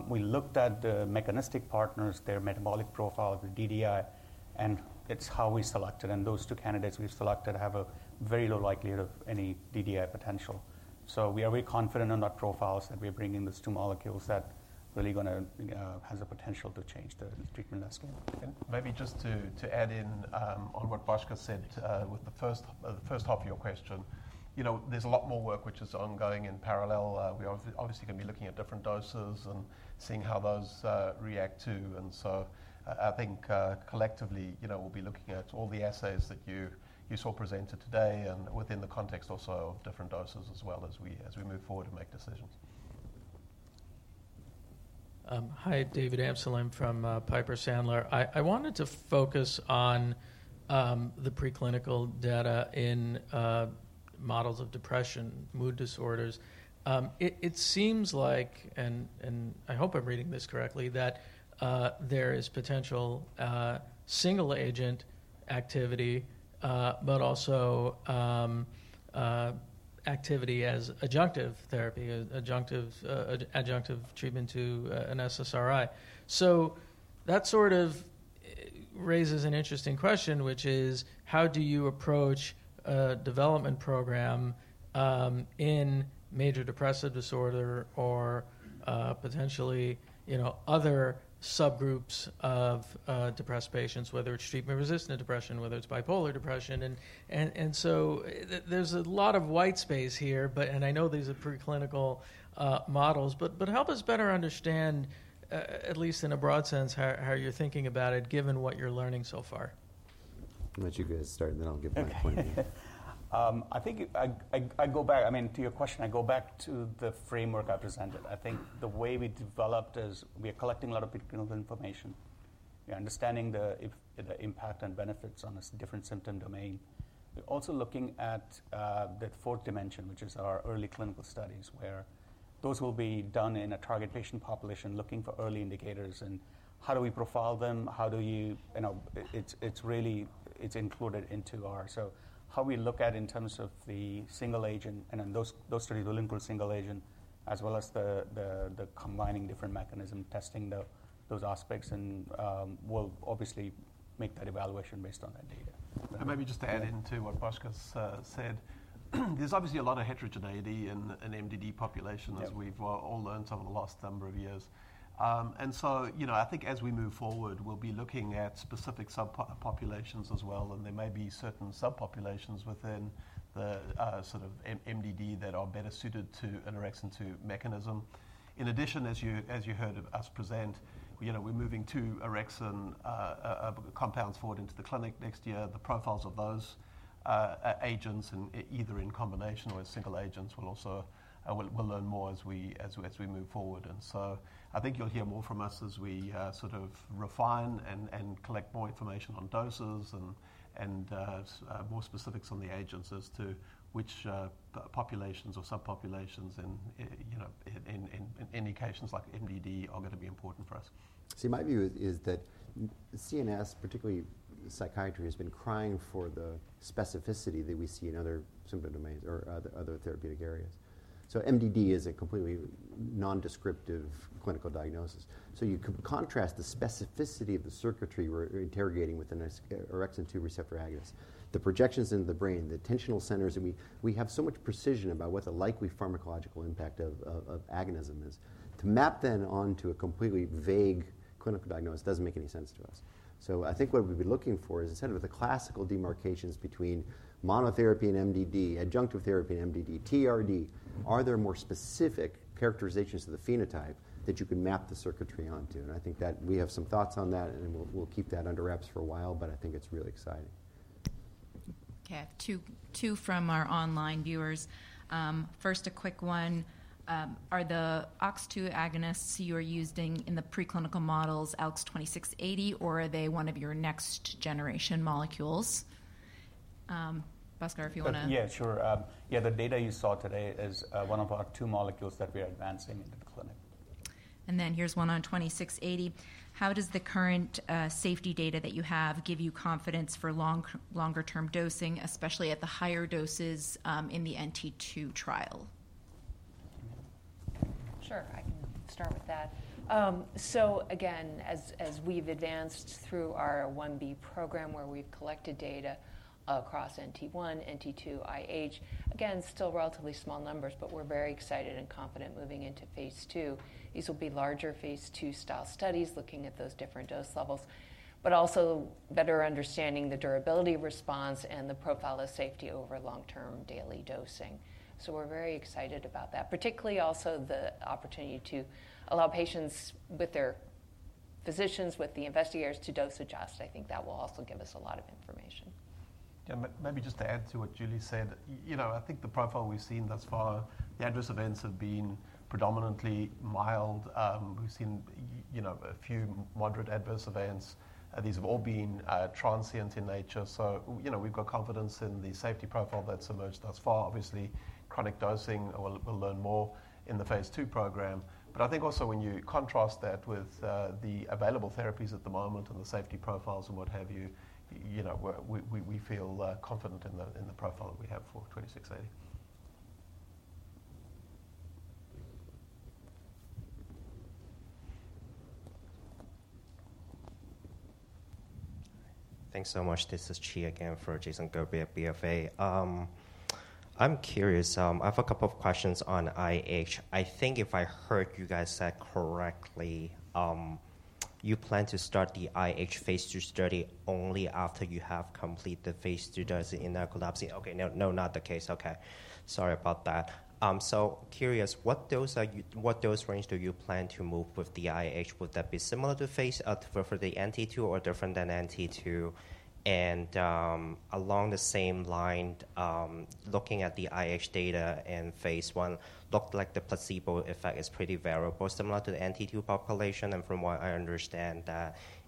We looked at the mechanistic partners, their metabolic profile, the DDI, and it's how we selected, and those two candidates we've selected have a very low likelihood of any DDI potential. So we are very confident in our profiles, that we are bringing these two molecules that really gonna has the potential to change the treatment landscape. Maybe just to add in, on what Bhaskar said, with the first half of your question. You know, there's a lot more work which is ongoing in parallel. We obviously are gonna be looking at different doses and seeing how those react, too. And so I think, collectively, you know, we'll be looking at all the assays that you saw presented today and within the context also of different doses as well as we move forward and make decisions. Hi, David Amsellem from Piper Sandler. I wanted to focus on the preclinical data in models of depression, mood disorders. It seems like, and I hope I'm reading this correctly, that there is potential single agent activity, but also activity as adjunctive therapy, adjunctive treatment to an SSRI. So that sort of raises an interesting question, which is: How do you approach a development program in major depressive disorder or potentially, you know, other subgroups of depressed patients, whether it's treatment-resistant depression, whether it's bipolar depression? And so there's a lot of white space here, but, and I know these are preclinical models, but help us better understand at least in a broad sense, how you're thinking about it, given what you're learning so far. I'll let you guys start, and then I'll give my point of view. I think I go back... I mean, to your question, I go back to the framework I presented. I think the way we developed is we are collecting a lot of preclinical information. We are understanding the efficacy, the impact and benefits on this different symptom domain. We're also looking at, the fourth dimension, which is our early clinical studies, where those will be done in a target patient population looking for early indicators, and how do we profile them? How do you-- You know, it's, it's really, it's included into our... So, how we look at in terms of the single agent, and then those studies will include single agent as well as the combining different mechanism, testing those aspects, and we'll obviously make that evaluation based on that data. Maybe just to add into what Bhaskar's said, there's obviously a lot of heterogeneity in MDD population- Yeah... as we've all learned over the last number of years, and so, you know, I think as we move forward, we'll be looking at specific subpopulations as well, and there may be certain subpopulations within the, sort of MDD that are better suited to an orexin-2 mechanism. In addition, as you heard us present, you know, we're moving two orexin compounds forward into the clinic next year. The profiles of those agents and either in combination or as single agents, will also. We'll learn more as we move forward. And so I think you'll hear more from us as we sort of refine and collect more information on doses and more specifics on the agents as to which populations or subpopulations and you know in indications like MDD are going to be important for us. See, my view is that CNS, particularly psychiatry, has been crying for the specificity that we see in other symptom domains or other therapeutic areas. So MDD is a completely non-descriptive clinical diagnosis. So you can contrast the specificity of the circuitry we're interrogating with an orexin-2 receptor agonist, the projections in the brain, the attentional centers, and we have so much precision about what the likely pharmacological impact of agonism is. To map then onto a completely vague clinical diagnosis doesn't make any sense to us. So I think what we've been looking for is instead of the classical demarcations between monotherapy and MDD, adjunctive therapy and MDD, TRD, are there more specific characterizations of the phenotype that you can map the circuitry onto? I think that we have some thoughts on that, and then we'll keep that under wraps for a while, but I think it's really exciting. Okay, I have two from our online viewers. First, a quick one: Are the OX2 agonists you are using in the preclinical models ALKS 2680, or are they one of your next-generation molecules? Bhaskar, if you want to- Yeah, sure. Yeah, the data you saw today is one of our two molecules that we are advancing into the clinic. And then here's one on 2680: How does the current safety data that you have give you confidence for longer-term dosing, especially at the higher doses, in the NT2 trial? Sure, I can start with that. So again, as we've advanced through our phase 1b program, where we've collected data across NT1, NT2, IH, again, still relatively small numbers, but we're very excited and confident moving into phase II. These will be larger phase II style studies, looking at those different dose levels, but also better understanding the durability of response and the profile of safety over long-term daily dosing. So we're very excited about that, particularly also the opportunity to allow patients with their-... physicians with the investigators to dose adjust. I think that will also give us a lot of information. Yeah, maybe just to add to what Julie said, you know, I think the profile we've seen thus far, the adverse events have been predominantly mild. We've seen, you know, a few moderate adverse events, and these have all been transient in nature. So, you know, we've got confidence in the safety profile that's emerged thus far. Obviously, chronic dosing, we'll learn more in the phase 2 program. But I think also when you contrast that with the available therapies at the moment and the safety profiles and what have you, you know, we feel confident in the profile that we have for 2680. Thanks so much. This is Chi again for Jason Gerberry at BofA. I'm curious. I have a couple of questions on IH. I think if I heard you guys said correctly, you plan to start the IH phase 2 study only after you have completed the phase 2 dose in narcolepsy. Okay. No, no, not the case. Okay. Sorry about that. So curious, what dose are you-- what dose range do you plan to move with the IH? Would that be similar to phase 2 for the NT2 or different than NT2? Along the same line, looking at the IH data in phase I, looked like the placebo effect is pretty variable, similar to the NT two population, and from what I understand,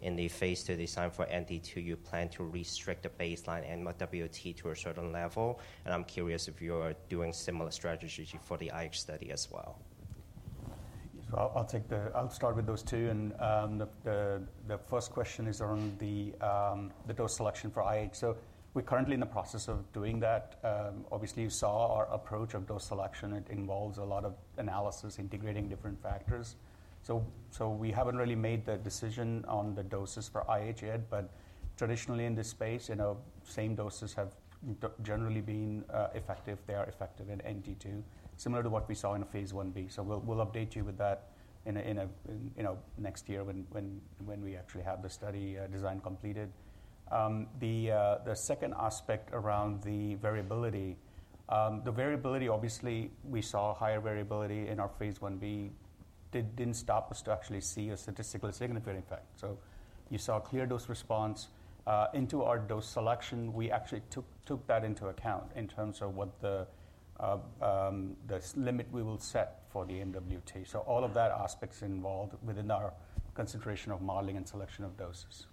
in the phase II design for NT two, you plan to restrict the baseline and MWT to a certain level, and I'm curious if you're doing similar strategies for the IH study as well? I'll take that. I'll start with those two, and the first question is around the dose selection for IH. So we're currently in the process of doing that. Obviously, you saw our approach of dose selection. It involves a lot of analysis, integrating different factors. So we haven't really made the decision on the doses for IH yet, but traditionally in this space, you know, same doses have generally been effective. They are effective in NT2, similar to what we saw in a phase 1b. So we'll update you with that in a year, you know, next year when we actually have the study design completed. The second aspect around the variability. The variability, obviously, we saw higher variability in our phase 1b. Didn't stop us to actually see a statistically significant effect. So you saw a clear dose response into our dose selection. We actually took that into account in terms of what the sleep limit we will set for the MWT. So all of that aspects involved within our consideration of modeling and selection of doses.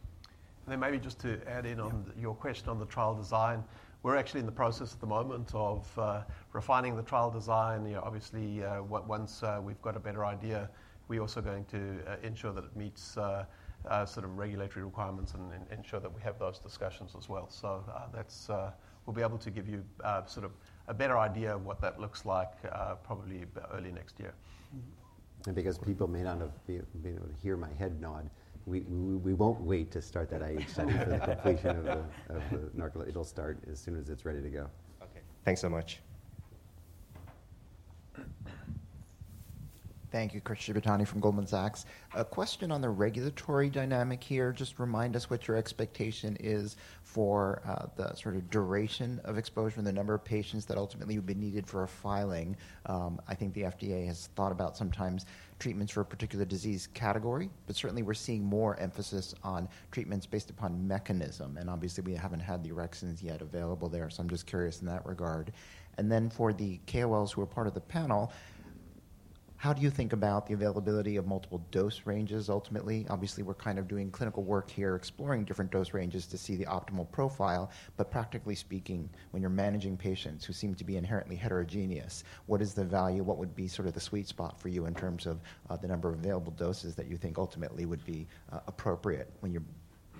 And then maybe just to add in on- Yeah. your question on the trial design. We're actually in the process at the moment of refining the trial design. You know, obviously, once we've got a better idea, we're also going to ensure that it meets sort of regulatory requirements and ensure that we have those discussions as well. So, that's... We'll be able to give you sort of a better idea of what that looks like, probably early next year. Mm-hmm. Because people may not have been able to hear my head nod, we won't wait to start that IH study for the completion of the narcolepsy. It'll start as soon as it's ready to go. Okay, thanks so much. Thank you. Chris Shibutani from Goldman Sachs. A question on the regulatory dynamic here. Just remind us what your expectation is for, the sort of duration of exposure and the number of patients that ultimately will be needed for a filing? I think the FDA has thought about sometimes treatments for a particular disease category, but certainly we're seeing more emphasis on treatments based upon mechanism, and obviously we haven't had the orexins yet available there. So I'm just curious in that regard. And then for the KOLs who are part of the panel, how do you think about the availability of multiple dose ranges ultimately? Obviously, we're kind of doing clinical work here, exploring different dose ranges to see the optimal profile, but practically speaking, when you're managing patients who seem to be inherently heterogeneous, what is the value? What would be sort of the sweet spot for you in terms of the number of available doses that you think ultimately would be appropriate when you're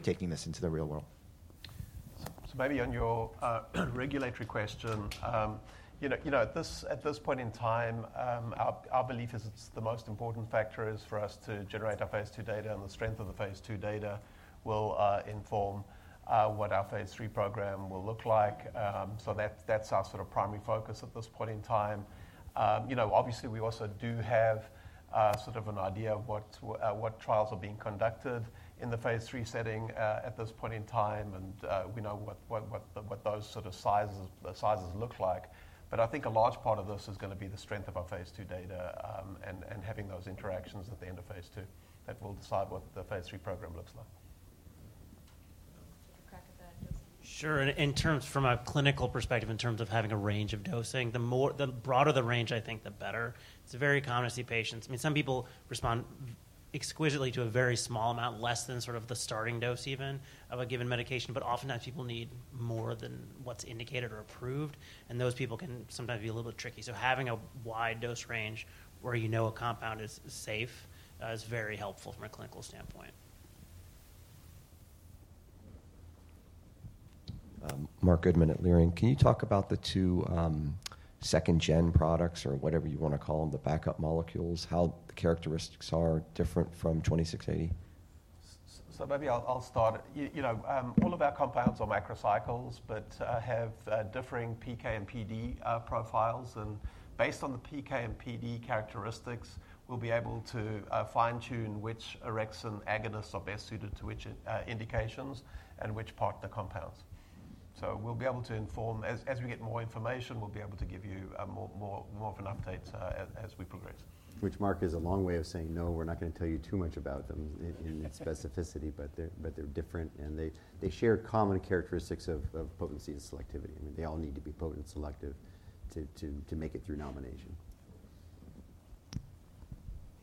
taking this into the real world? So maybe on your regulatory question, you know, at this point in time, our belief is it's the most important factor is for us to generate our phase II data, and the strength of the phase II data will inform what our phase III program will look like. So that's our sort of primary focus at this point in time. You know, obviously, we also do have sort of an idea of what trials are being conducted in the phase III setting at this point in time, and we know what those sort of sizes look like. But I think a large part of this is gonna be the strength of our phase II data, and having those interactions at the end of phase II that will decide what the phase III program looks like. Take a crack at that, Justin? Sure. In terms, from a clinical perspective, in terms of having a range of dosing, the broader the range, I think, the better. It's very common to see patients, I mean, some people respond exquisitely to a very small amount, less than sort of the starting dose, even, of a given medication, but oftentimes, people need more than what's indicated or approved, and those people can sometimes be a little bit tricky, so having a wide dose range where you know a compound is safe is very helpful from a clinical standpoint. Marc Goodman at Leerink. Can you talk about the two, second-gen products or whatever you wanna call them, the backup molecules, how the characteristics are different from 2680? So maybe I'll start. You know, all of our compounds are macrocycles, but have differing PK and PD profiles, and based on the PK and PD characteristics, we'll be able to fine-tune which orexin agonists are best suited to which indications and which part of the compounds.... So we'll be able to inform, as we get more information, we'll be able to give you more of an update, as we progress. Which, Mark, is a long way of saying, "No, we're not gonna tell you too much about them in specificity," but they're different, and they share common characteristics of potency and selectivity. I mean, they all need to be potent selective to make it through nomination.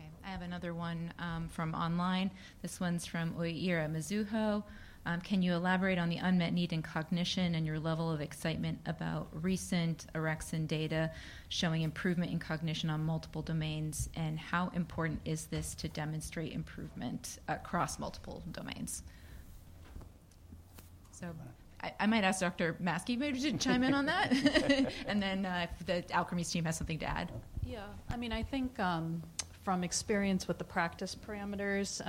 Okay. I have another one from online. This one's from Uy Ear, Mizuho. Can you elaborate on the unmet need in cognition and your level of excitement about recent orexin data showing improvement in cognition on multiple domains? And how important is this to demonstrate improvement across multiple domains? So I might ask Dr. Maski maybe to chime in on that, and then if the Alkermes team has something to add. Yeah. I mean, I think, from experience with the practice parameters,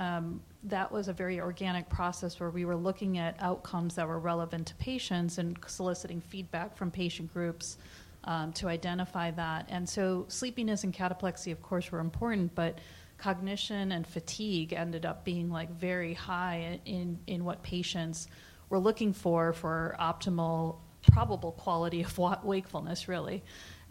that was a very organic process where we were looking at outcomes that were relevant to patients and soliciting feedback from patient groups, to identify that. And so sleepiness and cataplexy, of course, were important, but cognition and fatigue ended up being, like, very high in what patients were looking for, for optimal, probable quality of wakefulness, really.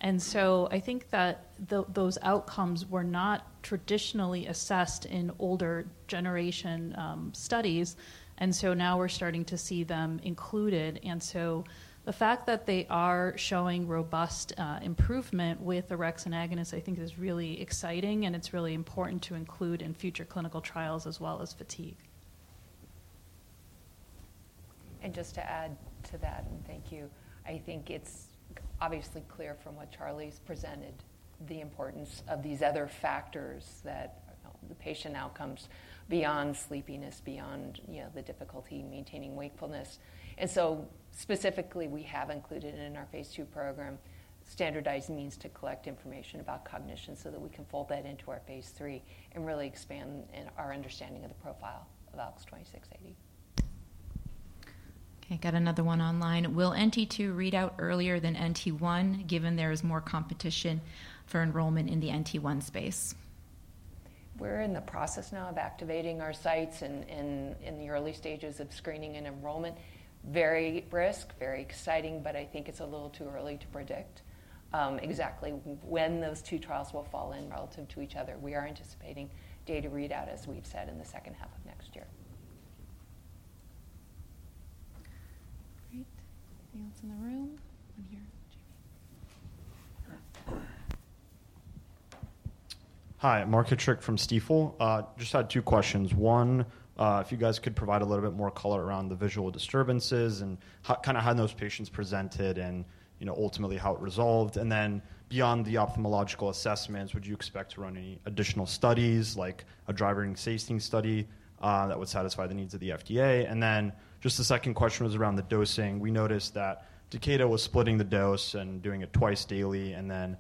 And so I think that those outcomes were not traditionally assessed in older generation studies, and so now we're starting to see them included. And so the fact that they are showing robust improvement with orexin agonist, I think is really exciting, and it's really important to include in future clinical trials as well as fatigue. Just to add to that, and thank you. I think it's obviously clear from what Charlie's presented, the importance of these other factors, the patient outcomes beyond sleepiness, beyond, you know, the difficulty in maintaining wakefulness, so specifically, we have included in our phase II program standardized means to collect information about cognition so that we can fold that into our phase III and really expand in our understanding of the profile of ALKS 2680. Okay, got another one online. Will NT two read out earlier than NT one, given there is more competition for enrollment in the NT one space? We're in the process now of activating our sites and in the early stages of screening and enrollment. Very brisk, very exciting, but I think it's a little too early to predict exactly when those two trials will fall in relative to each other. We are anticipating data readout, as we've said, in the second half of next year. Great. Anyone else in the room? One here. Jamie. Hi, Mark Hitrik from Stifel. Just had two questions. One, if you guys could provide a little bit more color around the visual disturbances and kind of how those patients presented and, you know, ultimately how it resolved. And then beyond the ophthalmological assessments, would you expect to run any additional studies, like a driving safety study, that would satisfy the needs of the FDA? And then just the second question was around the dosing. We noticed that Takeda was splitting the dose and doing it twice daily, and then,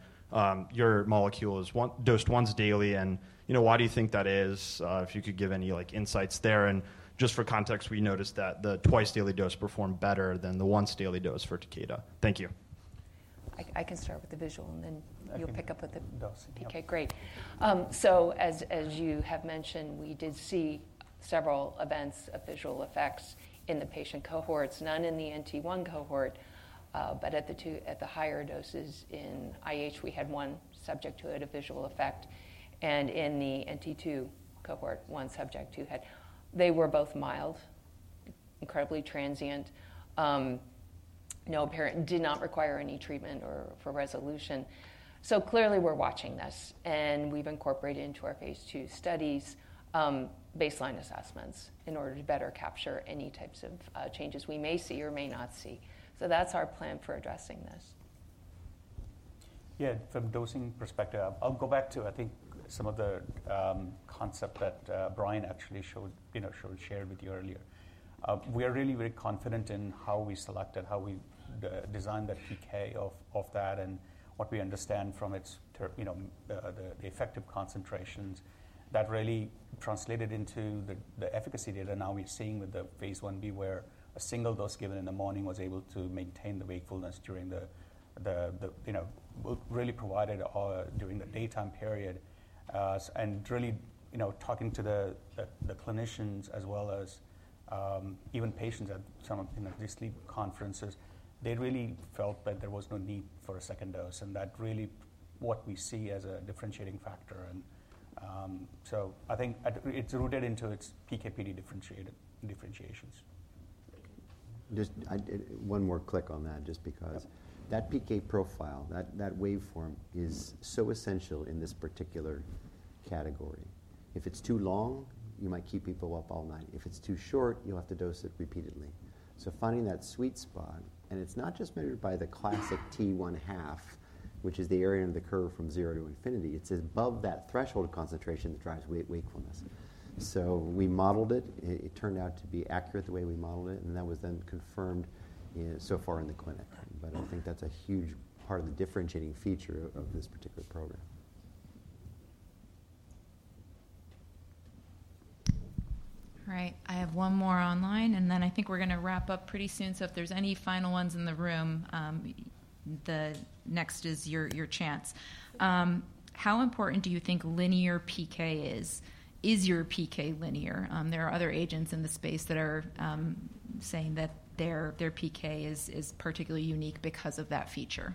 your molecule is once dosed once daily, and, you know, why do you think that is? If you could give any, like, insights there. And just for context, we noticed that the twice-daily dose performed better than the once-daily dose for Takeda. Thank you. I can start with the visual, and then. I can- - you'll pick up with the- Dosing. Okay, great. So as you have mentioned, we did see several events of visual effects in the patient cohorts, none in the NT1 cohort, but at the higher doses in IH, we had one subject who had a visual effect, and in the NT2 cohort, one subject who had... They were both mild, incredibly transient, did not require any treatment or for resolution. So clearly, we're watching this, and we've incorporated into our phase II studies baseline assessments in order to better capture any types of changes we may see or may not see. So that's our plan for addressing this. Yeah, from dosing perspective, I'll go back to, I think, some of the concept that Brian actually showed, you know, shared with you earlier. We are really very confident in how we selected, how we designed the PK of that and what we understand from its you know, the effective concentrations. That really translated into the efficacy data now we're seeing with the phase 1b, where a single dose given in the morning was able to maintain the wakefulness during you know, really provided during the daytime period. And really, you know, talking to the clinicians as well as even patients at some of you know, the sleep conferences, they really felt that there was no need for a second dose, and that really what we see as a differentiating factor. I think it's rooted into its PK/PD differentiations. Just one more click on that, just because- Yep. That PK profile, that waveform is so essential in this particular category. If it's too long, you might keep people up all night. If it's too short, you'll have to dose it repeatedly. So finding that sweet spot, and it's not just measured by the classic t1/2, which is the area under the curve from zero to infinity, it's above that threshold of concentration that drives wakefulness. So we modeled it, and it turned out to be accurate the way we modeled it, and that was then confirmed in the clinic so far. But I think that's a huge part of the differentiating feature of this particular program. All right. I have one more online, and then I think we're gonna wrap up pretty soon. So if there's any final ones in the room, the next is your chance. How important do you think linear PK is? Is your PK linear? There are other agents in the space that are saying that their PK is particularly unique because of that feature.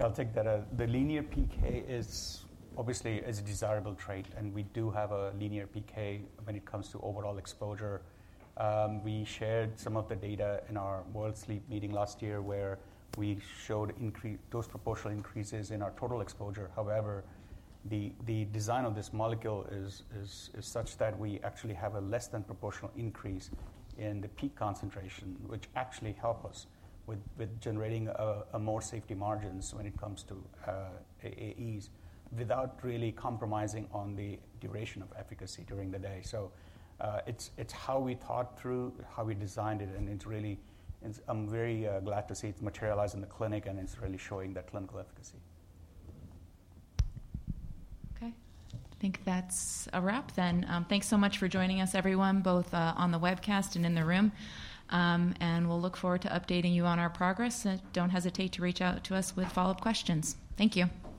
I'll take that. The linear PK is obviously a desirable trait, and we do have a linear PK when it comes to overall exposure. We shared some of the data in our World Sleep meeting last year, where we showed those proportional increases in our total exposure. However, the design of this molecule is such that we actually have a less than proportional increase in the peak concentration, which actually help us with generating a more safety margins when it comes to AEs, without really compromising on the duration of efficacy during the day. So, it's how we thought through, how we designed it, and it's really and I'm very glad to see it materialize in the clinic, and it's really showing that clinical efficacy. Okay. I think that's a wrap then. Thanks so much for joining us, everyone, both on the webcast and in the room, and we'll look forward to updating you on our progress. Don't hesitate to reach out to us with follow-up questions. Thank you.